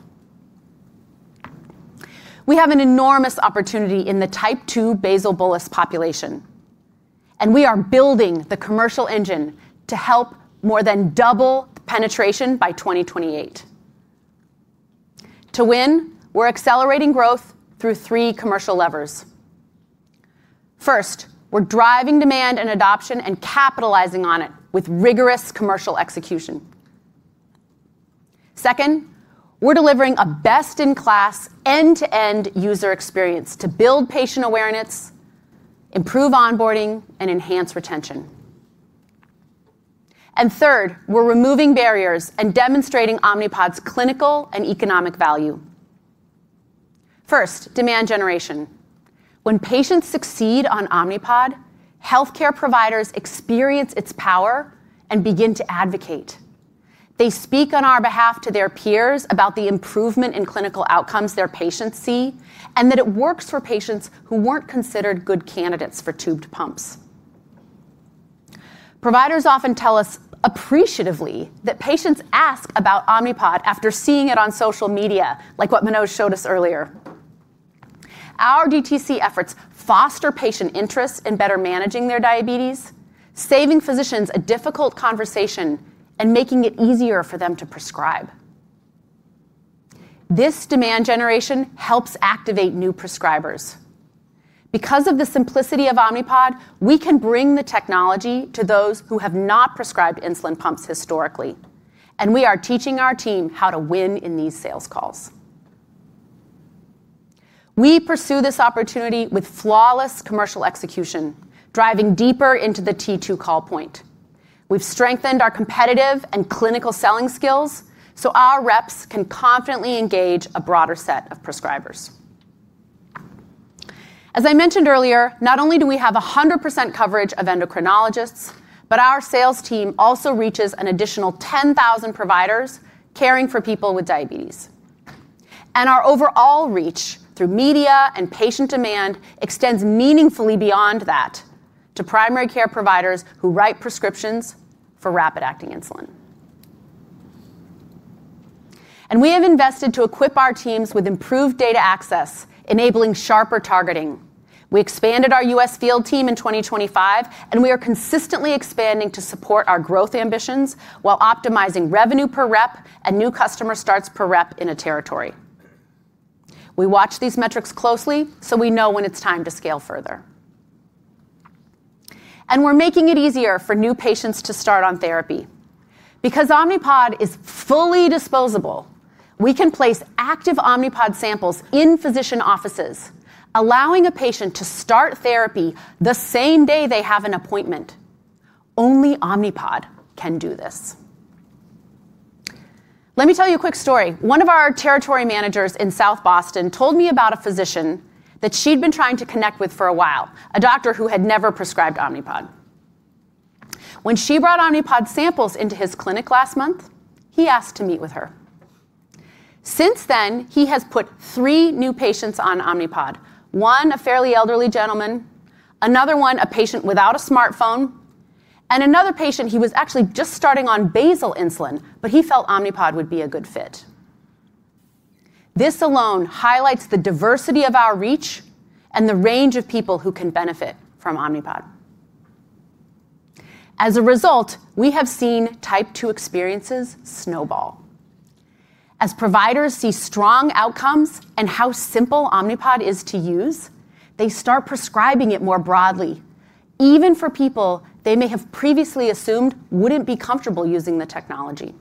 We have an enormous opportunity in the type 2 basal-bolus population, and we are building the commercial engine to help more than double penetration by 2028. To win, we're accelerating growth through three commercial levers. First, we're driving demand and adoption and capitalizing on it with rigorous commercial execution. Second, we're delivering a best-in-class end-to-end user experience to build patient awareness, improve onboarding, and enhance retention. Third, we're removing barriers and demonstrating Omnipod's clinical and economic value. First, demand generation. When patients succeed on Omnipod, healthcare providers experience its power and begin to advocate. They speak on our behalf to their peers about the improvement in clinical outcomes their patients see and that it works for patients who were not considered good candidates for tube pumps. Providers often tell us appreciatively that patients ask about Omnipod after seeing it on social media, like what Manoj showed us earlier. Our DTC efforts foster patient interest in better managing their diabetes, saving physicians a difficult conversation and making it easier for them to prescribe. This demand generation helps activate new prescribers. Because of the simplicity of Omnipod, we can bring the technology to those who have not prescribed insulin pumps historically. We are teaching our team how to win in these sales calls. We pursue this opportunity with flawless commercial execution, driving deeper into the T2 call point. have strengthened our competitive and clinical selling skills so our reps can confidently engage a broader set of prescribers. As I mentioned earlier, not only do we have 100% coverage of endocrinologists, but our sales team also reaches an additional 10,000 providers caring for people with diabetes. Our overall reach through media and patient demand extends meaningfully beyond that to primary care providers who write prescriptions for rapid-acting insulin. We have invested to equip our teams with improved data access, enabling sharper targeting. We expanded our U.S. field team in 2025, and we are consistently expanding to support our growth ambitions while optimizing revenue per rep and new customer starts per rep in a territory. We watch these metrics closely so we know when it is time to scale further. We are making it easier for new patients to start on therapy. Because Omnipod is fully disposable, we can place active Omnipod samples in physician offices, allowing a patient to start therapy the same day they have an appointment. Only Omnipod can do this. Let me tell you a quick story. One of our territory managers in South Boston told me about a physician that she'd been trying to connect with for a while, a doctor who had never prescribed Omnipod. When she brought Omnipod samples into his clinic last month, he asked to meet with her. Since then, he has put three new patients on Omnipod, one a fairly elderly gentleman, another one a patient without a smartphone, and another patient he was actually just starting on basal insulin, but he felt Omnipod would be a good fit. This alone highlights the diversity of our reach and the range of people who can benefit from Omnipod. As a result, we have seen type 2 experiences snowball. As providers see strong outcomes and how simple Omnipod is to use, they start prescribing it more broadly, even for people they may have previously assumed would not be comfortable using the technology.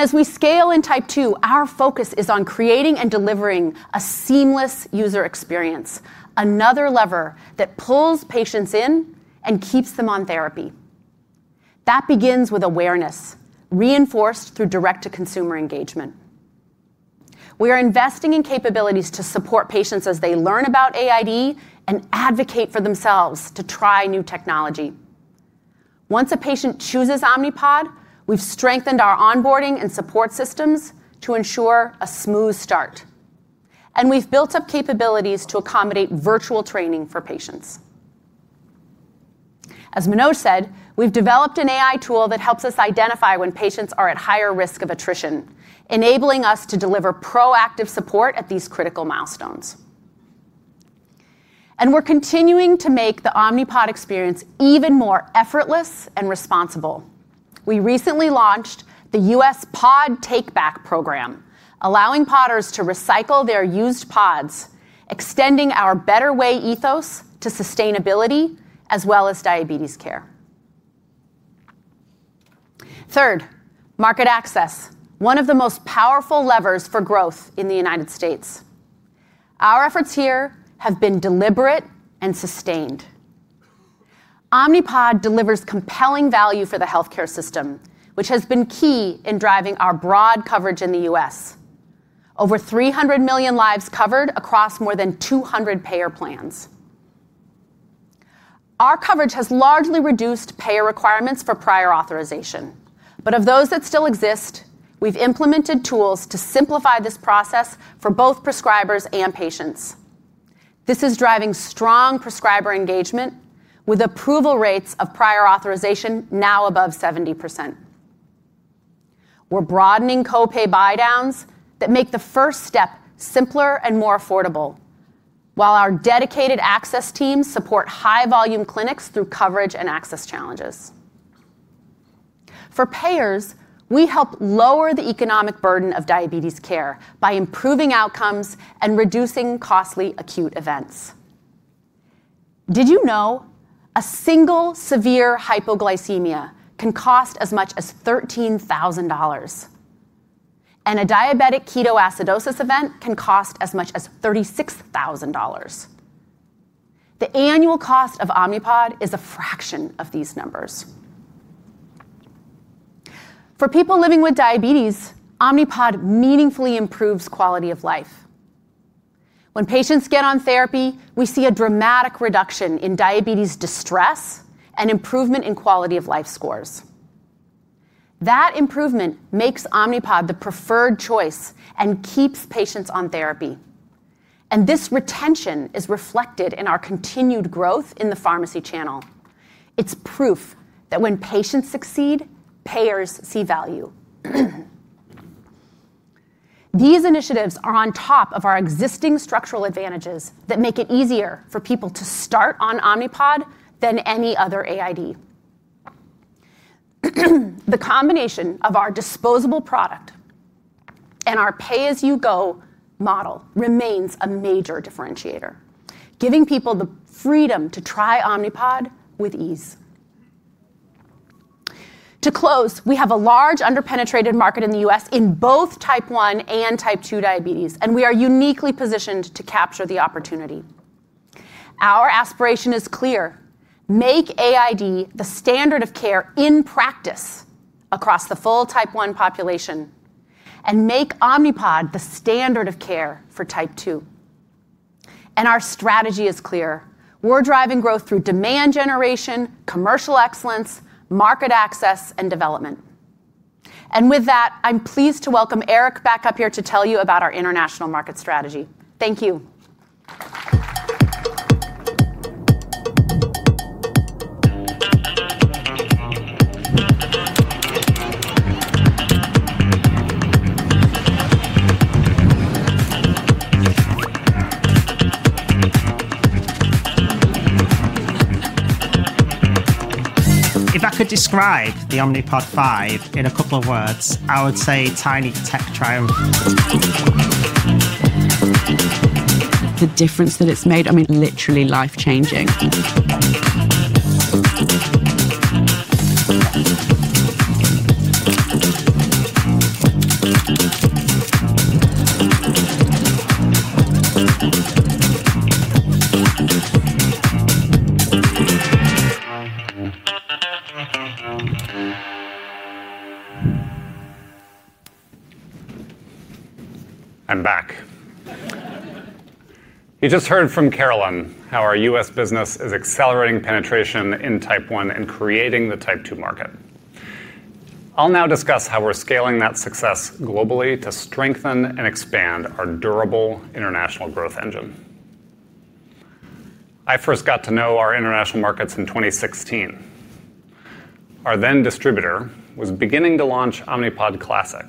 As we scale in type 2, our focus is on creating and delivering a seamless user experience, another lever that pulls patients in and keeps them on therapy. That begins with awareness, reinforced through direct-to-consumer engagement. We are investing in capabilities to support patients as they learn about AID and advocate for themselves to try new technology. Once a patient chooses Omnipod, we have strengthened our onboarding and support systems to ensure a smooth start. We have built up capabilities to accommodate virtual training for patients. As Manoj said, we've developed an AI tool that helps us identify when patients are at higher risk of attrition, enabling us to deliver proactive support at these critical milestones. We're continuing to make the Omnipod experience even more effortless and responsible. We recently launched the U.S. Pod Take Back program, allowing Podders to recycle their used pods, extending our better way ethos to sustainability as well as diabetes care. Third, market access, one of the most powerful levers for growth in the United States. Our efforts here have been deliberate and sustained. Omnipod delivers compelling value for the healthcare system, which has been key in driving our broad coverage in the US. Over 300 million lives covered across more than 200 payer plans. Our coverage has largely reduced payer requirements for prior authorization. Of those that still exist, we've implemented tools to simplify this process for both prescribers and patients. This is driving strong prescriber engagement, with approval rates of prior authorization now above 70%. We're broadening copay buy-downs that make the first step simpler and more affordable, while our dedicated access teams support high-volume clinics through coverage and access challenges. For payers, we help lower the economic burden of diabetes care by improving outcomes and reducing costly acute events. Did you know a single severe hypoglycemia can cost as much as $13,000? A diabetic ketoacidosis event can cost as much as $36,000. The annual cost of Omnipod is a fraction of these numbers. For people living with diabetes, Omnipod meaningfully improves quality of life. When patients get on therapy, we see a dramatic reduction in diabetes distress and improvement in quality of life scores. That improvement makes Omnipod the preferred choice and keeps patients on therapy. This retention is reflected in our continued growth in the pharmacy channel. It is proof that when patients succeed, payers see value. These initiatives are on top of our existing structural advantages that make it easier for people to start on Omnipod than any other AID. The combination of our disposable product and our pay-as-you-go model remains a major differentiator, giving people the freedom to try Omnipod with ease. To close, we have a large underpenetrated market in the U.S. in both type 1 and type 2 diabetes, and we are uniquely positioned to capture the opportunity. Our aspiration is clear: make AID the standard of care in practice across the full type 1 population, and make Omnipod the standard of care for type 2. Our strategy is clear. We're driving growth through demand generation, commercial excellence, market access, and development. With that, I'm pleased to welcome Eric back up here to tell you about our international market strategy. Thank you. If I could describe the Omnipod 5 in a couple of words, I would say tiny tech triumph. The difference that it's made, I mean, literally life-changing. I'm back. You just heard from Carolyn how our U.S. business is accelerating penetration in type 1 and creating the type 2 market. I'll now discuss how we're scaling that success globally to strengthen and expand our durable international growth engine. I first got to know our international markets in 2016. Our then distributor was beginning to launch Omnipod Classic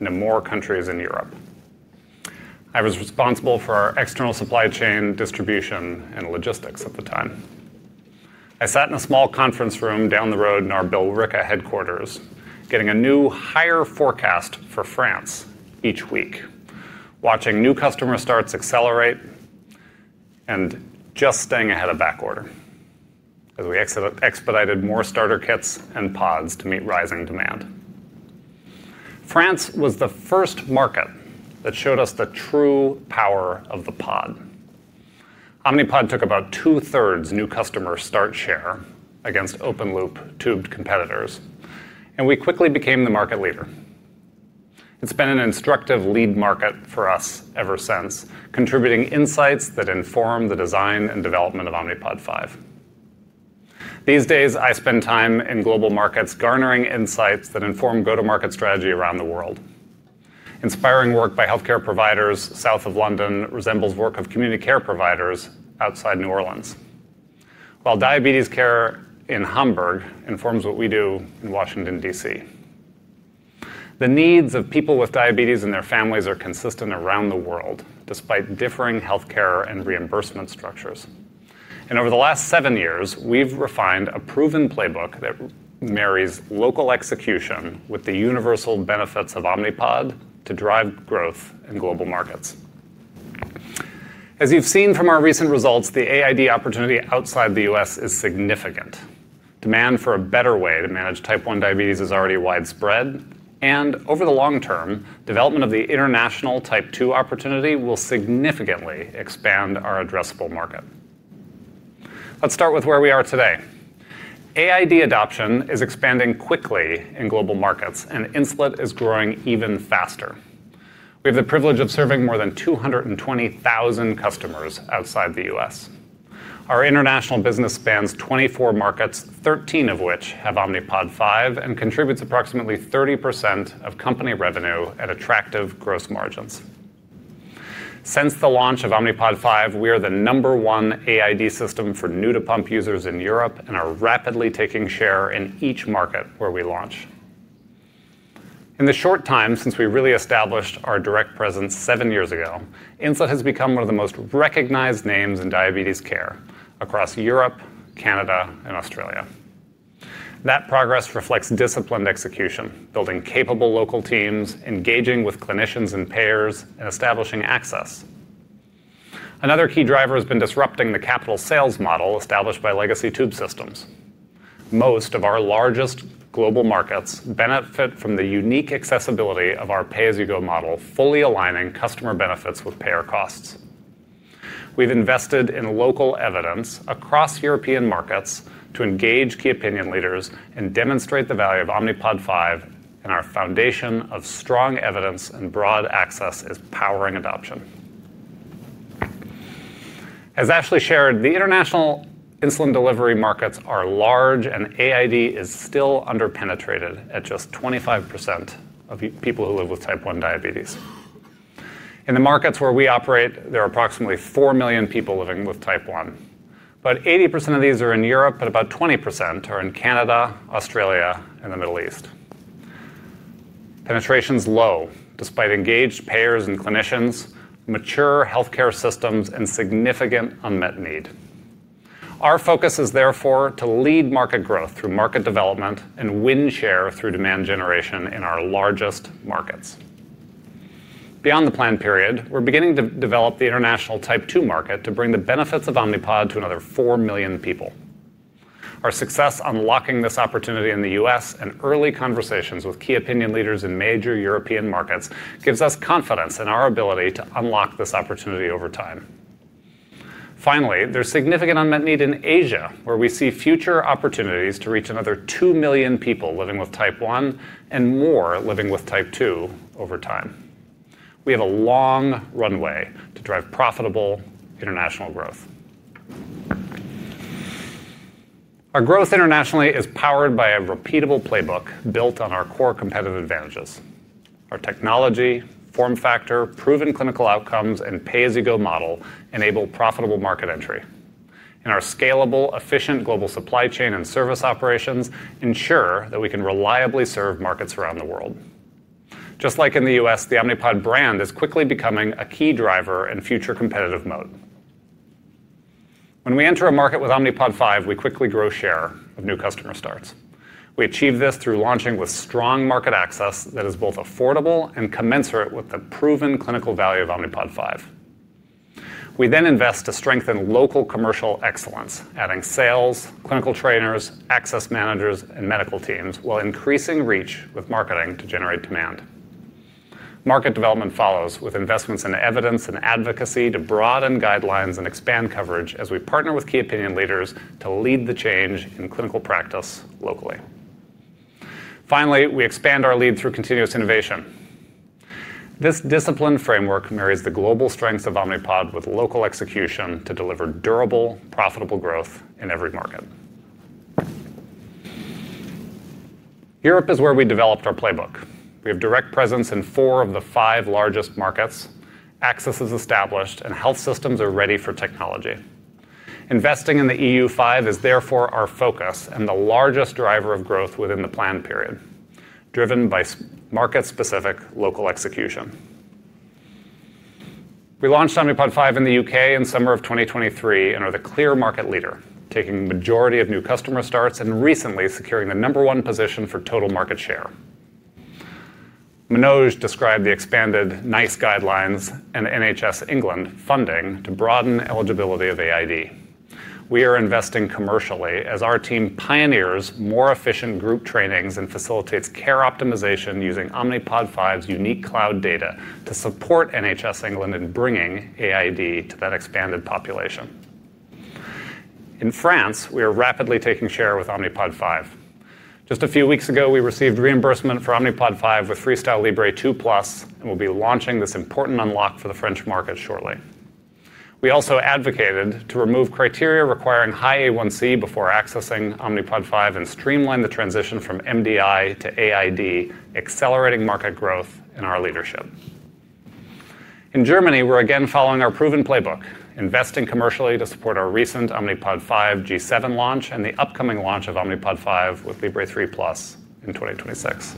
in more countries in Europe. I was responsible for our external supply chain, distribution, and logistics at the time. I sat in a small conference room down the road in our Billerica headquarters, getting a new hire forecast for France each week, watching new customer starts accelerate and just staying ahead of backorder as we expedited more starter kits and pods to meet rising demand. France was the first market that showed us the true power of the pod. Omnipod took about 2/3 new customer start share against open-loop tube competitors, and we quickly became the market leader. It's been an instructive lead market for us ever since, contributing insights that inform the design and development of Omnipod 5. These days, I spend time in global markets garnering insights that inform go-to-market strategy around the world. Inspiring work by healthcare providers south of London resembles work of community care providers outside New Orleans, while diabetes care in Hamburg informs what we do in Washington, DC. The needs of people with diabetes and their families are consistent around the world, despite differing healthcare and reimbursement structures. Over the last seven years, we've refined a proven playbook that marries local execution with the universal benefits of Omnipod to drive growth in global markets. As you've seen from our recent results, the AID opportunity outside the U.S. is significant. Demand for a better way to manage type 1 diabetes is already widespread. Over the long term, development of the international type 2 opportunity will significantly expand our addressable market. Let's start with where we are today. AID adoption is expanding quickly in global markets, and Insulet is growing even faster. We have the privilege of serving more than 220,000 customers outside the US. Our international business spans 24 markets, 13 of which have Omnipod 5, and contributes approximately 30% of company revenue at attractive gross margins. Since the launch of Omnipod 5, we are the number one AID system for new-to-pump users in Europe and are rapidly taking share in each market where we launch. In the short time since we really established our direct presence seven years ago, Insulet has become one of the most recognized names in diabetes care across Europe, Canada, and Australia. That progress reflects disciplined execution, building capable local teams, engaging with clinicians and payers, and establishing access. Another key driver has been disrupting the capital sales model established by legacy tube systems. Most of our largest global markets benefit from the unique accessibility of our pay-as-you-go model, fully aligning customer benefits with payer costs. We've invested in local evidence across European markets to engage key opinion leaders and demonstrate the value of Omnipod 5, and our foundation of strong evidence and broad access is powering adoption. As Ashley shared, the international insulin delivery markets are large, and AID is still underpenetrated at just 25% of people who live with type 1 diabetes. In the markets where we operate, there are approximately 4 million people living with type 1, but 80% of these are in Europe, and about 20% are in Canada, Australia, and the Middle East. Penetration is low, despite engaged payers and clinicians, mature healthcare systems, and significant unmet need. Our focus is therefore to lead market growth through market development and win share through demand generation in our largest markets. Beyond the planned period, we're beginning to develop the international type 2 market to bring the benefits of Omnipod to another 4 million people. Our success unlocking this opportunity in the U.S. and early conversations with key opinion leaders in major European markets gives us confidence in our ability to unlock this opportunity over time. Finally, there is significant unmet need in Asia, where we see future opportunities to reach another 2 million people living with type 1 and more living with type 2 over time. We have a long runway to drive profitable international growth. Our growth internationally is powered by a repeatable playbook built on our core competitive advantages. Our technology, form factor, proven clinical outcomes, and pay-as-you-go model enable profitable market entry. Our scalable, efficient global supply chain and service operations ensure that we can reliably serve markets around the world. Just like in the US, the Omnipod brand is quickly becoming a key driver and future competitive moat. When we enter a market with Omnipod 5, we quickly grow share of new customer starts. We achieve this through launching with strong market access that is both affordable and commensurate with the proven clinical value of Omnipod 5. We then invest to strengthen local commercial excellence, adding sales, clinical trainers, access managers, and medical teams, while increasing reach with marketing to generate demand. Market development follows with investments in evidence and advocacy to broaden guidelines and expand coverage as we partner with key opinion leaders to lead the change in clinical practice locally. Finally, we expand our lead through continuous innovation. This disciplined framework marries the global strengths of Omnipod with local execution to deliver durable, profitable growth in every market. Europe is where we developed our playbook. We have direct presence in four of the five largest markets, access is established, and health systems are ready for technology. Investing in the EU 5 is therefore our focus and the largest driver of growth within the planned period, driven by market-specific local execution. We launched Omnipod 5 in the U.K. in summer of 2023 and are the clear market leader, taking the majority of new customer starts and recently securing the number one position for total market share. Manoj described the expanded NICE guidelines and NHS England funding to broaden eligibility of AID. We are investing commercially as our team pioneers more efficient group trainings and facilitates care optimization using Omnipod 5's unique cloud data to support NHS England in bringing AID to that expanded population. In France, we are rapidly taking share with Omnipod 5. Just a few weeks ago, we received reimbursement for Omnipod 5 with FreeStyle Libre 3+ and will be launching this important unlock for the French market shortly. We also advocated to remove criteria requiring high A1C before accessing Omnipod 5 and streamline the transition from MDI to AID, accelerating market growth in our leadership. In Germany, we're again following our proven playbook, investing commercially to support our recent Omnipod 5 G7 launch and the upcoming launch of Omnipod 5 with Libre 3+ in 2026.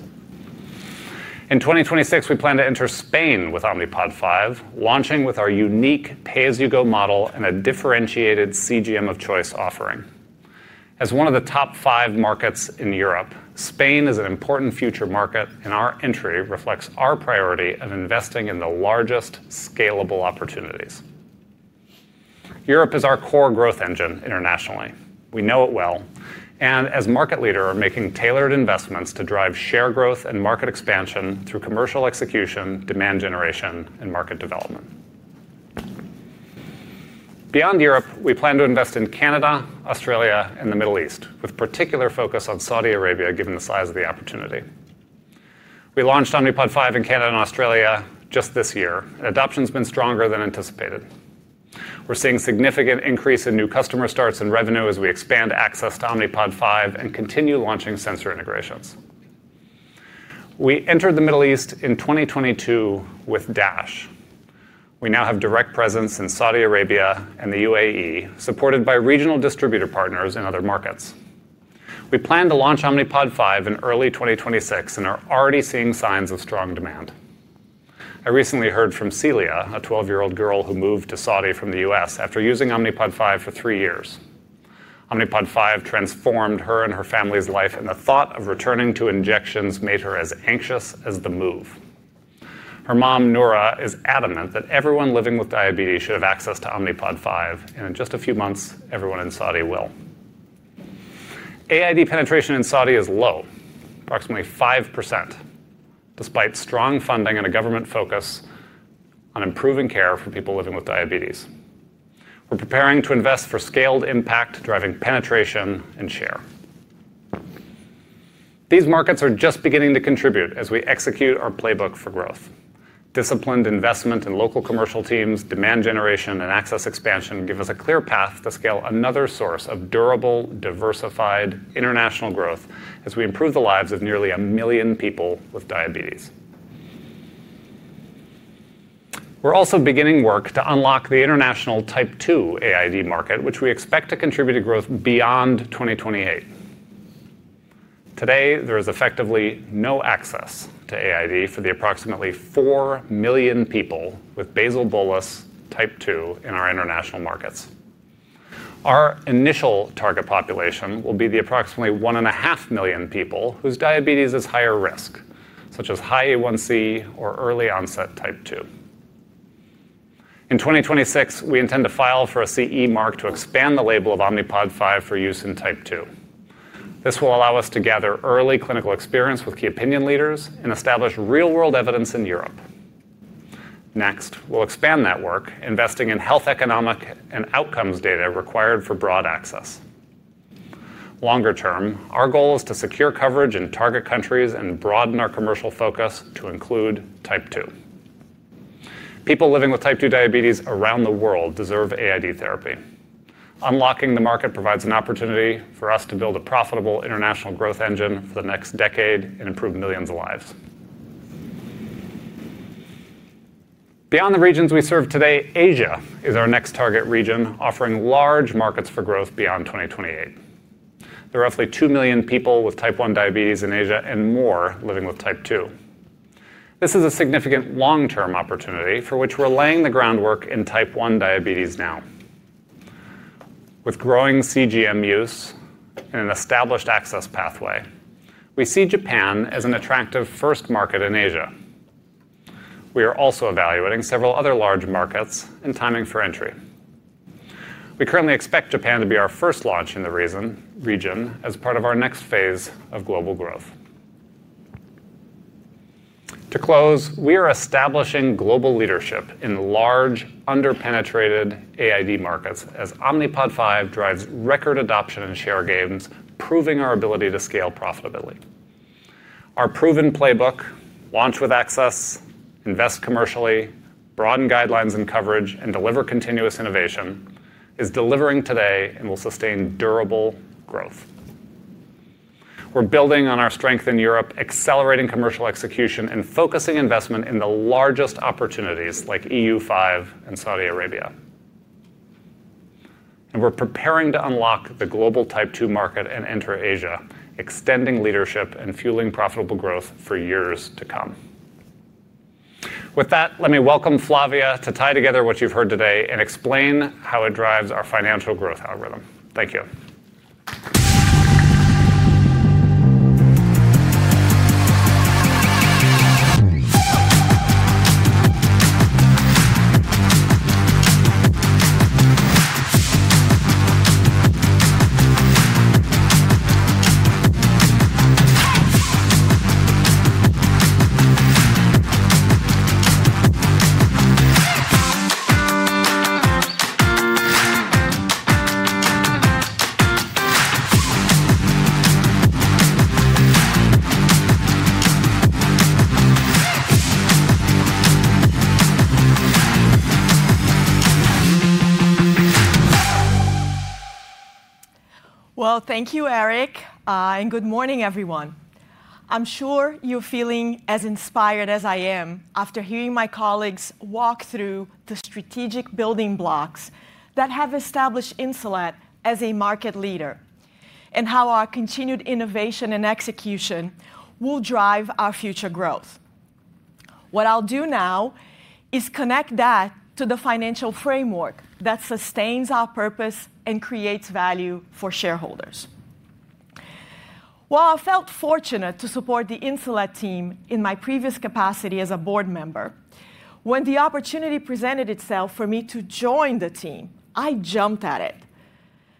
In 2026, we plan to enter Spain with Omnipod 5, launching with our unique pay-as-you-go model and a differentiated CGM of choice offering. As one of the top five markets in Europe, Spain is an important future market, and our entry reflects our priority of investing in the largest scalable opportunities. Europe is our core growth engine internationally. We know it well, and as market leader, we are making tailored investments to drive share growth and market expansion through commercial execution, demand generation, and market development. Beyond Europe, we plan to invest in Canada, Australia, and the Middle East, with particular focus on Saudi Arabia given the size of the opportunity. We launched Omnipod 5 in Canada and Australia just this year, and adoption has been stronger than anticipated. We're seeing a significant increase in new customer starts and revenue as we expand access to Omnipod 5 and continue launching sensor integrations. We entered the Middle East in 2022 with DASH. We now have direct presence in Saudi Arabia and the UAE, supported by regional distributor partners in other markets. We plan to launch Omnipod 5 in early 2026 and are already seeing signs of strong demand. I recently heard from Celia, a 12-year-old girl who moved to Saudi from the U.S. after using Omnipod 5 for three years. Omnipod 5 transformed her and her family's life, and the thought of returning to injections made her as anxious as the move. Her mom, Noura, is adamant that everyone living with diabetes should have access to Omnipod 5, and in just a few months, everyone in Saudi will. AID penetration in Saudi is low, approximately 5%, despite strong funding and a government focus on improving care for people living with diabetes. We're preparing to invest for scaled impact, driving penetration and share. These markets are just beginning to contribute as we execute our playbook for growth. Disciplined investment in local commercial teams, demand generation, and access expansion give us a clear path to scale another source of durable, diversified international growth as we improve the lives of nearly a million people with diabetes. We're also beginning work to unlock the international type 2 AID market, which we expect to contribute to growth beyond 2028. Today, there is effectively no access to AID for the approximately 4 million people with basal-bolus type 2 in our international markets. Our initial target population will be the approximately 1.5 million people whose diabetes is higher risk, such as high A1C or early onset type 2. In 2026, we intend to file for a CE mark to expand the label of Omnipod 5 for use in type 2. This will allow us to gather early clinical experience with key opinion leaders and establish real-world evidence in Europe. Next, we'll expand that work, investing in health economic and outcomes data required for broad access. Longer term, our goal is to secure coverage in target countries and broaden our commercial focus to include type 2. People living with type 2 diabetes around the world deserve AID therapy. Unlocking the market provides an opportunity for us to build a profitable international growth engine for the next decade and improve millions of lives. Beyond the regions we serve today, Asia is our next target region, offering large markets for growth beyond 2028. There are roughly 2 million people with type 1 diabetes in Asia and more living with type 2. This is a significant long-term opportunity for which we're laying the groundwork in type 1 diabetes now. With growing CGM use and an established access pathway, we see Japan as an attractive first market in Asia. We are also evaluating several other large markets and timing for entry. We currently expect Japan to be our first launch in the region as part of our next phase of global growth. To close, we are establishing global leadership in large, underpenetrated AID markets as Omnipod 5 drives record adoption and share gains, proving our ability to scale profitably. Our proven playbook, launch with access, invest commercially, broaden guidelines and coverage, and deliver continuous innovation, is delivering today and will sustain durable growth. We are building on our strength in Europe, accelerating commercial execution, and focusing investment in the largest opportunities like EU 5 and Saudi Arabia. We are preparing to unlock the global type 2 market and enter Asia, extending leadership and fueling profitable growth for years to come. With that, let me welcome Flavia to tie together what you've heard today and explain how it drives our financial growth algorithm. Thank you. Thank you, Eric, and good morning, everyone. I'm sure you're feeling as inspired as I am after hearing my colleagues walk through the strategic building blocks that have established Insulet as a market leader and how our continued innovation and execution will drive our future growth. What I'll do now is connect that to the financial framework that sustains our purpose and creates value for shareholders. While I felt fortunate to support the Insulet team in my previous capacity as a board member, when the opportunity presented itself for me to join the team, I jumped at it.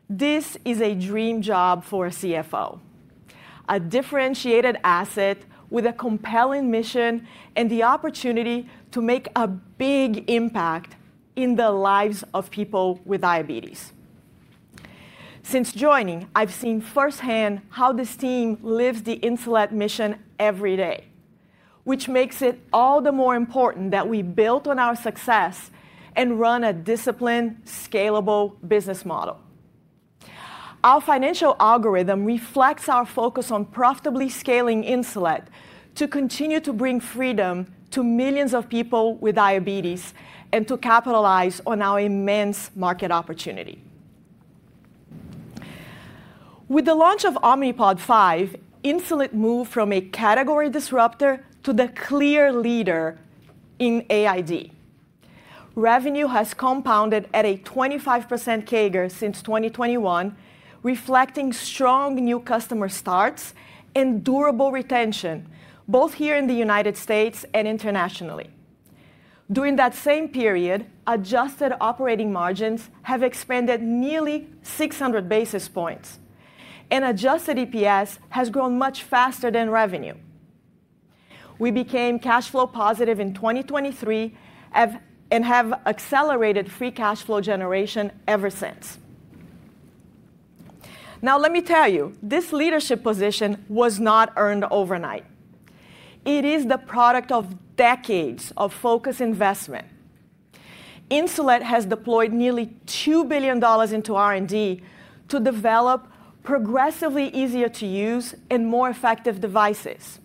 This is a dream job for a CFO, a differentiated asset with a compelling mission and the opportunity to make a big impact in the lives of people with diabetes. Since joining, I've seen firsthand how this team lives the Insulet mission every day, which makes it all the more important that we build on our success and run a disciplined, scalable business model. Our financial algorithm reflects our focus on profitably scaling Insulet to continue to bring freedom to millions of people with diabetes and to capitalize on our immense market opportunity. With the launch of Omnipod 5, Insulet moved from a category disruptor to the clear leader in AID. Revenue has compounded at a 25% CAGR since 2021, reflecting strong new customer starts and durable retention, both here in the United States and internationally. During that same period, adjusted operating margins have expanded nearly 600 basis points, and adjusted EPS has grown much faster than revenue. We became cash flow positive in 2023 and have accelerated free cash flow generation ever since. Now, let me tell you, this leadership position was not earned overnight. It is the product of decades of focused investment. Insulet has deployed nearly $2 billion into R&D to develop progressively easier-to-use and more effective devices.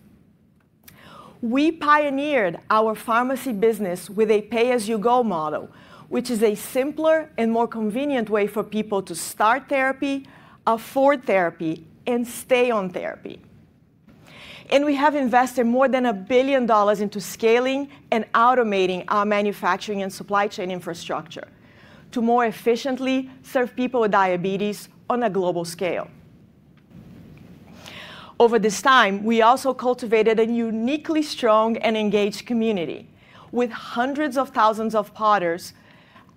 We pioneered our pharmacy business with a pay-as-you-go model, which is a simpler and more convenient way for people to start therapy, afford therapy, and stay on therapy. We have invested more than $1 billion into scaling and automating our manufacturing and supply chain infrastructure to more efficiently serve people with diabetes on a global scale. Over this time, we also cultivated a uniquely strong and engaged community with hundreds of thousands of Podders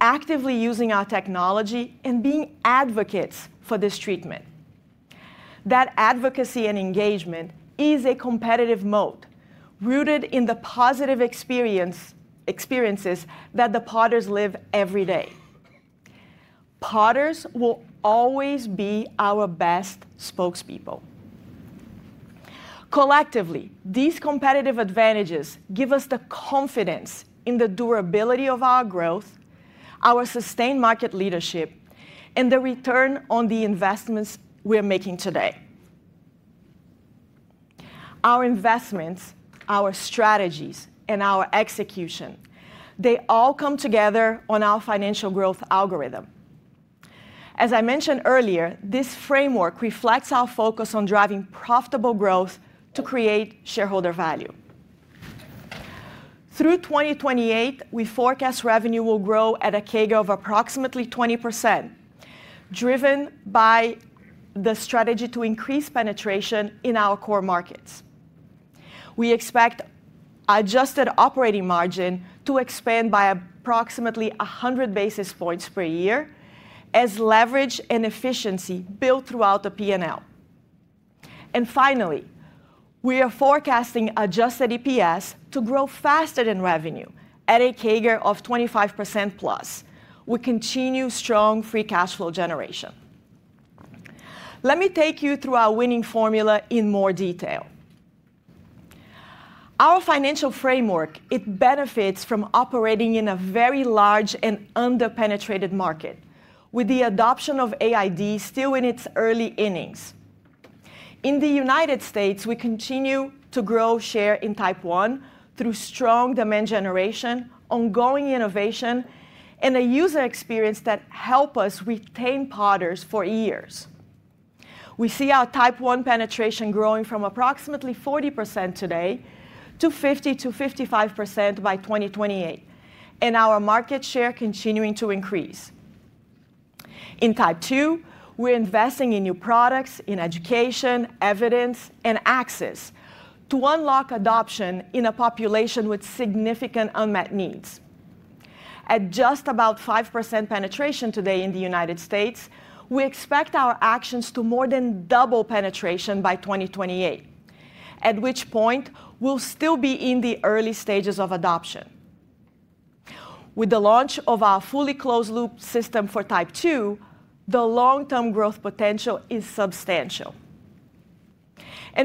actively using our technology and being advocates for this treatment. That advocacy and engagement is a competitive moat rooted in the positive experiences that the Podders live every day. Podders will always be our best spokespeople. Collectively, these competitive advantages give us the confidence in the durability of our growth, our sustained market leadership, and the return on the investments we are making today. Our investments, our strategies, and our execution, they all come together on our financial growth algorithm. As I mentioned earlier, this framework reflects our focus on driving profitable growth to create shareholder value. Through 2028, we forecast revenue will grow at a CAGR of approximately 20%, driven by the strategy to increase penetration in our core markets. We expect adjusted operating margin to expand by approximately 100 basis points per year as leverage and efficiency build throughout the P&L. Finally, we are forecasting adjusted EPS to grow faster than revenue at a CAGR of 25% plus with continued strong free cash flow generation. Let me take you through our winning formula in more detail. Our financial framework benefits from operating in a very large and underpenetrated market, with the adoption of AID still in its early innings. In the U.S., we continue to grow share in type 1 through strong demand generation, ongoing innovation, and a user experience that helps us retain Podders for years. We see our type 1 penetration growing from approximately 40% today to 50%-55% by 2028, and our market share continuing to increase. In type 2, we're investing in new products, in education, evidence, and access to unlock adoption in a population with significant unmet needs. At just about 5% penetration today in the U.S., we expect our actions to more than double penetration by 2028, at which point we'll still be in the early stages of adoption. With the launch of our fully closed-loop system for type 2, the long-term growth potential is substantial.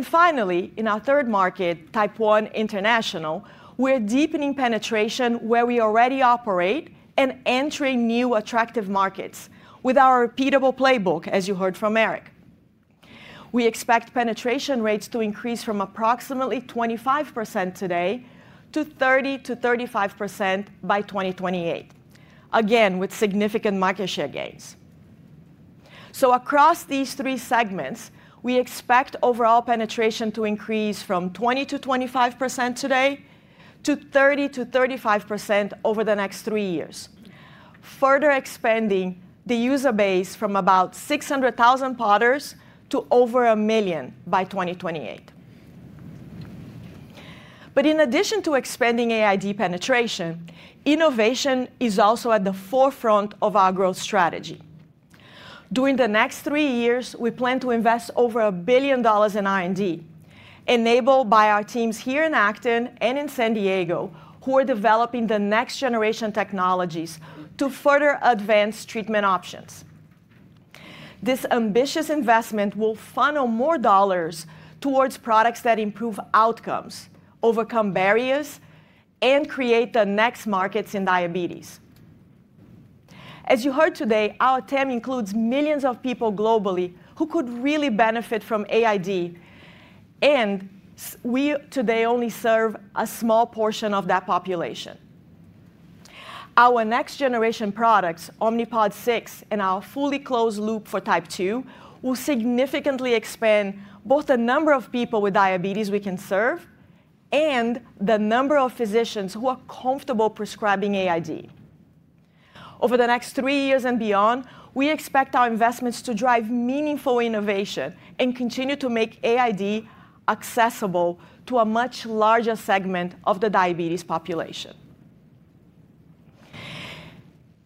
Finally, in our third market, type 1 international, we're deepening penetration where we already operate and entering new attractive markets with our repeatable playbook, as you heard from Eric. We expect penetration rates to increase from approximately 25% today to 30%-35% by 2028, again with significant market share gains. Across these three segments, we expect overall penetration to increase from 20%-25% today to 30%-35% over the next three years, further expanding the user base from about 600,000 Podders to over a million by 2028. In addition to expanding AID penetration, innovation is also at the forefront of our growth strategy. During the next three years, we plan to invest over $1 billion in R&D, enabled by our teams here in Acton and in San Diego, who are developing the next-generation technologies to further advance treatment options. This ambitious investment will funnel more dollars towards products that improve outcomes, overcome barriers, and create the next markets in diabetes. As you heard today, our team includes millions of people globally who could really benefit from AID, and we today only serve a small portion of that population. Our next-generation products, Omnipod 6 and our fully closed loop for type 2, will significantly expand both the number of people with diabetes we can serve and the number of physicians who are comfortable prescribing AID. Over the next three years and beyond, we expect our investments to drive meaningful innovation and continue to make AID accessible to a much larger segment of the diabetes population.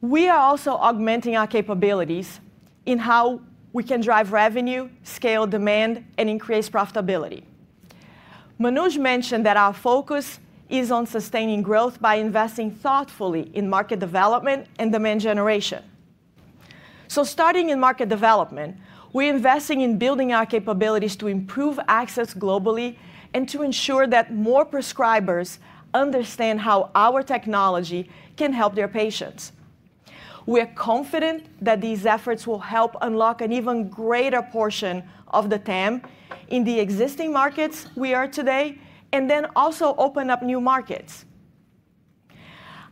We are also augmenting our capabilities in how we can drive revenue, scale demand, and increase profitability. Manoj mentioned that our focus is on sustaining growth by investing thoughtfully in market development and demand generation. Starting in market development, we're investing in building our capabilities to improve access globally and to ensure that more prescribers understand how our technology can help their patients. We are confident that these efforts will help unlock an even greater portion of the TAM in the existing markets we are today and then also open up new markets.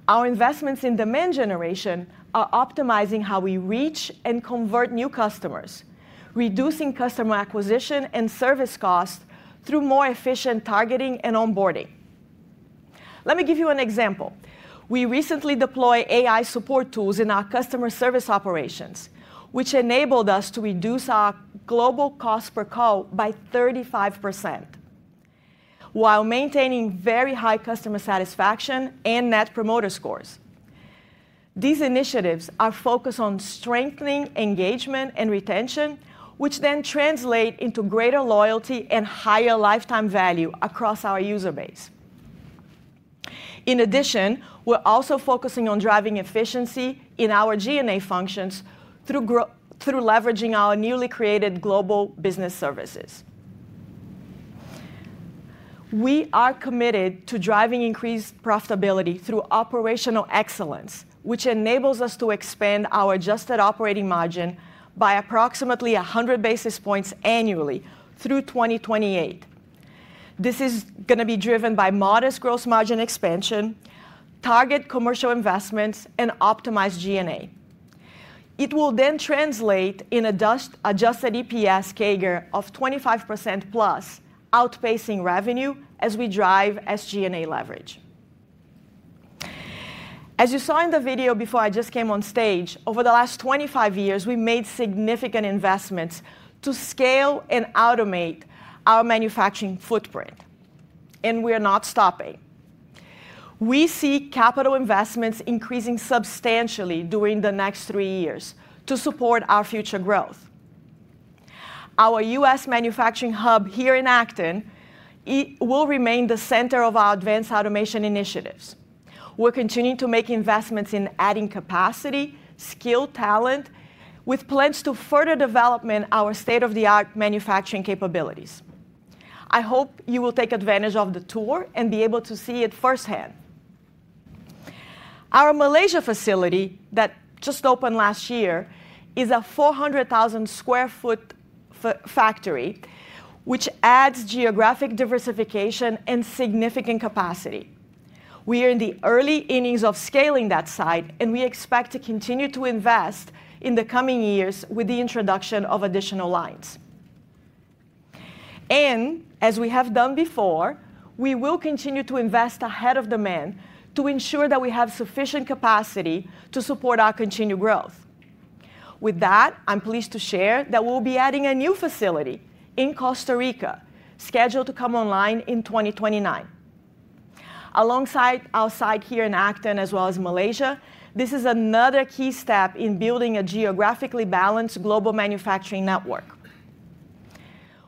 Our investments in demand generation are optimizing how we reach and convert new customers, reducing customer acquisition and service costs through more efficient targeting and onboarding. Let me give you an example. We recently deployed AI support tools in our customer service operations, which enabled us to reduce our global cost per call by 35% while maintaining very high customer satisfaction and net promoter scores. These initiatives are focused on strengthening engagement and retention, which then translate into greater loyalty and higher lifetime value across our user base. In addition, we're also focusing on driving efficiency in our GNA functions through leveraging our newly created global business services. We are committed to driving increased profitability through operational excellence, which enables us to expand our adjusted operating margin by approximately 100 basis points annually through 2028. This is going to be driven by modest gross margin expansion, target commercial investments, and optimized GNA. It will then translate in an adjusted EPS CAGR of 25% plus, outpacing revenue as we drive SG&A leverage. As you saw in the video before I just came on stage, over the last 25 years, we made significant investments to scale and automate our manufacturing footprint, and we are not stopping. We see capital investments increasing substantially during the next three years to support our future growth. Our U.S. manufacturing hub here in Acton will remain the center of our advanced automation initiatives. We're continuing to make investments in adding capacity, skilled talent, with plans to further develop our state-of-the-art manufacturing capabilities. I hope you will take advantage of the tour and be able to see it firsthand. Our Malaysia facility that just opened last year is a 400,000 sq ft factory, which adds geographic diversification and significant capacity. We are in the early innings of scaling that site, and we expect to continue to invest in the coming years with the introduction of additional lines. As we have done before, we will continue to invest ahead of demand to ensure that we have sufficient capacity to support our continued growth. With that, I'm pleased to share that we'll be adding a new facility in Costa Rica, scheduled to come online in 2029. Alongside our site here in Acton, as well as Malaysia, this is another key step in building a geographically balanced global manufacturing network.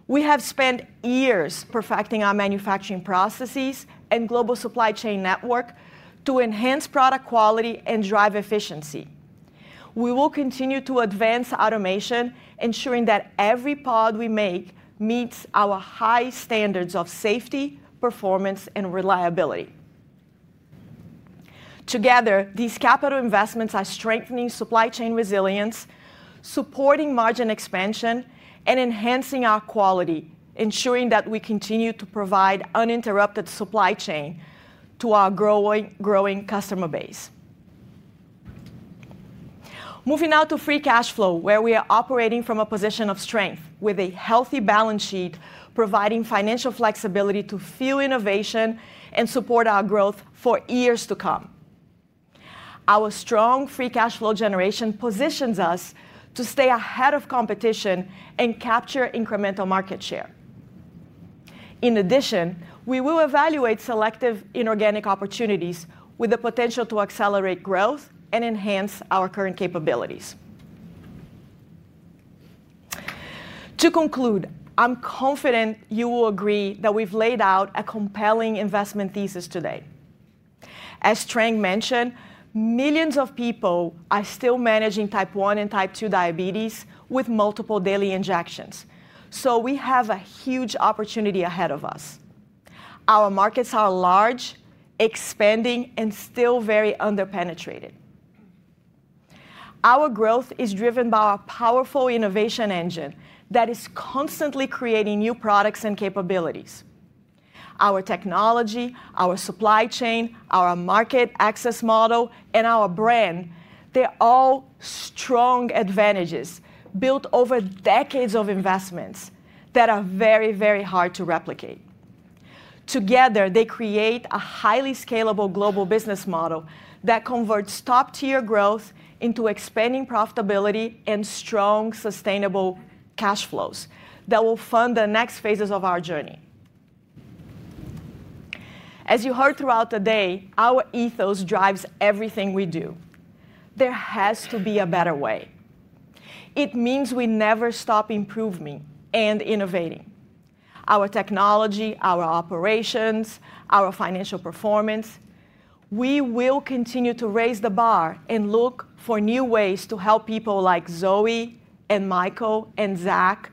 We have spent years perfecting our manufacturing processes and global supply chain network to enhance product quality and drive efficiency. We will continue to advance automation, ensuring that every pod we make meets our high standards of safety, performance, and reliability. Together, these capital investments are strengthening supply chain resilience, supporting margin expansion, and enhancing our quality, ensuring that we continue to provide uninterrupted supply chain to our growing customer base. Moving now to free cash flow, where we are operating from a position of strength with a healthy balance sheet, providing financial flexibility to fuel innovation and support our growth for years to come. Our strong free cash flow generation positions us to stay ahead of competition and capture incremental market share. In addition, we will evaluate selective inorganic opportunities with the potential to accelerate growth and enhance our current capabilities. To conclude, I'm confident you will agree that we've laid out a compelling investment thesis today. As Trang mentioned, millions of people are still managing type 1 and type 2 diabetes with multiple daily injections. We have a huge opportunity ahead of us. Our markets are large, expanding, and still very underpenetrated. Our growth is driven by our powerful innovation engine that is constantly creating new products and capabilities. Our technology, our supply chain, our market access model, and our brand, they're all strong advantages built over decades of investments that are very, very hard to replicate. Together, they create a highly scalable global business model that converts top-tier growth into expanding profitability and strong, sustainable cash flows that will fund the next phases of our journey. As you heard throughout the day, our ethos drives everything we do. There has to be a better way. It means we never stop improving and innovating. Our technology, our operations, our financial performance, we will continue to raise the bar and look for new ways to help people like Zoe and Michael and Zach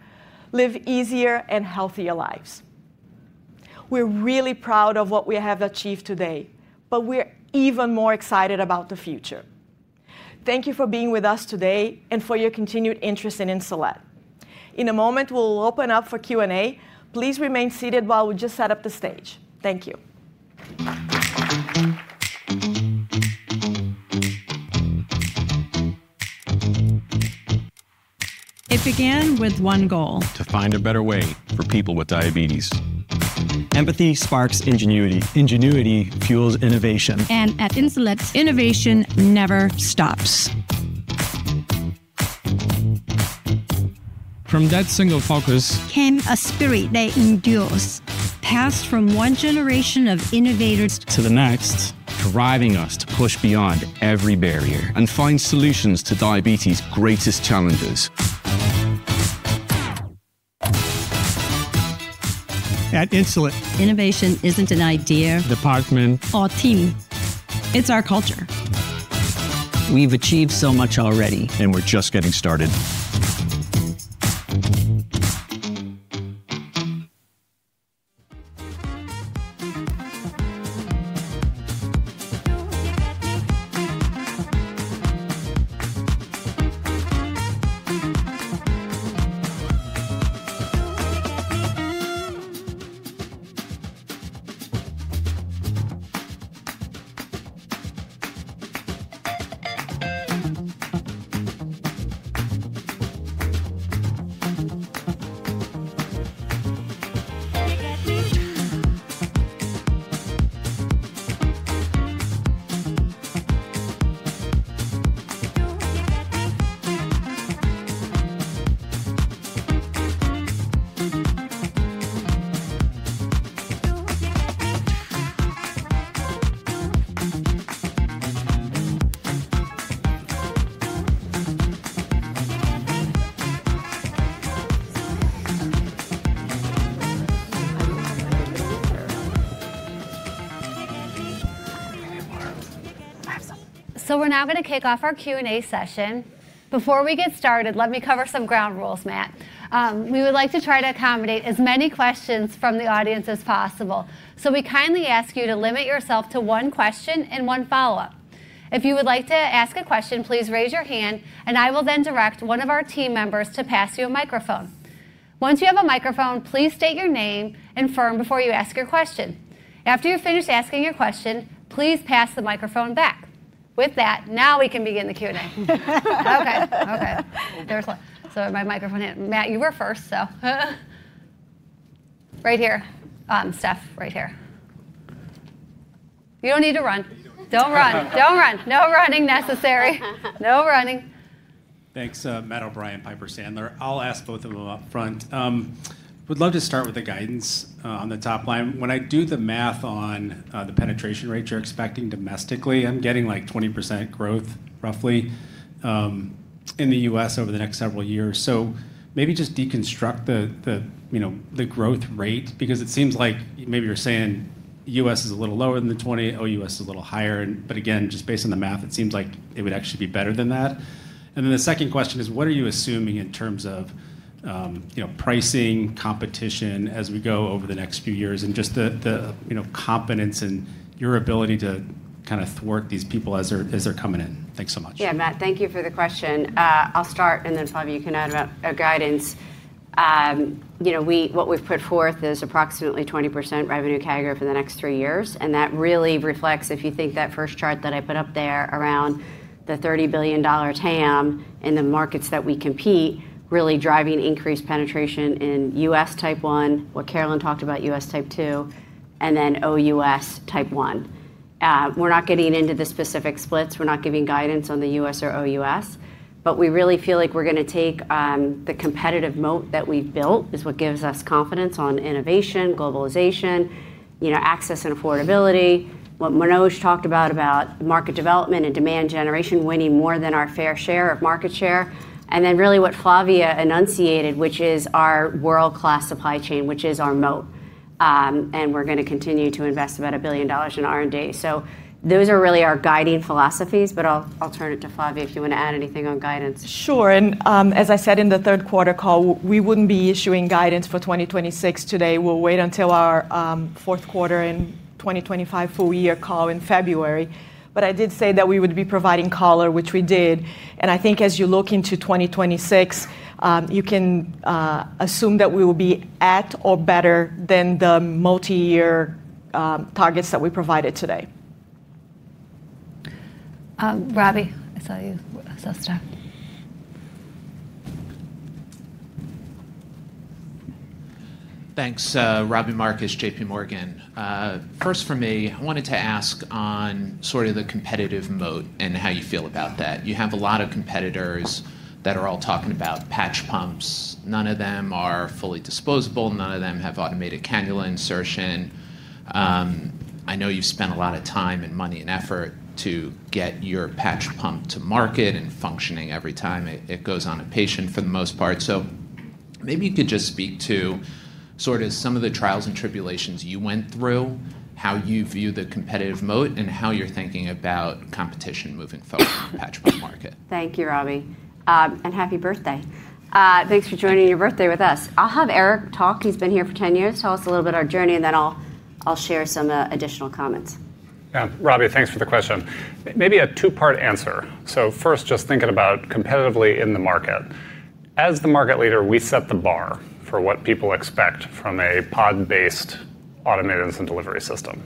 live easier and healthier lives. We're really proud of what we have achieved today, but we're even more excited about the future. Thank you for being with us today and for your continued interest in Insulet. In a moment, we'll open up for Q&A. Please remain seated while we just set up the stage. Thank you. It began with one goal: to find a better way for people with diabetes. Empathy sparks ingenuity. Ingenuity fuels innovation. At Insulet, innovation never stops. From that single focus came a spirit that endures, passed from one generation of innovators to the next, driving us to push beyond every barrier and find solutions to diabetes' greatest challenges. At Insulet, innovation isn't an idea, department, or team. It's our culture. We've achieved so much already, and we're just getting started. We are now going to kick off our Q&A session. Before we get started, let me cover some ground rules, Matt. We would like to try to accommodate as many questions from the audience as possible. We kindly ask you to limit yourself to one question and one follow-up. If you would like to ask a question, please raise your hand, and I will then direct one of our team members to pass you a microphone. Once you have a microphone, please state your name and firm before you ask your question. After you're finished asking your question, please pass the microphone back. With that, now we can begin the Q&A. Okay, okay. There's one. So my microphone hit. Matt, you were first, so. Right here. Steph, right here. You don't need to run. Don't run. Don't run. No running necessary. No running. Thanks, Matt O'Brien and Piper Sandler. I'll ask both of them up front. I would love to start with the guidance on the top line. When I do the math on the penetration rate you're expecting domestically, I'm getting like 20% growth, roughly, in the U.S. over the next several years. Maybe just deconstruct the growth rate, because it seems like maybe you're saying the U.S. is a little lower than the 20, or US is a little higher. Again, just based on the math, it seems like it would actually be better than that. Then the second question is, what are you assuming in terms of pricing, competition as we go over the next few years, and just the competence and your ability to kind of thwart these people as they're coming in? Thanks so much. Yeah, Matt, thank you for the question. I'll start, and then Flavia, you can add about guidance. What we've put forth is approximately 20% revenue CAGR for the next three years. That really reflects, if you think that first chart that I put up there around the $30 billion TAM and the markets that we compete, really driving increased penetration in U.S. type 1, what Carolyn talked about, U.S. type 2, and then OUS type 1. We're not getting into the specific splits. We're not giving guidance on the U.S. or OUS. We really feel like we're going to take the competitive moat that we've built is what gives us confidence on innovation, globalization, access, and affordability. What Manoj talked about, about market development and demand generation, winning more than our fair share of market share. What Flavia enunciated, which is our world-class supply chain, which is our moat. We're going to continue to invest about $1 billion in R&D. Those are really our guiding philosophies, but I'll turn it to Flavia if you want to add anything on guidance. Sure. As I said in the third quarter call, we wouldn't be issuing guidance for 2026 today. We'll wait until our fourth quarter and 2025 full year call in February. I did say that we would be providing color, which we did. I think as you look into 2026, you can assume that we will be at or better than the multi-year targets that we provided today. Rabi, I saw you. I saw Steph. Thanks, Rabi Marcus, JP Morgan. First, for me, I wanted to ask on sort of the competitive moat and how you feel about that. You have a lot of competitors that are all talking about patch pumps. None of them are fully disposable. None of them have automated cannula insertion. I know you've spent a lot of time and money and effort to get your patch pump to market and functioning every time it goes on a patient for the most part. Maybe you could just speak to sort of some of the trials and tribulations you went through, how you view the competitive moat, and how you're thinking about competition moving forward in the patch pump market. Thank you, Rabi. And happy birthday. Thanks for joining your birthday with us. I'll have Eric talk. He's been here for 10 years. Tell us a little bit about our journey, and then I'll share some additional comments. Rabi, thanks for the question. Maybe a two-part answer. First, just thinking about competitively in the market. As the market leader, we set the bar for what people expect from a pod-based automated insulin delivery system.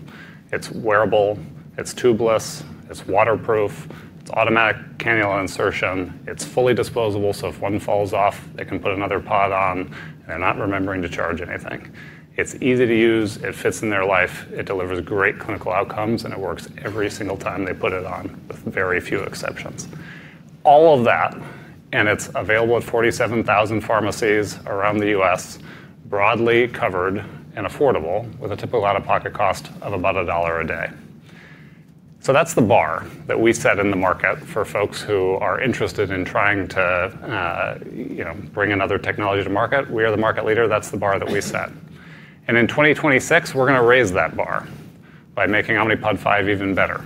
It's wearable. It's tubeless. It's waterproof. It's automatic cannula insertion. It's fully disposable, so if one falls off, they can put another pod on, and they're not remembering to charge anything. It's easy to use. It fits in their life. It delivers great clinical outcomes, and it works every single time they put it on, with very few exceptions. All of that, and it's available at 47,000 pharmacies around the US, broadly covered and affordable, with a typical out-of-pocket cost of about $1 a day. That is the bar that we set in the market for folks who are interested in trying to bring another technology to market. We are the market leader. That is the bar that we set. In 2026, we are going to raise that bar by making Omnipod 5 even better.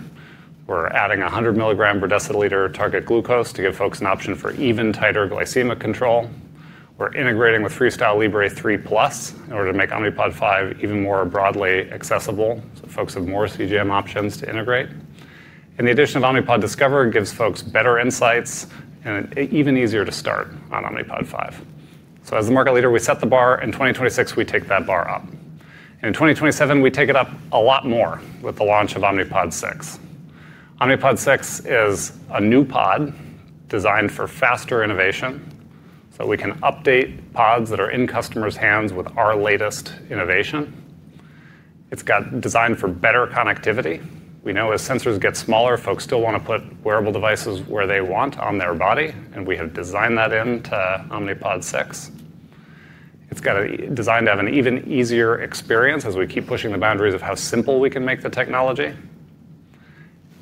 We are adding a 100 mg/dL target glucose to give folks an option for even tighter glycemic control. We are integrating with FreeStyle Libre 3+ in order to make Omnipod 5 even more broadly accessible so folks have more CGM options to integrate. The addition of Omnipod Discover gives folks better insights and it's even easier to start on Omnipod 5. As the market leader, we set the bar, and in 2026, we take that bar up. In 2027, we take it up a lot more with the launch of Omnipod 6. Omnipod 6 is a new pod designed for faster innovation so that we can update pods that are in customers' hands with our latest innovation. It's designed for better connectivity. We know as sensors get smaller, folks still want to put wearable devices where they want on their body, and we have designed that into Omnipod 6. It's designed to have an even easier experience as we keep pushing the boundaries of how simple we can make the technology.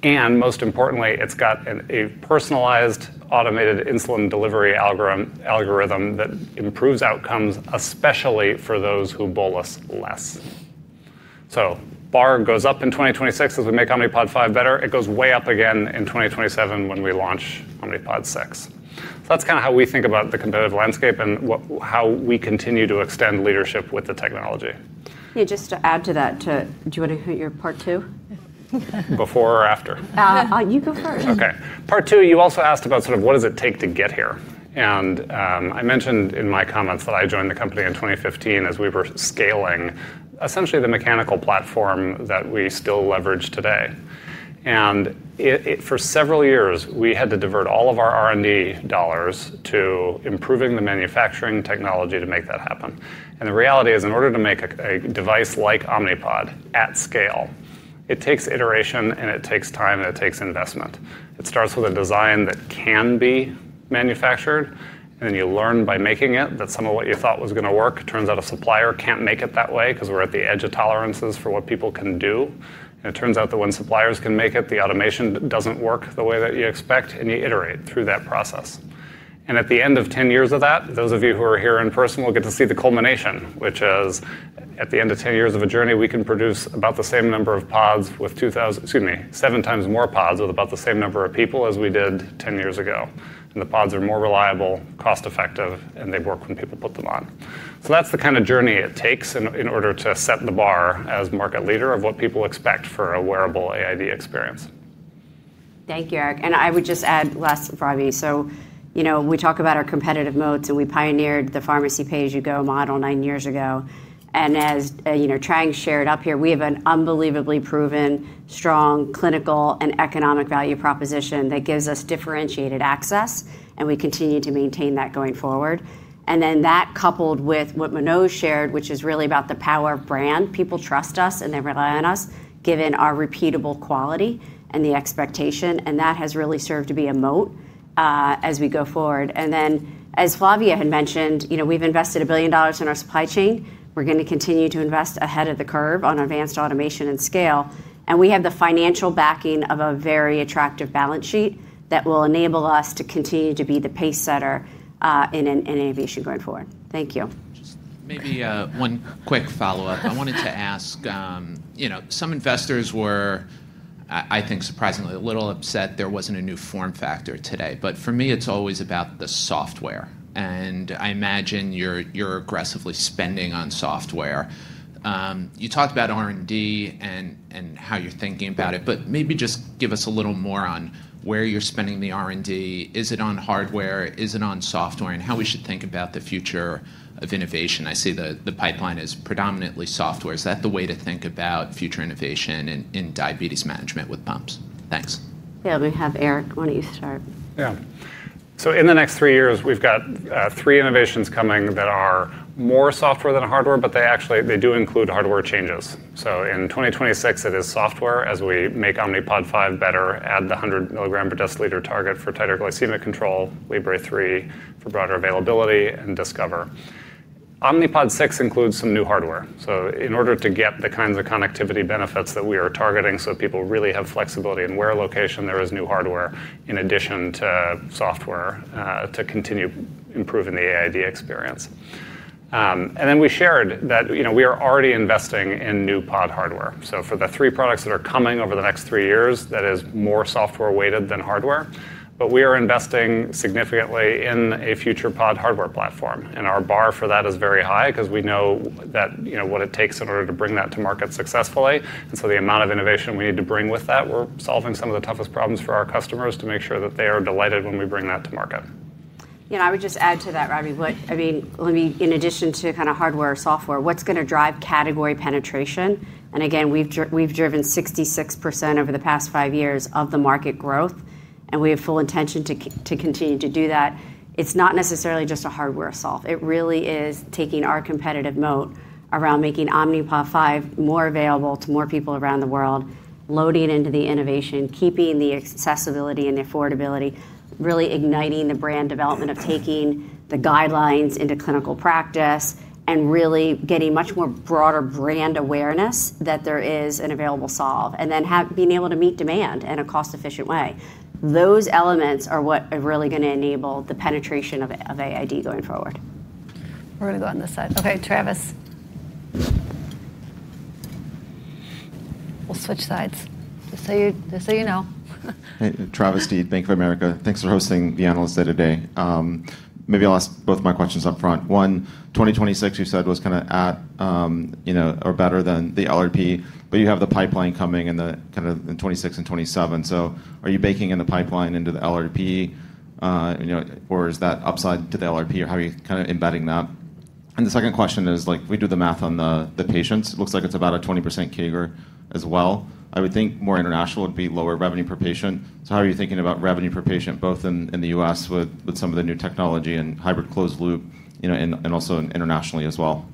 Most importantly, it's got a personalized automated insulin delivery algorithm that improves outcomes, especially for those who bolus less. The bar goes up in 2026 as we make Omnipod 5 better. It goes way up again in 2027 when we launch Omnipod 6. That is kind of how we think about the competitive landscape and how we continue to extend leadership with the technology. Yeah, just to add to that, do you want to hit your part two? Before or after? You go first. Okay. Part two, you also asked about sort of what does it take to get here. I mentioned in my comments that I joined the company in 2015 as we were scaling essentially the mechanical platform that we still leverage today. For several years, we had to divert all of our R&D dollars to improving the manufacturing technology to make that happen. The reality is in order to make a device like Omnipod at scale, it takes iteration, it takes time, and it takes investment. It starts with a design that can be manufactured, and then you learn by making it that some of what you thought was going to work turns out a supplier cannot make it that way because we are at the edge of tolerances for what people can do. It turns out that when suppliers can make it, the automation does not work the way that you expect, and you iterate through that process. At the end of 10 years of that, those of you who are here in person will get to see the culmination, which is at the end of 10 years of a journey, we can produce about the same number of pods with 2,000, excuse me, seven times more pods with about the same number of people as we did 10 years ago. The pods are more reliable, cost-effective, and they work when people put them on. That is the kind of journey it takes in order to set the bar as market leader of what people expect for a wearable AID experience. Thank you, Eric. I would just add last, Rabi. We talk about our competitive moats, and we pioneered the pharmacy pay-as-you-go model nine years ago. As Trang shared up here, we have an unbelievably proven, strong clinical and economic value proposition that gives us differentiated access, and we continue to maintain that going forward. That coupled with what Manoj shared, which is really about the power of brand, people trust us and they rely on us given our repeatable quality and the expectation. That has really served to be a moat as we go forward. As Flavia had mentioned, we've invested $1 billion in our supply chain. We're going to continue to invest ahead of the curve on advanced automation and scale. We have the financial backing of a very attractive balance sheet that will enable us to continue to be the pacesetter in innovation going forward. Thank you. Just maybe one quick follow-up. I wanted to ask, some investors were, I think, surprisingly a little upset there was not a new form factor today. For me, it is always about the software. I imagine you are aggressively spending on software. You talked about R&D and how you are thinking about it, but maybe just give us a little more on where you are spending the R&D. Is it on hardware? Is it on software? How should we think about the future of innovation? I see the pipeline is predominantly software. Is that the way to think about future innovation in diabetes management with pumps? Thanks. Yeah, we have Eric. Why do you not start? Yeah. In the next three years, we have three innovations coming that are more software than hardware, but they actually do include hardware changes. In 2026, it is software as we make Omnipod 5 better, add the 100 mg/dL target for tighter glycemic control, Libre 3 for broader availability, and Discover. Omnipod 6 includes some new hardware. In order to get the kinds of connectivity benefits that we are targeting so people really have flexibility and wear location, there is new hardware in addition to software to continue improving the AID experience. We shared that we are already investing in new pod hardware. For the three products that are coming over the next three years, that is more software-weighted than hardware. We are investing significantly in a future pod hardware platform. Our bar for that is very high because we know what it takes in order to bring that to market successfully. The amount of innovation we need to bring with that, we're solving some of the toughest problems for our customers to make sure that they are delighted when we bring that to market. I would just add to that, Rabi. I mean, in addition to kind of hardware or software, what's going to drive category penetration? Again, we've driven 66% over the past five years of the market growth, and we have full intention to continue to do that. It's not necessarily just a hardware solve. It really is taking our competitive moat around making Omnipod 5 more available to more people around the world, loading it into the innovation, keeping the accessibility and the affordability, really igniting the brand development of taking the guidelines into clinical practice and really getting much more broader brand awareness that there is an available solve, and then being able to meet demand in a cost-efficient way. Those elements are what are really going to enable the penetration of AID going forward. We're going to go on this side. Okay, Travis. We'll switch sides. Just so you know. Travis Deed, Bank of America. Thanks for hosting the analyst day today. Maybe I'll ask both my questions upfront. One, 2026, you said, was kind of at or better than the LRP, but you have the pipeline coming in the 26 and 27. Are you baking in the pipeline into the LRP, or is that upside to the LRP, or how are you kind of embedding that? The second question is, we do the math on the patients. It looks like it's about a 20% CAGR as well. I would think more international would be lower revenue per patient. How are you thinking about revenue per patient, both in the U.S. with some of the new technology and hybrid closed loop, and also internationally as well?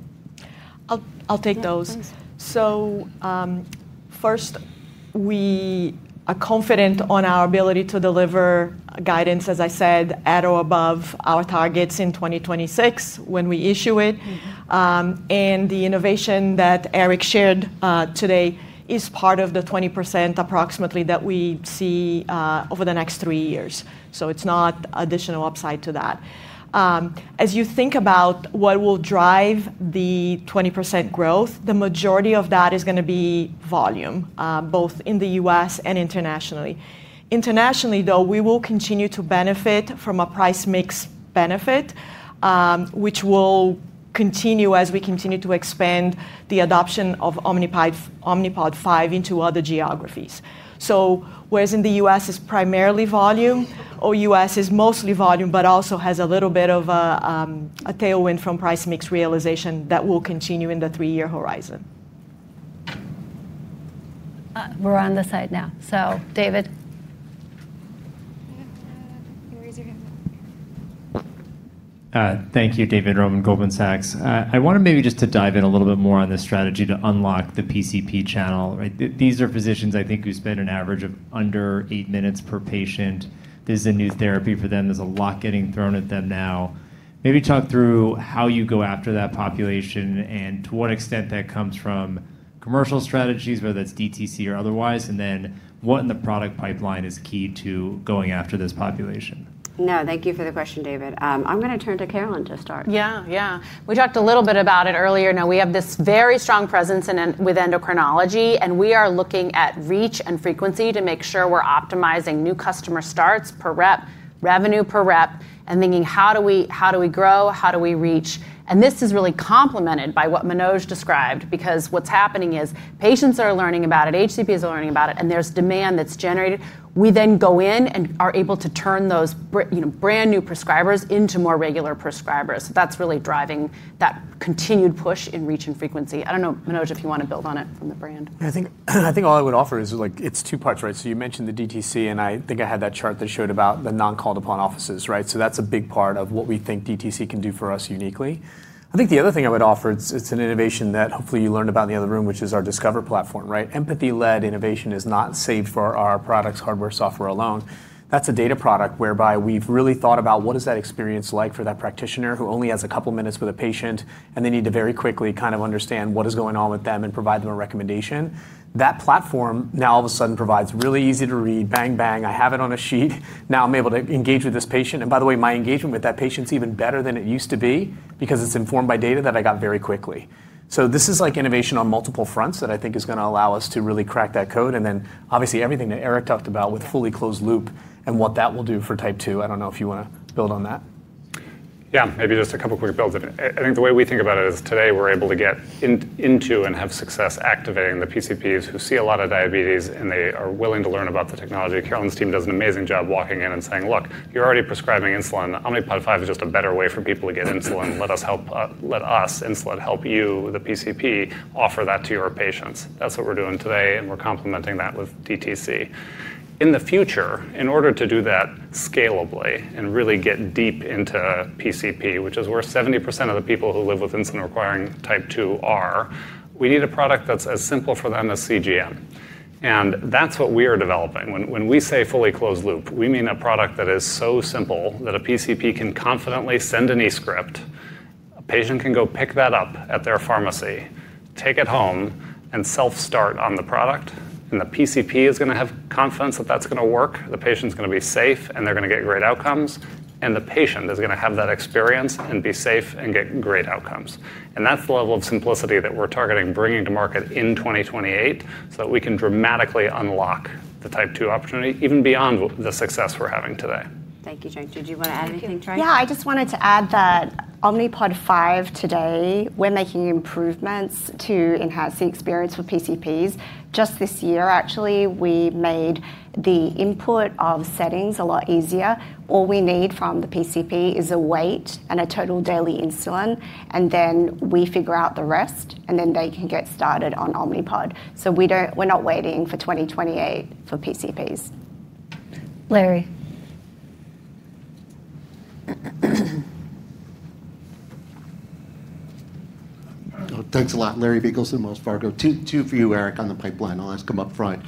I'll take those. First, we are confident on our ability to deliver guidance, as I said, at or above our targets in 2026 when we issue it. The innovation that Eric shared today is part of the 20% approximately that we see over the next three years. It's not additional upside to that. As you think about what will drive the 20% growth, the majority of that is going to be volume, both in the U.S. and internationally. Internationally, though, we will continue to benefit from a price mix benefit, which will continue as we continue to expand the adoption of Omnipod 5 into other geographies. Whereas in the U.S. it is primarily volume, or U.S. is mostly volume, but also has a little bit of a tailwind from price mix realization that will continue in the three-year horizon. We're on this side now. David. Thank you, David Roman, Goldman Sachs. I wanted maybe just to dive in a little bit more on this strategy to unlock the PCP channel. These are physicians, I think, who spend an average of under eight minutes per patient. This is a new therapy for them. There's a lot getting thrown at them now. Maybe talk through how you go after that population and to what extent that comes from commercial strategies, whether that's DTC or otherwise, and then what in the product pipeline is key to going after this population. No, thank you for the question, David. I'm going to turn to Carolyn to start. Yeah, yeah. We talked a little bit about it earlier. Now, we have this very strong presence with endocrinology, and we are looking at reach and frequency to make sure we're optimizing new customer starts per rep, revenue per rep, and thinking how do we grow, how do we reach. This is really complemented by what Manoj described because what's happening is patients are learning about it, HCP is learning about it, and there's demand that's generated. We then go in and are able to turn those brand new prescribers into more regular prescribers. That's really driving that continued push in reach and frequency. I don't know, Manoj, if you want to build on it from the brand. I think all I would offer is it's two parts, right? You mentioned the DTC, and I think I had that chart that showed about the non-called-upon offices, right? That's a big part of what we think DTC can do for us uniquely. I think the other thing I would offer, it's an innovation that hopefully you learned about in the other room, which is our Discover platform, right? Empathy-led innovation is not saved for our products, hardware, software alone. That's a data product whereby we've really thought about what is that experience like for that practitioner who only has a couple of minutes with a patient, and they need to very quickly kind of understand what is going on with them and provide them a recommendation. That platform now all of a sudden provides really easy to read, bang, bang, I have it on a sheet. Now I'm able to engage with this patient. By the way, my engagement with that patient is even better than it used to be because it's informed by data that I got very quickly. This is like innovation on multiple fronts that I think is going to allow us to really crack that code. Obviously, everything that Eric talked about with fully closed loop and what that will do for type 2, I do not know if you want to build on that. Yeah, maybe just a couple of quick builds of it. I think the way we think about it is today we are able to get into and have success activating the PCPs who see a lot of diabetes and they are willing to learn about the technology. Carolyn's team does an amazing job walking in and saying, "Look, you are already prescribing insulin. Omnipod 5 is just a better way for people to get insulin. Let us insulin help you, the PCP, offer that to your patients." That is what we are doing today, and we are complementing that with DTC. In the future, in order to do that scalably and really get deep into PCP, which is where 70% of the people who live with insulin-requiring type 2 are, we need a product that's as simple for them as CGM. That's what we are developing. When we say fully closed loop, we mean a product that is so simple that a PCP can confidently send an e-script. A patient can go pick that up at their pharmacy, take it home, and self-start on the product. The PCP is going to have confidence that that's going to work. The patient's going to be safe, and they're going to get great outcomes. The patient is going to have that experience and be safe and get great outcomes. That's the level of simplicity that we're targeting bringing to market in 2028 so that we can dramatically unlock the type 2 opportunity even beyond the success we're having today. Thank you, Jenkin. Did you want to add anything, Tran? Yeah, I just wanted to add that Omnipod 5 today, we're making improvements to enhance the experience for PCPs. Just this year, actually, we made the input of settings a lot easier. All we need from the PCP is a weight and a total daily insulin, and then we figure out the rest, and then they can get started on Omnipod. We're not waiting for 2028 for PCPs. Larry. Thanks a lot. Larry Biegelsen of Wells Fargo. Two for you, Eric, on the pipeline. I'll ask them upfront.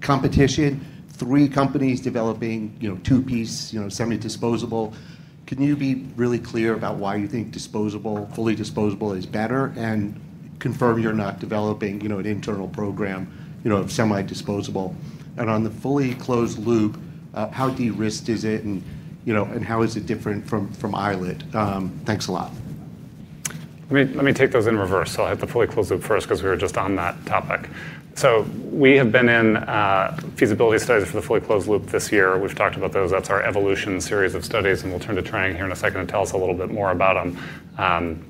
Competition, three companies developing two-piece, semi-disposable. Can you be really clear about why you think fully disposable is better and confirm you're not developing an internal program of semi-disposable? On the fully closed loop, how derisked is it, and how is it different from Eilid? Thanks a lot. Let me take those in reverse. I'll hit the fully closed loop first because we were just on that topic. We have been in feasibility studies for the fully closed loop this year. We've talked about those. That's our evolution series of studies, and we'll turn to Trang here in a second to tell us a little bit more about them.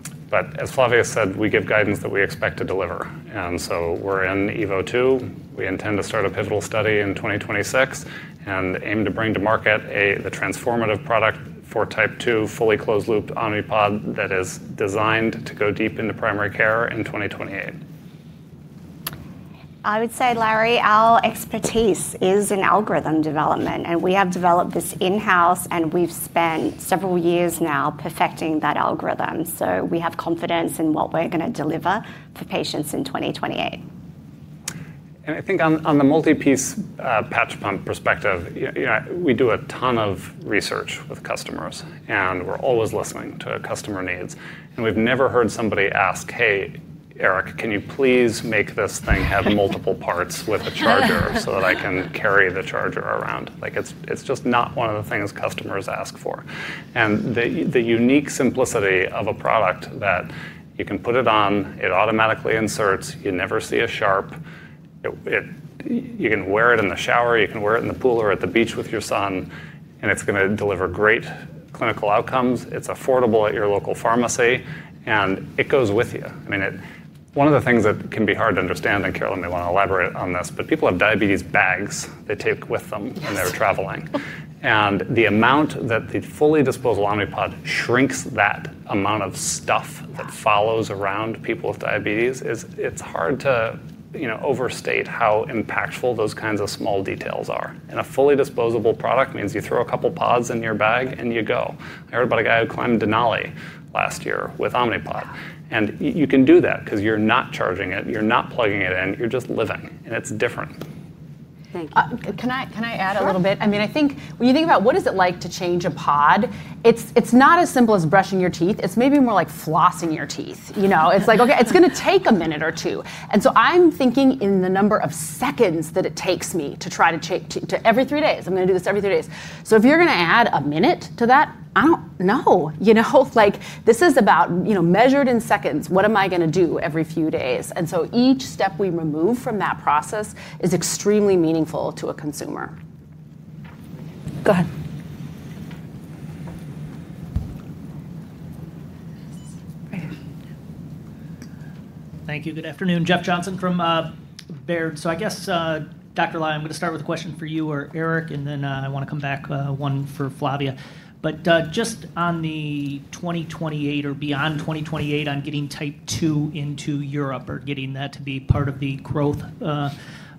As Flavia said, we give guidance that we expect to deliver. We're in Evo 2. We intend to start a pivotal study in 2026 and aim to bring to market the transformative product for type 2 fully closed loop Omnipod that is designed to go deep into primary care in 2028. I would say, Larry, our expertise is in algorithm development, and we have developed this in-house, and we've spent several years now perfecting that algorithm. We have confidence in what we're going to deliver for patients in 2028. I think on the multi-piece patch pump perspective, we do a ton of research with customers, and we're always listening to customer needs. We've never heard somebody ask, "Hey, Eric, can you please make this thing have multiple parts with a charger so that I can carry the charger around?" It's just not one of the things customers ask for. The unique simplicity of a product that you can put on, it automatically inserts, you never see a sharp. You can wear it in the shower, you can wear it in the pool or at the beach with your son, and it's going to deliver great clinical outcomes. It's affordable at your local pharmacy, and it goes with you. I mean, one of the things that can be hard to understand, and Carolyn, they want to elaborate on this, but people have diabetes bags they take with them when they're traveling. The amount that the fully disposable Omnipod shrinks that amount of stuff that follows around people with diabetes, it's hard to overstate how impactful those kinds of small details are. A fully disposable product means you throw a couple of pods in your bag and you go. I heard about a guy who climbed Denali last year with Omnipod. You can do that because you're not charging it, you're not plugging it in, you're just living. It's different. Thank you. Can I add a little bit? I mean, I think when you think about what is it like to change a pod, it's not as simple as brushing your teeth. It's maybe more like flossing your teeth. It's like, okay, it's going to take a minute or two. I'm thinking in the number of seconds that it takes me to try to every three days, I'm going to do this every three days. If you're going to add a minute to that, I don't know. This is about measured in seconds, what am I going to do every few days? Each step we remove from that process is extremely meaningful to a consumer. Go ahead. Thank you. Good afternoon. Jeff Johnson from Baird. I guess, Dr. Ly, I'm going to start with a question for you or Eric, and then I want to come back with one for Flavia. Just on the 2028 or beyond 2028, I'm getting type 2 into Europe or getting that to be part of the growth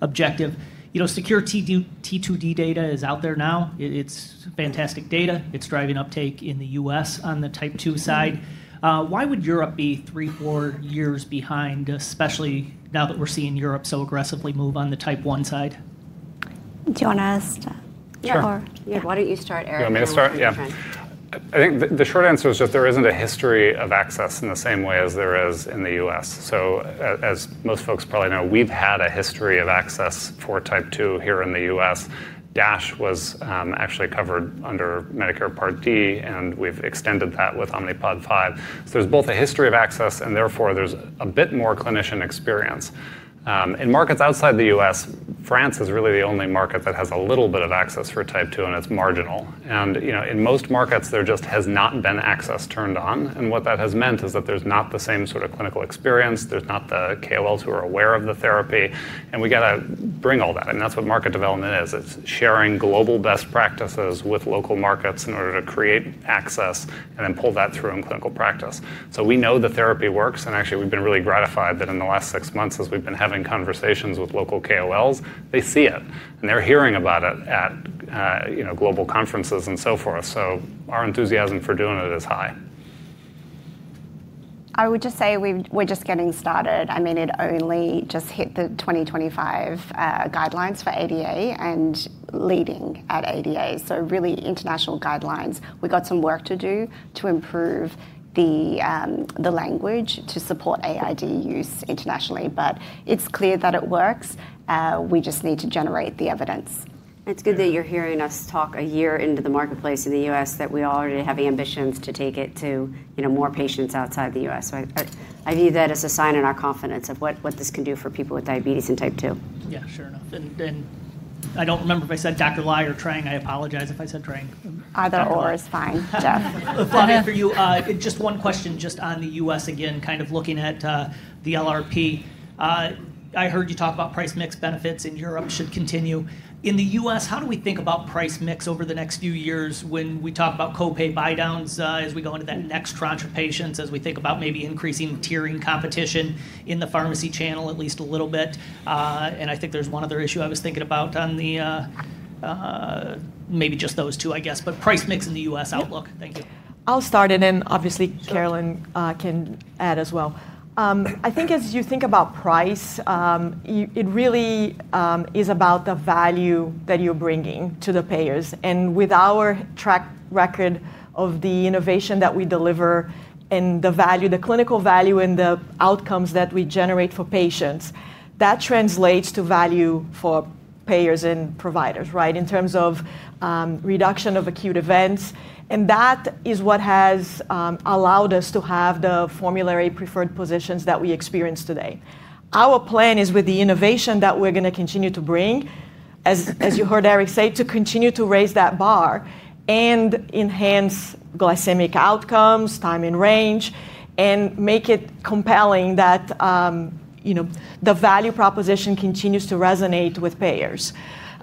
objective. SECURE-T2D data is out there now. It's fantastic data. It's driving uptake in the U.S. on the type 2 side. Why would Europe be three-four years behind, especially now that we're seeing Europe so aggressively move on the type 1 side? Jonas? Sure. Why don't you start, Eric? I'm going to start. Yeah. I think the short answer is just there is not a history of access in the same way as there is in the U.S. As most folks probably know, we have had a history of access for type 2 here in the U.S. DASH was actually covered under Medicare Part D, and we have extended that with Omnipod 5. There is both a history of access, and therefore there is a bit more clinician experience. In markets outside the U.S., France is really the only market that has a little bit of access for type 2, and it is marginal. In most markets, there just has not been access turned on. What that has meant is that there is not the same sort of clinical experience. There are not the KOLs who are aware of the therapy. We have to bring all that. That is what market development is. It's sharing global best practices with local markets in order to create access and then pull that through in clinical practice. We know the therapy works. Actually, we've been really gratified that in the last six months, as we've been having conversations with local KOLs, they see it. They're hearing about it at global conferences and so forth. Our enthusiasm for doing it is high. I would just say we're just getting started. I mean, it only just hit the 2025 guidelines for ADA and leading at ADA. Really international guidelines. We've got some work to do to improve the language to support AID use internationally. It's clear that it works. We just need to generate the evidence. It's good that you're hearing us talk a year into the marketplace in the U.S. that we already have ambitions to take it to more patients outside the U.S. I view that as a sign in our confidence of what this can do for people with diabetes and type 2. Yeah, sure enough. I don't remember if I said Dr. Ly or Trang. I apologize if I said Trang. Either or is fine. Flavia, for you, just one question just on the U.S. again, kind of looking at the LRP. I heard you talk about price mix benefits in Europe should continue. In the US, how do we think about price mix over the next few years when we talk about copay buy-downs as we go into that next tranche of patients, as we think about maybe increasing tiering competition in the pharmacy channel at least a little bit? I think there is one other issue I was thinking about on the maybe just those two, I guess, but price mix in the U.S. outlook. Thank you. I'll start it, and obviously, Carolyn can add as well. I think as you think about price, it really is about the value that you're bringing to the payers. With our track record of the innovation that we deliver and the clinical value and the outcomes that we generate for patients, that translates to value for payers and providers, right, in terms of reduction of acute events. That is what has allowed us to have the formulary preferred positions that we experience today. Our plan is with the innovation that we're going to continue to bring, as you heard Eric say, to continue to raise that bar and enhance glycemic outcomes, time and range, and make it compelling that the value proposition continues to resonate with payers.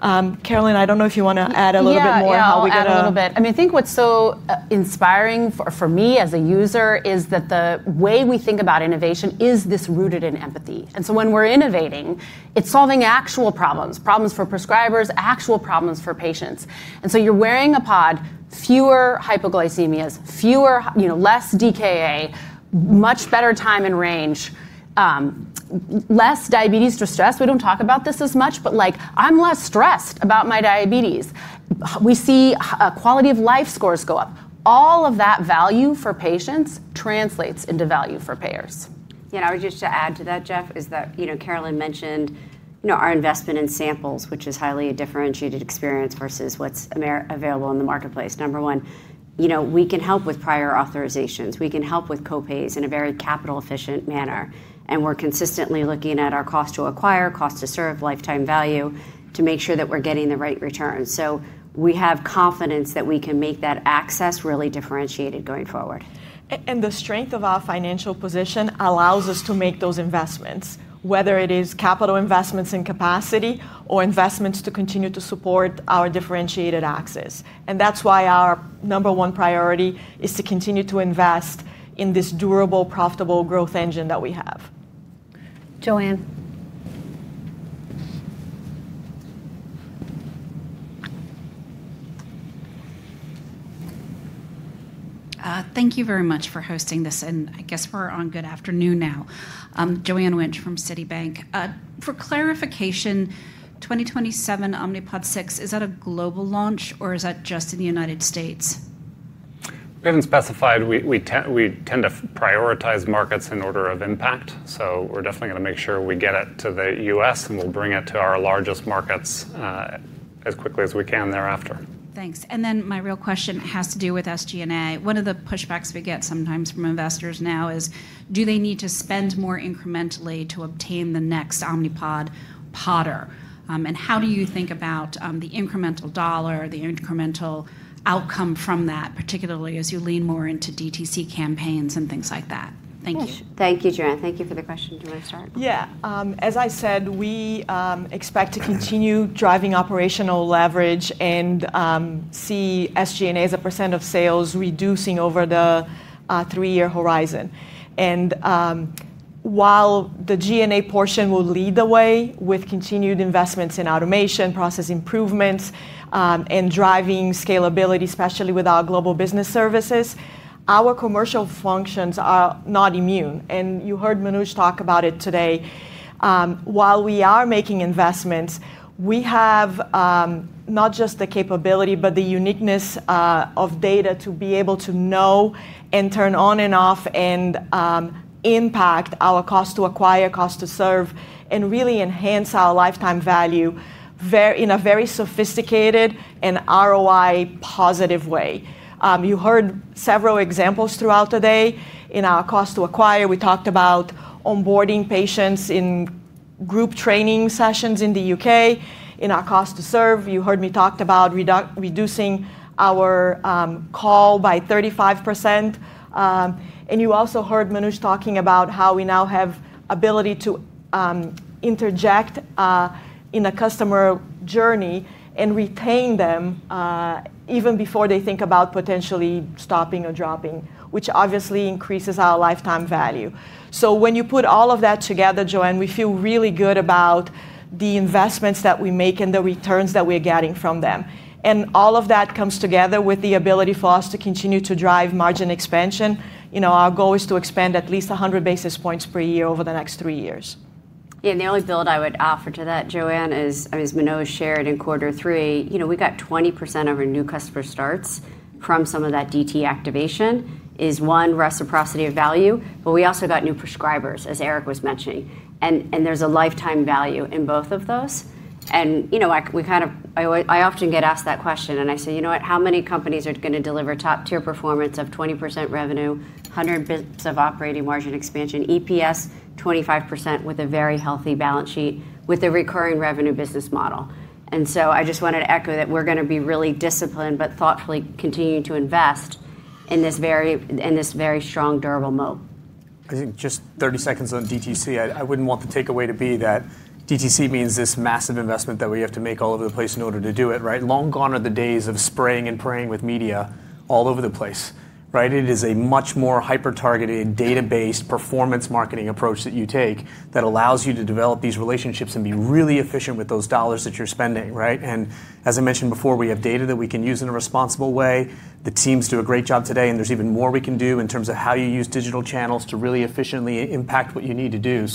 Carolyn, I don't know if you want to add a little bit more how we get out. I mean, I think what's so inspiring for me as a user is that the way we think about innovation is this rooted in empathy. When we're innovating, it's solving actual problems, problems for prescribers, actual problems for patients. You're wearing a pod, fewer hypoglycemia, less DKA, much better time and range, less diabetes distress. We do not talk about this as much, but I am less stressed about my diabetes. We see quality of life scores go up. All of that value for patients translates into value for payers. I would just add to that, Jeff, that Carolyn mentioned our investment in samples, which is a highly differentiated experience versus what is available in the marketplace. Number one, we can help with prior authorizations. We can help with copays in a very capital-efficient manner. We are consistently looking at our cost to acquire, cost to serve, lifetime value to make sure that we are getting the right returns. We have confidence that we can make that access really differentiated going forward. The strength of our financial position allows us to make those investments, whether it is capital investments in capacity or investments to continue to support our differentiated access. That is why our number one priority is to continue to invest in this durable, profitable growth engine that we have. Joanne, thank you very much for hosting this. I guess we are on Good Afternoon now. Joanne Winch from Citibank. For clarification, 2027 Omnipod 6, is that a global launch or is that just in the United States? We have not specified. We tend to prioritize markets in order of impact. We are definitely going to make sure we get it to the US, and we will bring it to our largest markets as quickly as we can thereafter. Thanks. My real question has to do with SG&A. One of the pushbacks we get sometimes from investors now is, do they need to spend more incrementally to obtain the next Omnipod podder? How do you think about the incremental dollar, the incremental outcome from that, particularly as you lean more into DTC campaigns and things like that? Thank you. Thank you, Joanne. Thank you for the question. Do you want to start? Yeah. As I said, we expect to continue driving operational leverage and see SG&A as a percent of sales reducing over the three-year horizon. While the G&A portion will lead the way with continued investments in automation, process improvements, and driving scalability, especially with our global business services, our commercial functions are not immune. You heard Manoj talk about it today. While we are making investments, we have not just the capability, but the uniqueness of data to be able to know and turn on and off and impact our cost to acquire, cost to serve, and really enhance our lifetime value in a very sophisticated and ROI-positive way. You heard several examples throughout the day. In our cost to acquire, we talked about onboarding patients in group training sessions in the U.K. In our cost to serve, you heard me talk about reducing our call by 35%. You also heard Manoj talking about how we now have the ability to interject in a customer journey and retain them even before they think about potentially stopping or dropping, which obviously increases our lifetime value. When you put all of that together, Joanne, we feel really good about the investments that we make and the returns that we're getting from them. All of that comes together with the ability for us to continue to drive margin expansion. Our goal is to expand at least 100 basis points per year over the next three years. Yeah. The only build I would offer to that, Joanne, is, as Manoj shared in quarter three, we got 20% of our new customer starts from some of that DT activation is one reciprocity of value. We also got new prescribers, as Eric was mentioning. There is a lifetime value in both of those. I often get asked that question, and I say, you know what, how many companies are going to deliver top-tier performance of 20% revenue, 100 basis points of operating margin expansion, EPS 25% with a very healthy balance sheet with a recurring revenue business model? I just wanted to echo that we're going to be really disciplined, but thoughtfully continue to invest in this very strong, durable mode. I think just 30 seconds on DTC. I wouldn't want the takeaway to be that DTC means this massive investment that we have to make all over the place in order to do it, right? Long gone are the days of spraying and praying with media all over the place, right? It is a much more hyper-targeted, data-based performance marketing approach that you take that allows you to develop these relationships and be really efficient with those dollars that you're spending, right? As I mentioned before, we have data that we can use in a responsible way. The teams do a great job today, and there is even more we can do in terms of how you use digital channels to really efficiently impact what you need to do.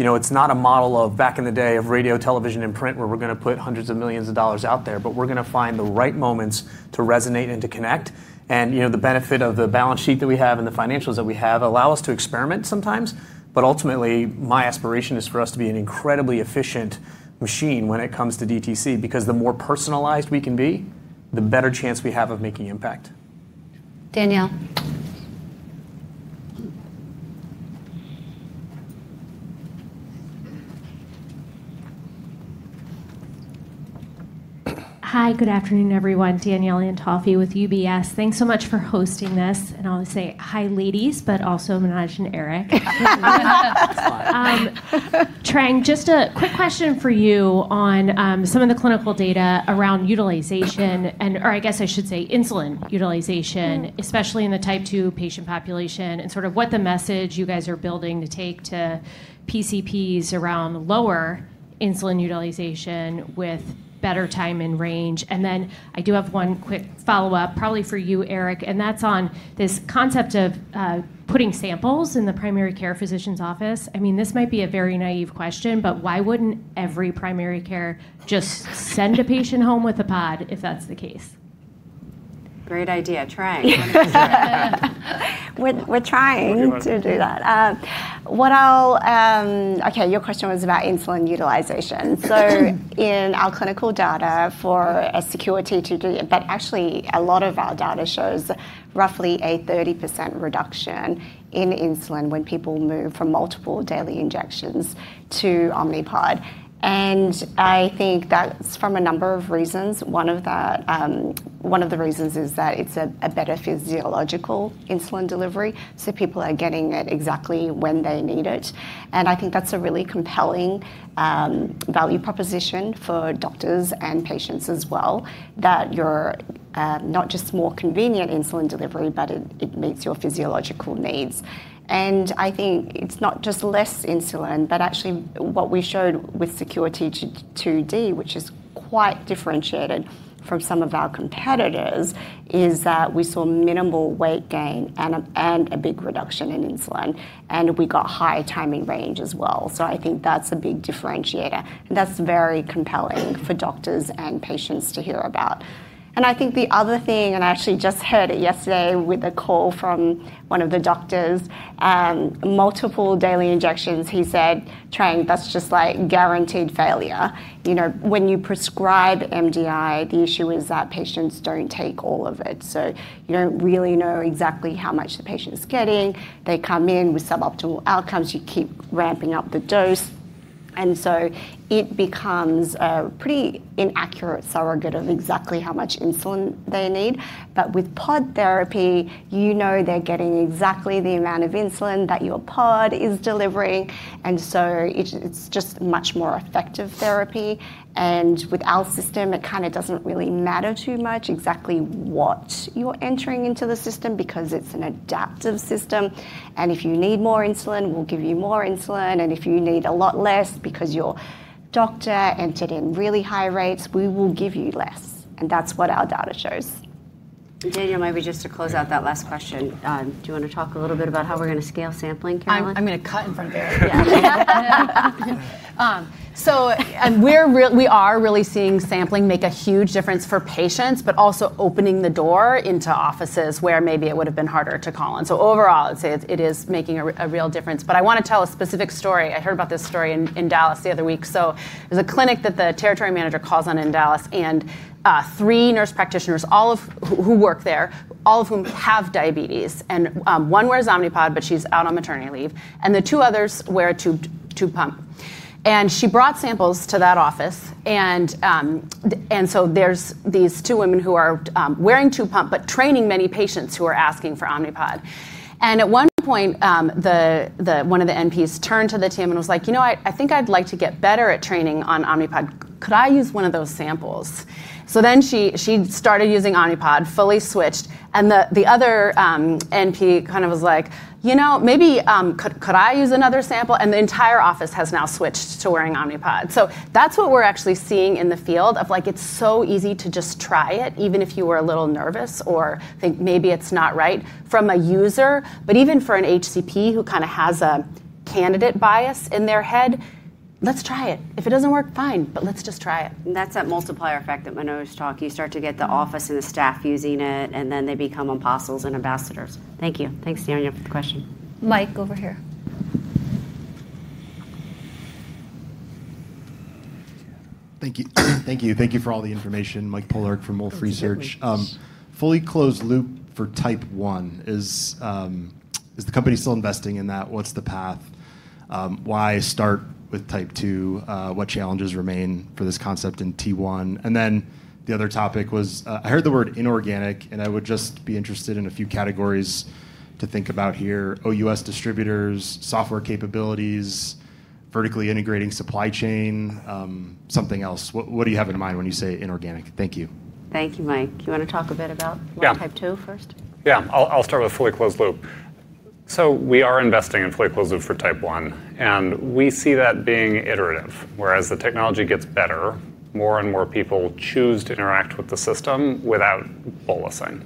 It is not a model of back in the day of radio, television, and print where we are going to put hundreds of millions of dollars out there, but we are going to find the right moments to resonate and to connect. The benefit of the balance sheet that we have and the financials that we have allow us to experiment sometimes. Ultimately, my aspiration is for us to be an incredibly efficient machine when it comes to DTC because the more personalized we can be, the better chance we have of making impact. Danielle. Hi, good afternoon, everyone. Danielle Antoffey with UBS. Thanks so much for hosting this. I'll say, hi ladies, but also Manoj and Eric. Trang, just a quick question for you on some of the clinical data around utilization, or I guess I should say insulin utilization, especially in the type 2 patient population and sort of what the message you guys are building to take to PCPs around lower insulin utilization with better time in range. I do have one quick follow-up, probably for you, Eric, and that's on this concept of putting samples in the primary care physician's office. I mean, this might be a very naive question, but why wouldn't every primary care just send a patient home with a pod if that's the case? Great idea. Trang. We're trying to do that. Okay, your question was about insulin utilization. In our clinical data for a security to do, but actually a lot of our data shows roughly a 30% reduction in insulin when people move from multiple daily injections to Omnipod. I think that's from a number of reasons. One of the reasons is that it's a better physiological insulin delivery. People are getting it exactly when they need it. I think that's a really compelling value proposition for doctors and patients as well, that you're not just more convenient insulin delivery, but it meets your physiological needs. I think it's not just less insulin, but actually what we showed with Security 2D, which is quite differentiated from some of our competitors, is that we saw minimal weight gain and a big reduction in insulin. We got higher time in range as well. I think that's a big differentiator. That's very compelling for doctors and patients to hear about. I actually just heard it yesterday with a call from one of the doctors, multiple daily injections. He said, "Trang, that's just like guaranteed failure." When you prescribe MDI, the issue is that patients don't take all of it. You don't really know exactly how much the patient's getting. They come in with suboptimal outcomes. You keep ramping up the dose. It becomes a pretty inaccurate surrogate of exactly how much insulin they need. With pod therapy, you know they're getting exactly the amount of insulin that your pod is delivering. It is just much more effective therapy. With our system, it kind of does not really matter too much exactly what you are entering into the system because it is an adaptive system. If you need more insulin, we will give you more insulin. If you need a lot less because your doctor entered in really high rates, we will give you less. That is what our data shows. Danielle, maybe just to close out that last question, do you want to talk a little bit about how we are going to scale sampling, Carolyn? I am going to cut in front of Eric. We are really seeing sampling make a huge difference for patients, but also opening the door into offices where maybe it would have been harder to call in. Overall, I'd say it is making a real difference. I want to tell a specific story. I heard about this story in Dallas the other week. There's a clinic that the territory manager calls on in Dallas, and three nurse practitioners, all of whom work there, all of whom have diabetes. One wears Omnipod, but she's out on maternity leave. The two others wear a tube pump. She brought samples to that office. There are these two women who are wearing tube pump, but training many patients who are asking for Omnipod. At one point, one of the NPs turned to the team and was like, "You know what? I think I'd like to get better at training on Omnipod. Could I use one of those samples?" She started using Omnipod, fully switched. The other NP kind of was like, "You know, maybe could I use another sample?" The entire office has now switched to wearing Omnipod. That is what we are actually seeing in the field, like it is so easy to just try it, even if you were a little nervous or think maybe it is not right from a user. Even for an HCP who kind of has a candidate bias in their head, let's try it. If it does not work, fine, but let's just try it. That is that multiplier effect that Manoj talked about. You start to get the office and the staff using it, and then they become apostles and ambassadors. Thank you. Thanks, Danielle, for the question. Mike over here. Thank you. Thank you. Thank you for all the information. Mike Pollard from Wolf Research. Fully closed loop for type one. Is the company still investing in that? What's the path? Why start with type two? What challenges remain for this concept in type one? The other topic was I heard the word inorganic, and I would just be interested in a few categories to think about here. OUS distributors, software capabilities, vertically integrating supply chain, something else. What do you have in mind when you say inorganic? Thank you. Thank you, Mike. You want to talk a bit about type two first? Yeah. I'll start with fully closed loop. We are investing in fully closed loop for type one. We see that being iterative. As the technology gets better, more and more people choose to interact with the system without bolusing.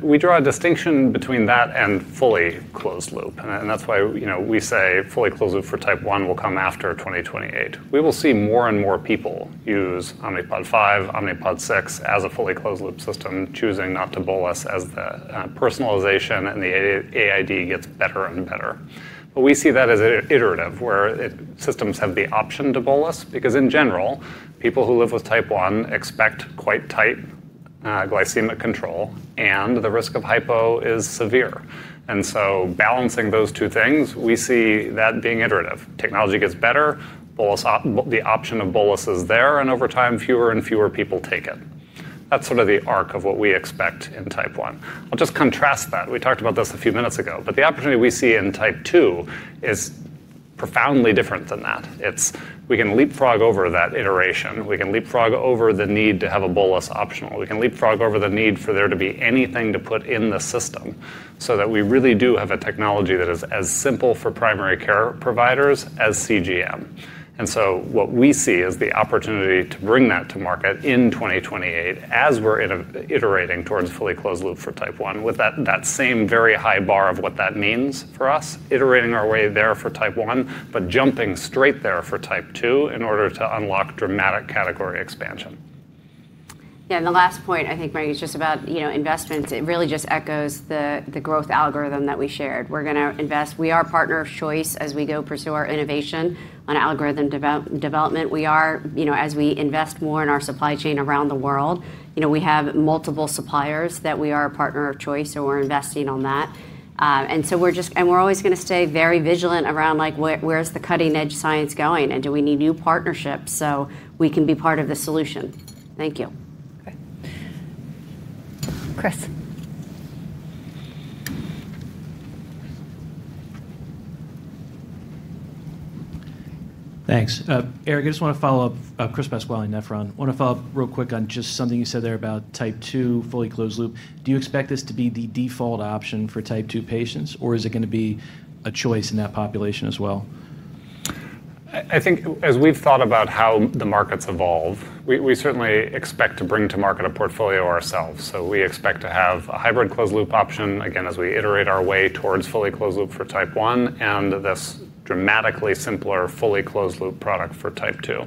We draw a distinction between that and fully closed loop. That's why we say fully closed loop for type one will come after 2028. We will see more and more people use Omnipod 5, Omnipod 6 as a fully closed loop system, choosing not to bolus as the personalization and the AID gets better and better. We see that as iterative, where systems have the option to bolus because, in general, people who live with type one expect quite tight glycemic control, and the risk of hypo is severe. Balancing those two things, we see that being iterative. Technology gets better. The option of bolus is there, and over time, fewer and fewer people take it. That is sort of the arc of what we expect in type one. I'll just contrast that. We talked about this a few minutes ago, but the opportunity we see in type two is profoundly different than that. We can leapfrog over that iteration. We can leapfrog over the need to have a bolus optional. We can leapfrog over the need for there to be anything to put in the system so that we really do have a technology that is as simple for primary care providers as CGM. What we see is the opportunity to bring that to market in 2028 as we're iterating towards fully closed loop for type one with that same very high bar of what that means for us, iterating our way there for type one, but jumping straight there for type two in order to unlock dramatic category expansion. Yeah. The last point, I think, Mike, is just about investments. It really just echoes the growth algorithm that we shared. We're going to invest. We are a partner of choice as we go pursue our innovation on algorithm development. As we invest more in our supply chain around the world, we have multiple suppliers that we are a partner of choice, so we're investing on that. We're always going to stay very vigilant around where's the cutting-edge science going, and do we need new partnerships so we can be part of the solution. Thank you. Chris. Thanks. Eric, I just want to follow up. Chris Pasquale-Nefron. I want to follow up real quick on just something you said there about type two, fully closed loop. Do you expect this to be the default option for type two patients, or is it going to be a choice in that population as well? I think as we've thought about how the markets evolve, we certainly expect to bring to market a portfolio ourselves. We expect to have a hybrid closed loop option, again, as we iterate our way towards fully closed loop for type one and this dramatically simpler fully closed loop product for type two.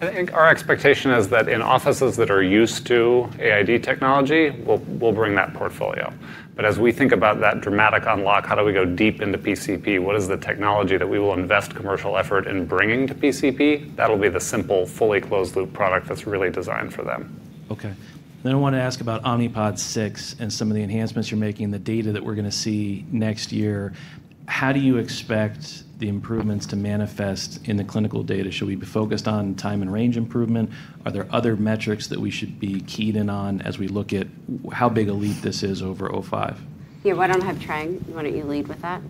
I think our expectation is that in offices that are used to AID technology, we'll bring that portfolio. As we think about that dramatic unlock, how do we go deep into PCP? What is the technology that we will invest commercial effort in bringing to PCP? That'll be the simple fully closed loop product that's really designed for them. Okay. I want to ask about Omnipod 6 and some of the enhancements you're making, the data that we're going to see next year. How do you expect the improvements to manifest in the clinical data? Should we be focused on time in range improvement? Are there other metrics that we should be keyed in on as we look at how big a leap this is over O5? Yeah. Why don't I have Trang, you want to lead with that?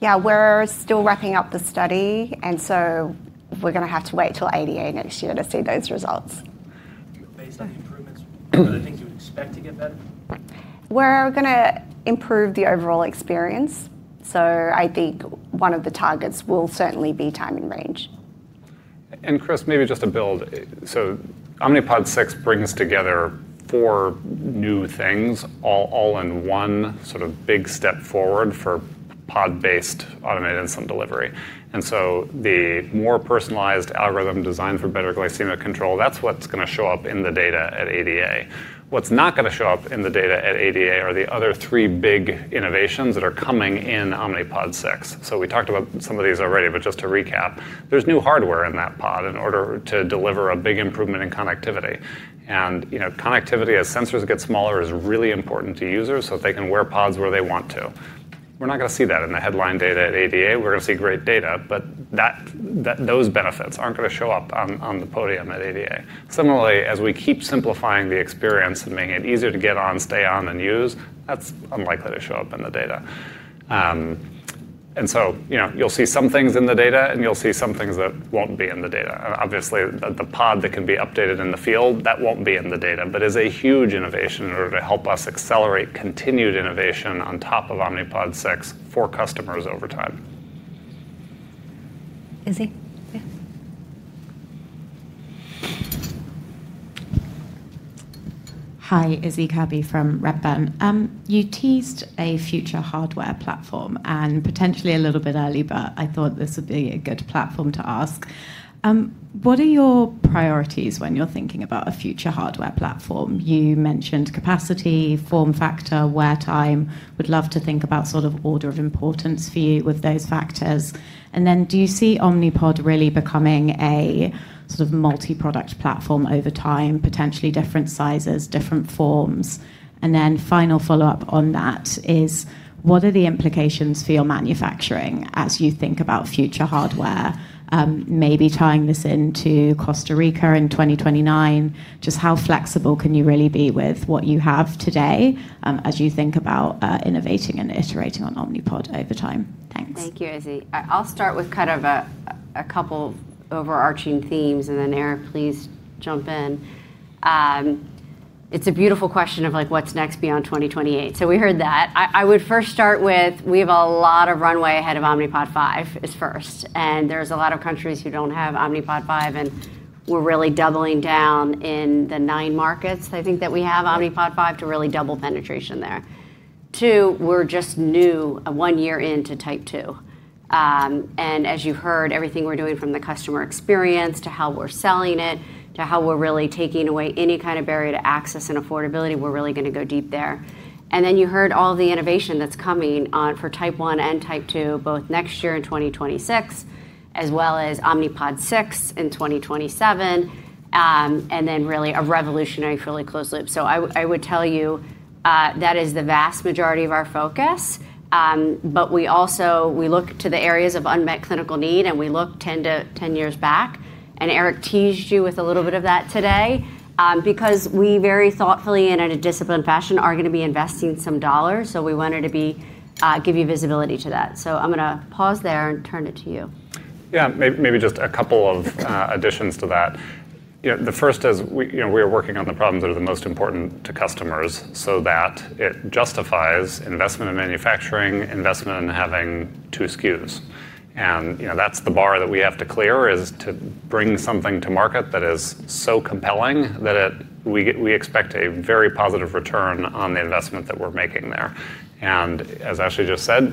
Yeah. We're still wrapping up the study, and so we're going to have to wait till ADA next year to see those results. Based on the improvements, are there things you would expect to get better? We're going to improve the overall experience. I think one of the targets will certainly be time in range. Chris, maybe just to build. Omnipod 6 brings together four new things all in one sort of big step forward for pod-based automated insulin delivery. The more personalized algorithm designed for better glycemic control, that's what's going to show up in the data at ADA. What's not going to show up in the data at ADA are the other three big innovations that are coming in Omnipod 6. We talked about some of these already, but just to recap, there's new hardware in that pod in order to deliver a big improvement in connectivity. Connectivity, as sensors get smaller, is really important to users so they can wear pods where they want to. We're not going to see that in the headline data at ADA. We're going to see great data, but those benefits aren't going to show up on the podium at ADA. Similarly, as we keep simplifying the experience and making it easier to get on, stay on, and use, that's unlikely to show up in the data. You'll see some things in the data, and you'll see some things that won't be in the data. Obviously, the pod that can be updated in the field, that will not be in the data, but is a huge innovation in order to help us accelerate continued innovation on top of Omnipod 6 for customers over time. Izzy? Yeah. Hi, Izzy Cobby from RepBen. You teased a future hardware platform, and potentially a little bit early, but I thought this would be a good platform to ask. What are your priorities when you are thinking about a future hardware platform? You mentioned capacity, form factor, wear time. Would love to think about sort of order of importance for you with those factors. Do you see Omnipod really becoming a sort of multi-product platform over time, potentially different sizes, different forms? Final follow-up on that is, what are the implications for your manufacturing as you think about future hardware? Maybe tying this into Costa Rica in 2029, just how flexible can you really be with what you have today as you think about innovating and iterating on Omnipod over time? Thanks. Thank you, Izzy. I'll start with kind of a couple of overarching themes, and then Eric, please jump in. It's a beautiful question of what's next beyond 2028. We heard that. I would first start with we have a lot of runway ahead of Omnipod 5 is first. There are a lot of countries who don't have Omnipod 5, and we're really doubling down in the nine markets, I think, that we have Omnipod 5 to really double penetration there. Two, we're just one year into type two. As you heard, everything we're doing from the customer experience to how we're selling it, to how we're really taking away any kind of barrier to access and affordability, we're really going to go deep there. You heard all the innovation that's coming for type one and type two, both next year in 2026, as well as Omnipod 6 in 2027, and really a revolutionary fully closed loop. I would tell you that is the vast majority of our focus. We also look to the areas of unmet clinical need, and we look 10 to 10 years back. Eric teased you with a little bit of that today because we very thoughtfully and in a disciplined fashion are going to be investing some dollars. We wanted to give you visibility to that. I'm going to pause there and turn it to you. Yeah. Maybe just a couple of additions to that. The first is we are working on the problems that are the most important to customers so that it justifies investment in manufacturing, investment in having two SKUs. That's the bar that we have to clear is to bring something to market that is so compelling that we expect a very positive return on the investment that we're making there. As Ashley just said,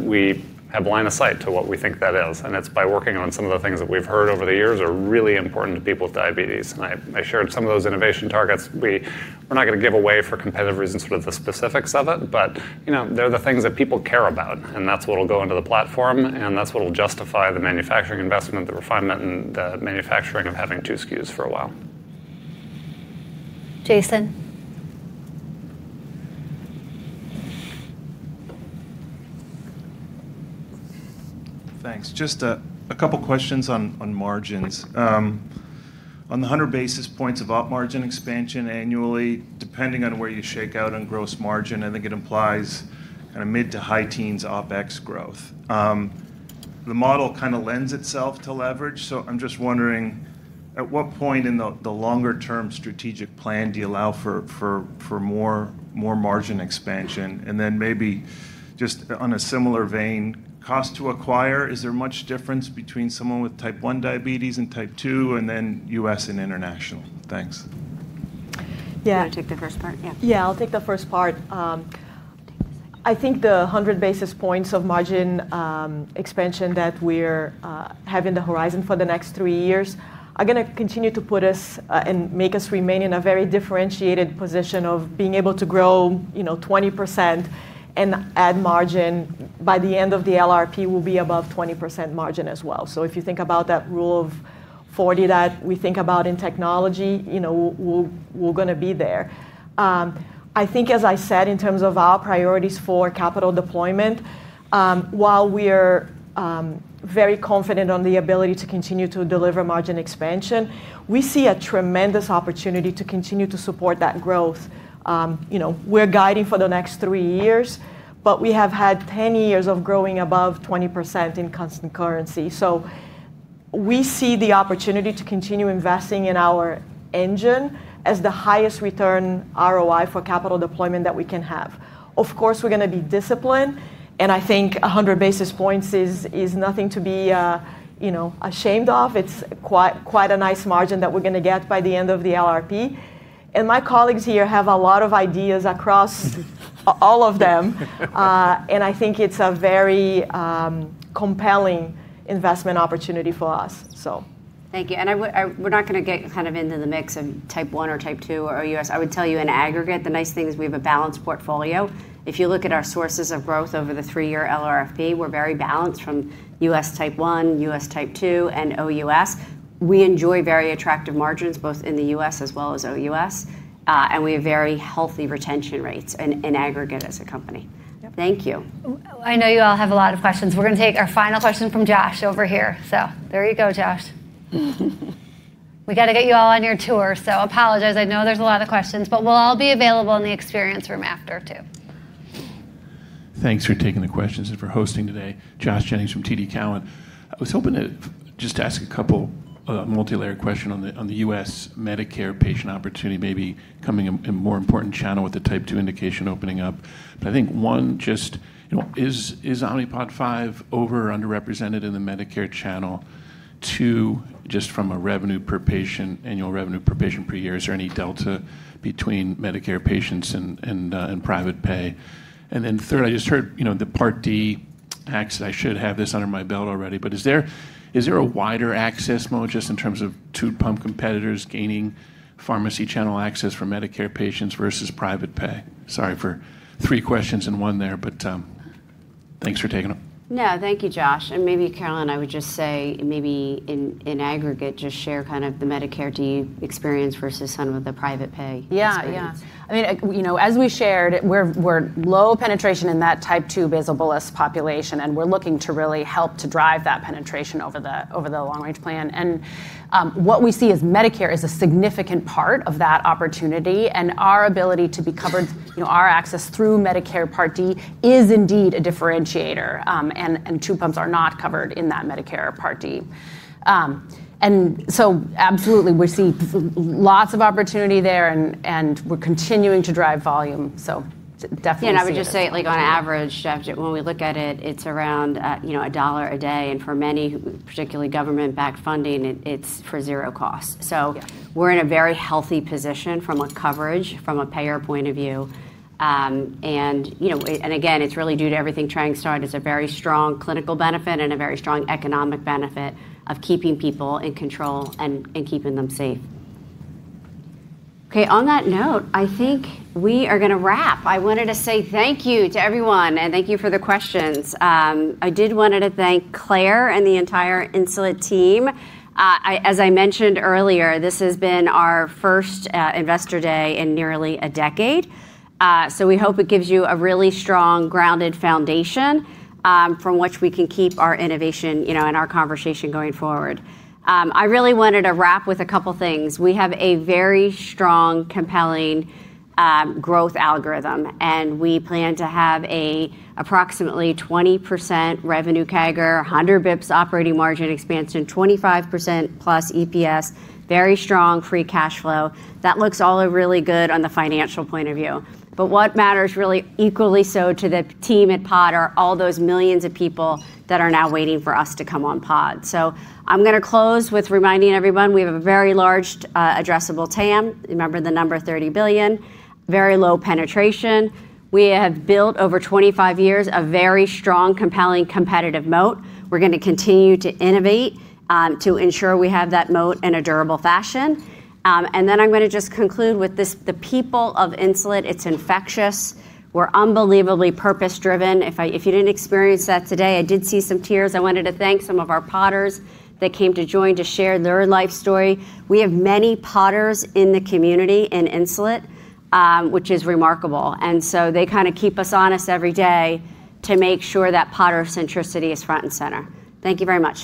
we have a line of sight to what we think that is. It's by working on some of the things that we've heard over the years are really important to people with diabetes. I shared some of those innovation targets. We're not going to give away for competitive reasons sort of the specifics of it, but they're the things that people care about. That's what will go into the platform, and that's what will justify the manufacturing investment, the refinement, and the manufacturing of having two SKUs for a while. Jason. Thanks. Just a couple of questions on margins. On the 100 basis points of op margin expansion annually, depending on where you shake out on gross margin, I think it implies kind of mid to high teens OpEx growth. The model kind of lends itself to leverage. I'm just wondering, at what point in the longer-term strategic plan do you allow for more margin expansion? Maybe just on a similar vein, cost to acquire, is there much difference between someone with type 1 diabetes and type 2 and then U.S. and international? Thanks. Yeah. You want to take the first part? Yeah. Yeah, I'll take the first part. I think the 100 basis points of margin expansion that we're having the horizon for the next three years are going to continue to put us and make us remain in a very differentiated position of being able to grow 20% and add margin. By the end of the LRP, we'll be above 20% margin as well. If you think about that rule of 40 that we think about in technology, we're going to be there. I think, as I said, in terms of our priorities for capital deployment, while we're very confident on the ability to continue to deliver margin expansion, we see a tremendous opportunity to continue to support that growth. We're guiding for the next three years, but we have had 10 years of growing above 20% in constant currency. We see the opportunity to continue investing in our engine as the highest return ROI for capital deployment that we can have. Of course, we're going to be disciplined, and I think 100 basis points is nothing to be ashamed of. It's quite a nice margin that we're going to get by the end of the LRP. My colleagues here have a lot of ideas across all of them. I think it's a very compelling investment opportunity for us. Thank you. We're not going to get kind of into the mix of type one or type two or U.S. I would tell you in aggregate, the nice thing is we have a balanced portfolio. If you look at our sources of growth over the three-year LRFP, we're very balanced from U.S. type one, U.S. type two, and OUS. We enjoy very attractive margins both in the U.S. as well as OUS. We have very healthy retention rates in aggregate as a company. Thank you. I know you all have a lot of questions. We're going to take our final question from Josh over here. There you go, Josh. We got to get you all on your tour. Apologize. I know there's a lot of questions, but we'll all be available in the experience room after too. Thanks for taking the questions and for hosting today. Josh Jennings from TD Cowan. I was hoping to just ask a couple of multilayered questions on the U.S. Medicare patient opportunity, maybe coming in a more important channel with the type two indication opening up. I think one, just is Omnipod 5 over or underrepresented in the Medicare channel? Two, just from a revenue per patient, annual revenue per patient per year, is there any delta between Medicare patients and private pay? Third, I just heard the Part D access. I should have this under my belt already, but is there a wider access mode just in terms of tube pump competitors gaining pharmacy channel access for Medicare patients versus private pay? Sorry for three questions in one there, but thanks for taking it. Thank you, Josh. Maybe Carolyn, I would just say maybe in aggregate, just share kind of the Medicare to you experience versus some of the private pay. Yeah, yeah. I mean, as we shared, we are low penetration in that type two basal bolus population, and we are looking to really help to drive that penetration over the long-range plan. What we see is Medicare is a significant part of that opportunity. Our ability to be covered, our access through Medicare Part D is indeed a differentiator. Tube pumps are not covered in that Medicare Part D. Absolutely, we see lots of opportunity there, and we're continuing to drive volume. Definitely see that. I would just say on average, when we look at it, it's around $1 a day. For many, particularly government-backed funding, it's for zero cost. We're in a very healthy position from a coverage, from a payer point of view. Again, it's really due to everything Trang started. It's a very strong clinical benefit and a very strong economic benefit of keeping people in control and keeping them safe. Okay, on that note, I think we are going to wrap. I wanted to say thank you to everyone, and thank you for the questions. I did want to thank Claire and the entire Insulet team. As I mentioned earlier, this has been our first investor day in nearly a decade. We hope it gives you a really strong, grounded foundation from which we can keep our innovation and our conversation going forward. I really wanted to wrap with a couple of things. We have a very strong, compelling growth algorithm, and we plan to have an approximately 20% revenue CAGR, 100 basis points operating margin expansion, 25%+ EPS, very strong free cash flow. That looks all really good on the financial point of view. What matters really equally so to the team at Pod are all those millions of people that are now waiting for us to come on Pod. I'm going to close with reminding everyone we have a very large addressable TAM. Remember the number 30 billion, very low penetration. We have built over 25 years a very strong, compelling, competitive moat. We are going to continue to innovate to ensure we have that moat in a durable fashion. I am going to just conclude with this. The people of Insulet, it is infectious. We are unbelievably purpose-driven. If you did not experience that today, I did see some tears. I wanted to thank some of our Podders that came to join to share their life story. We have many Podders in the community in Insulet, which is remarkable. They kind of keep us honest every day to make sure that Podder centricity is front and center. Thank you very much.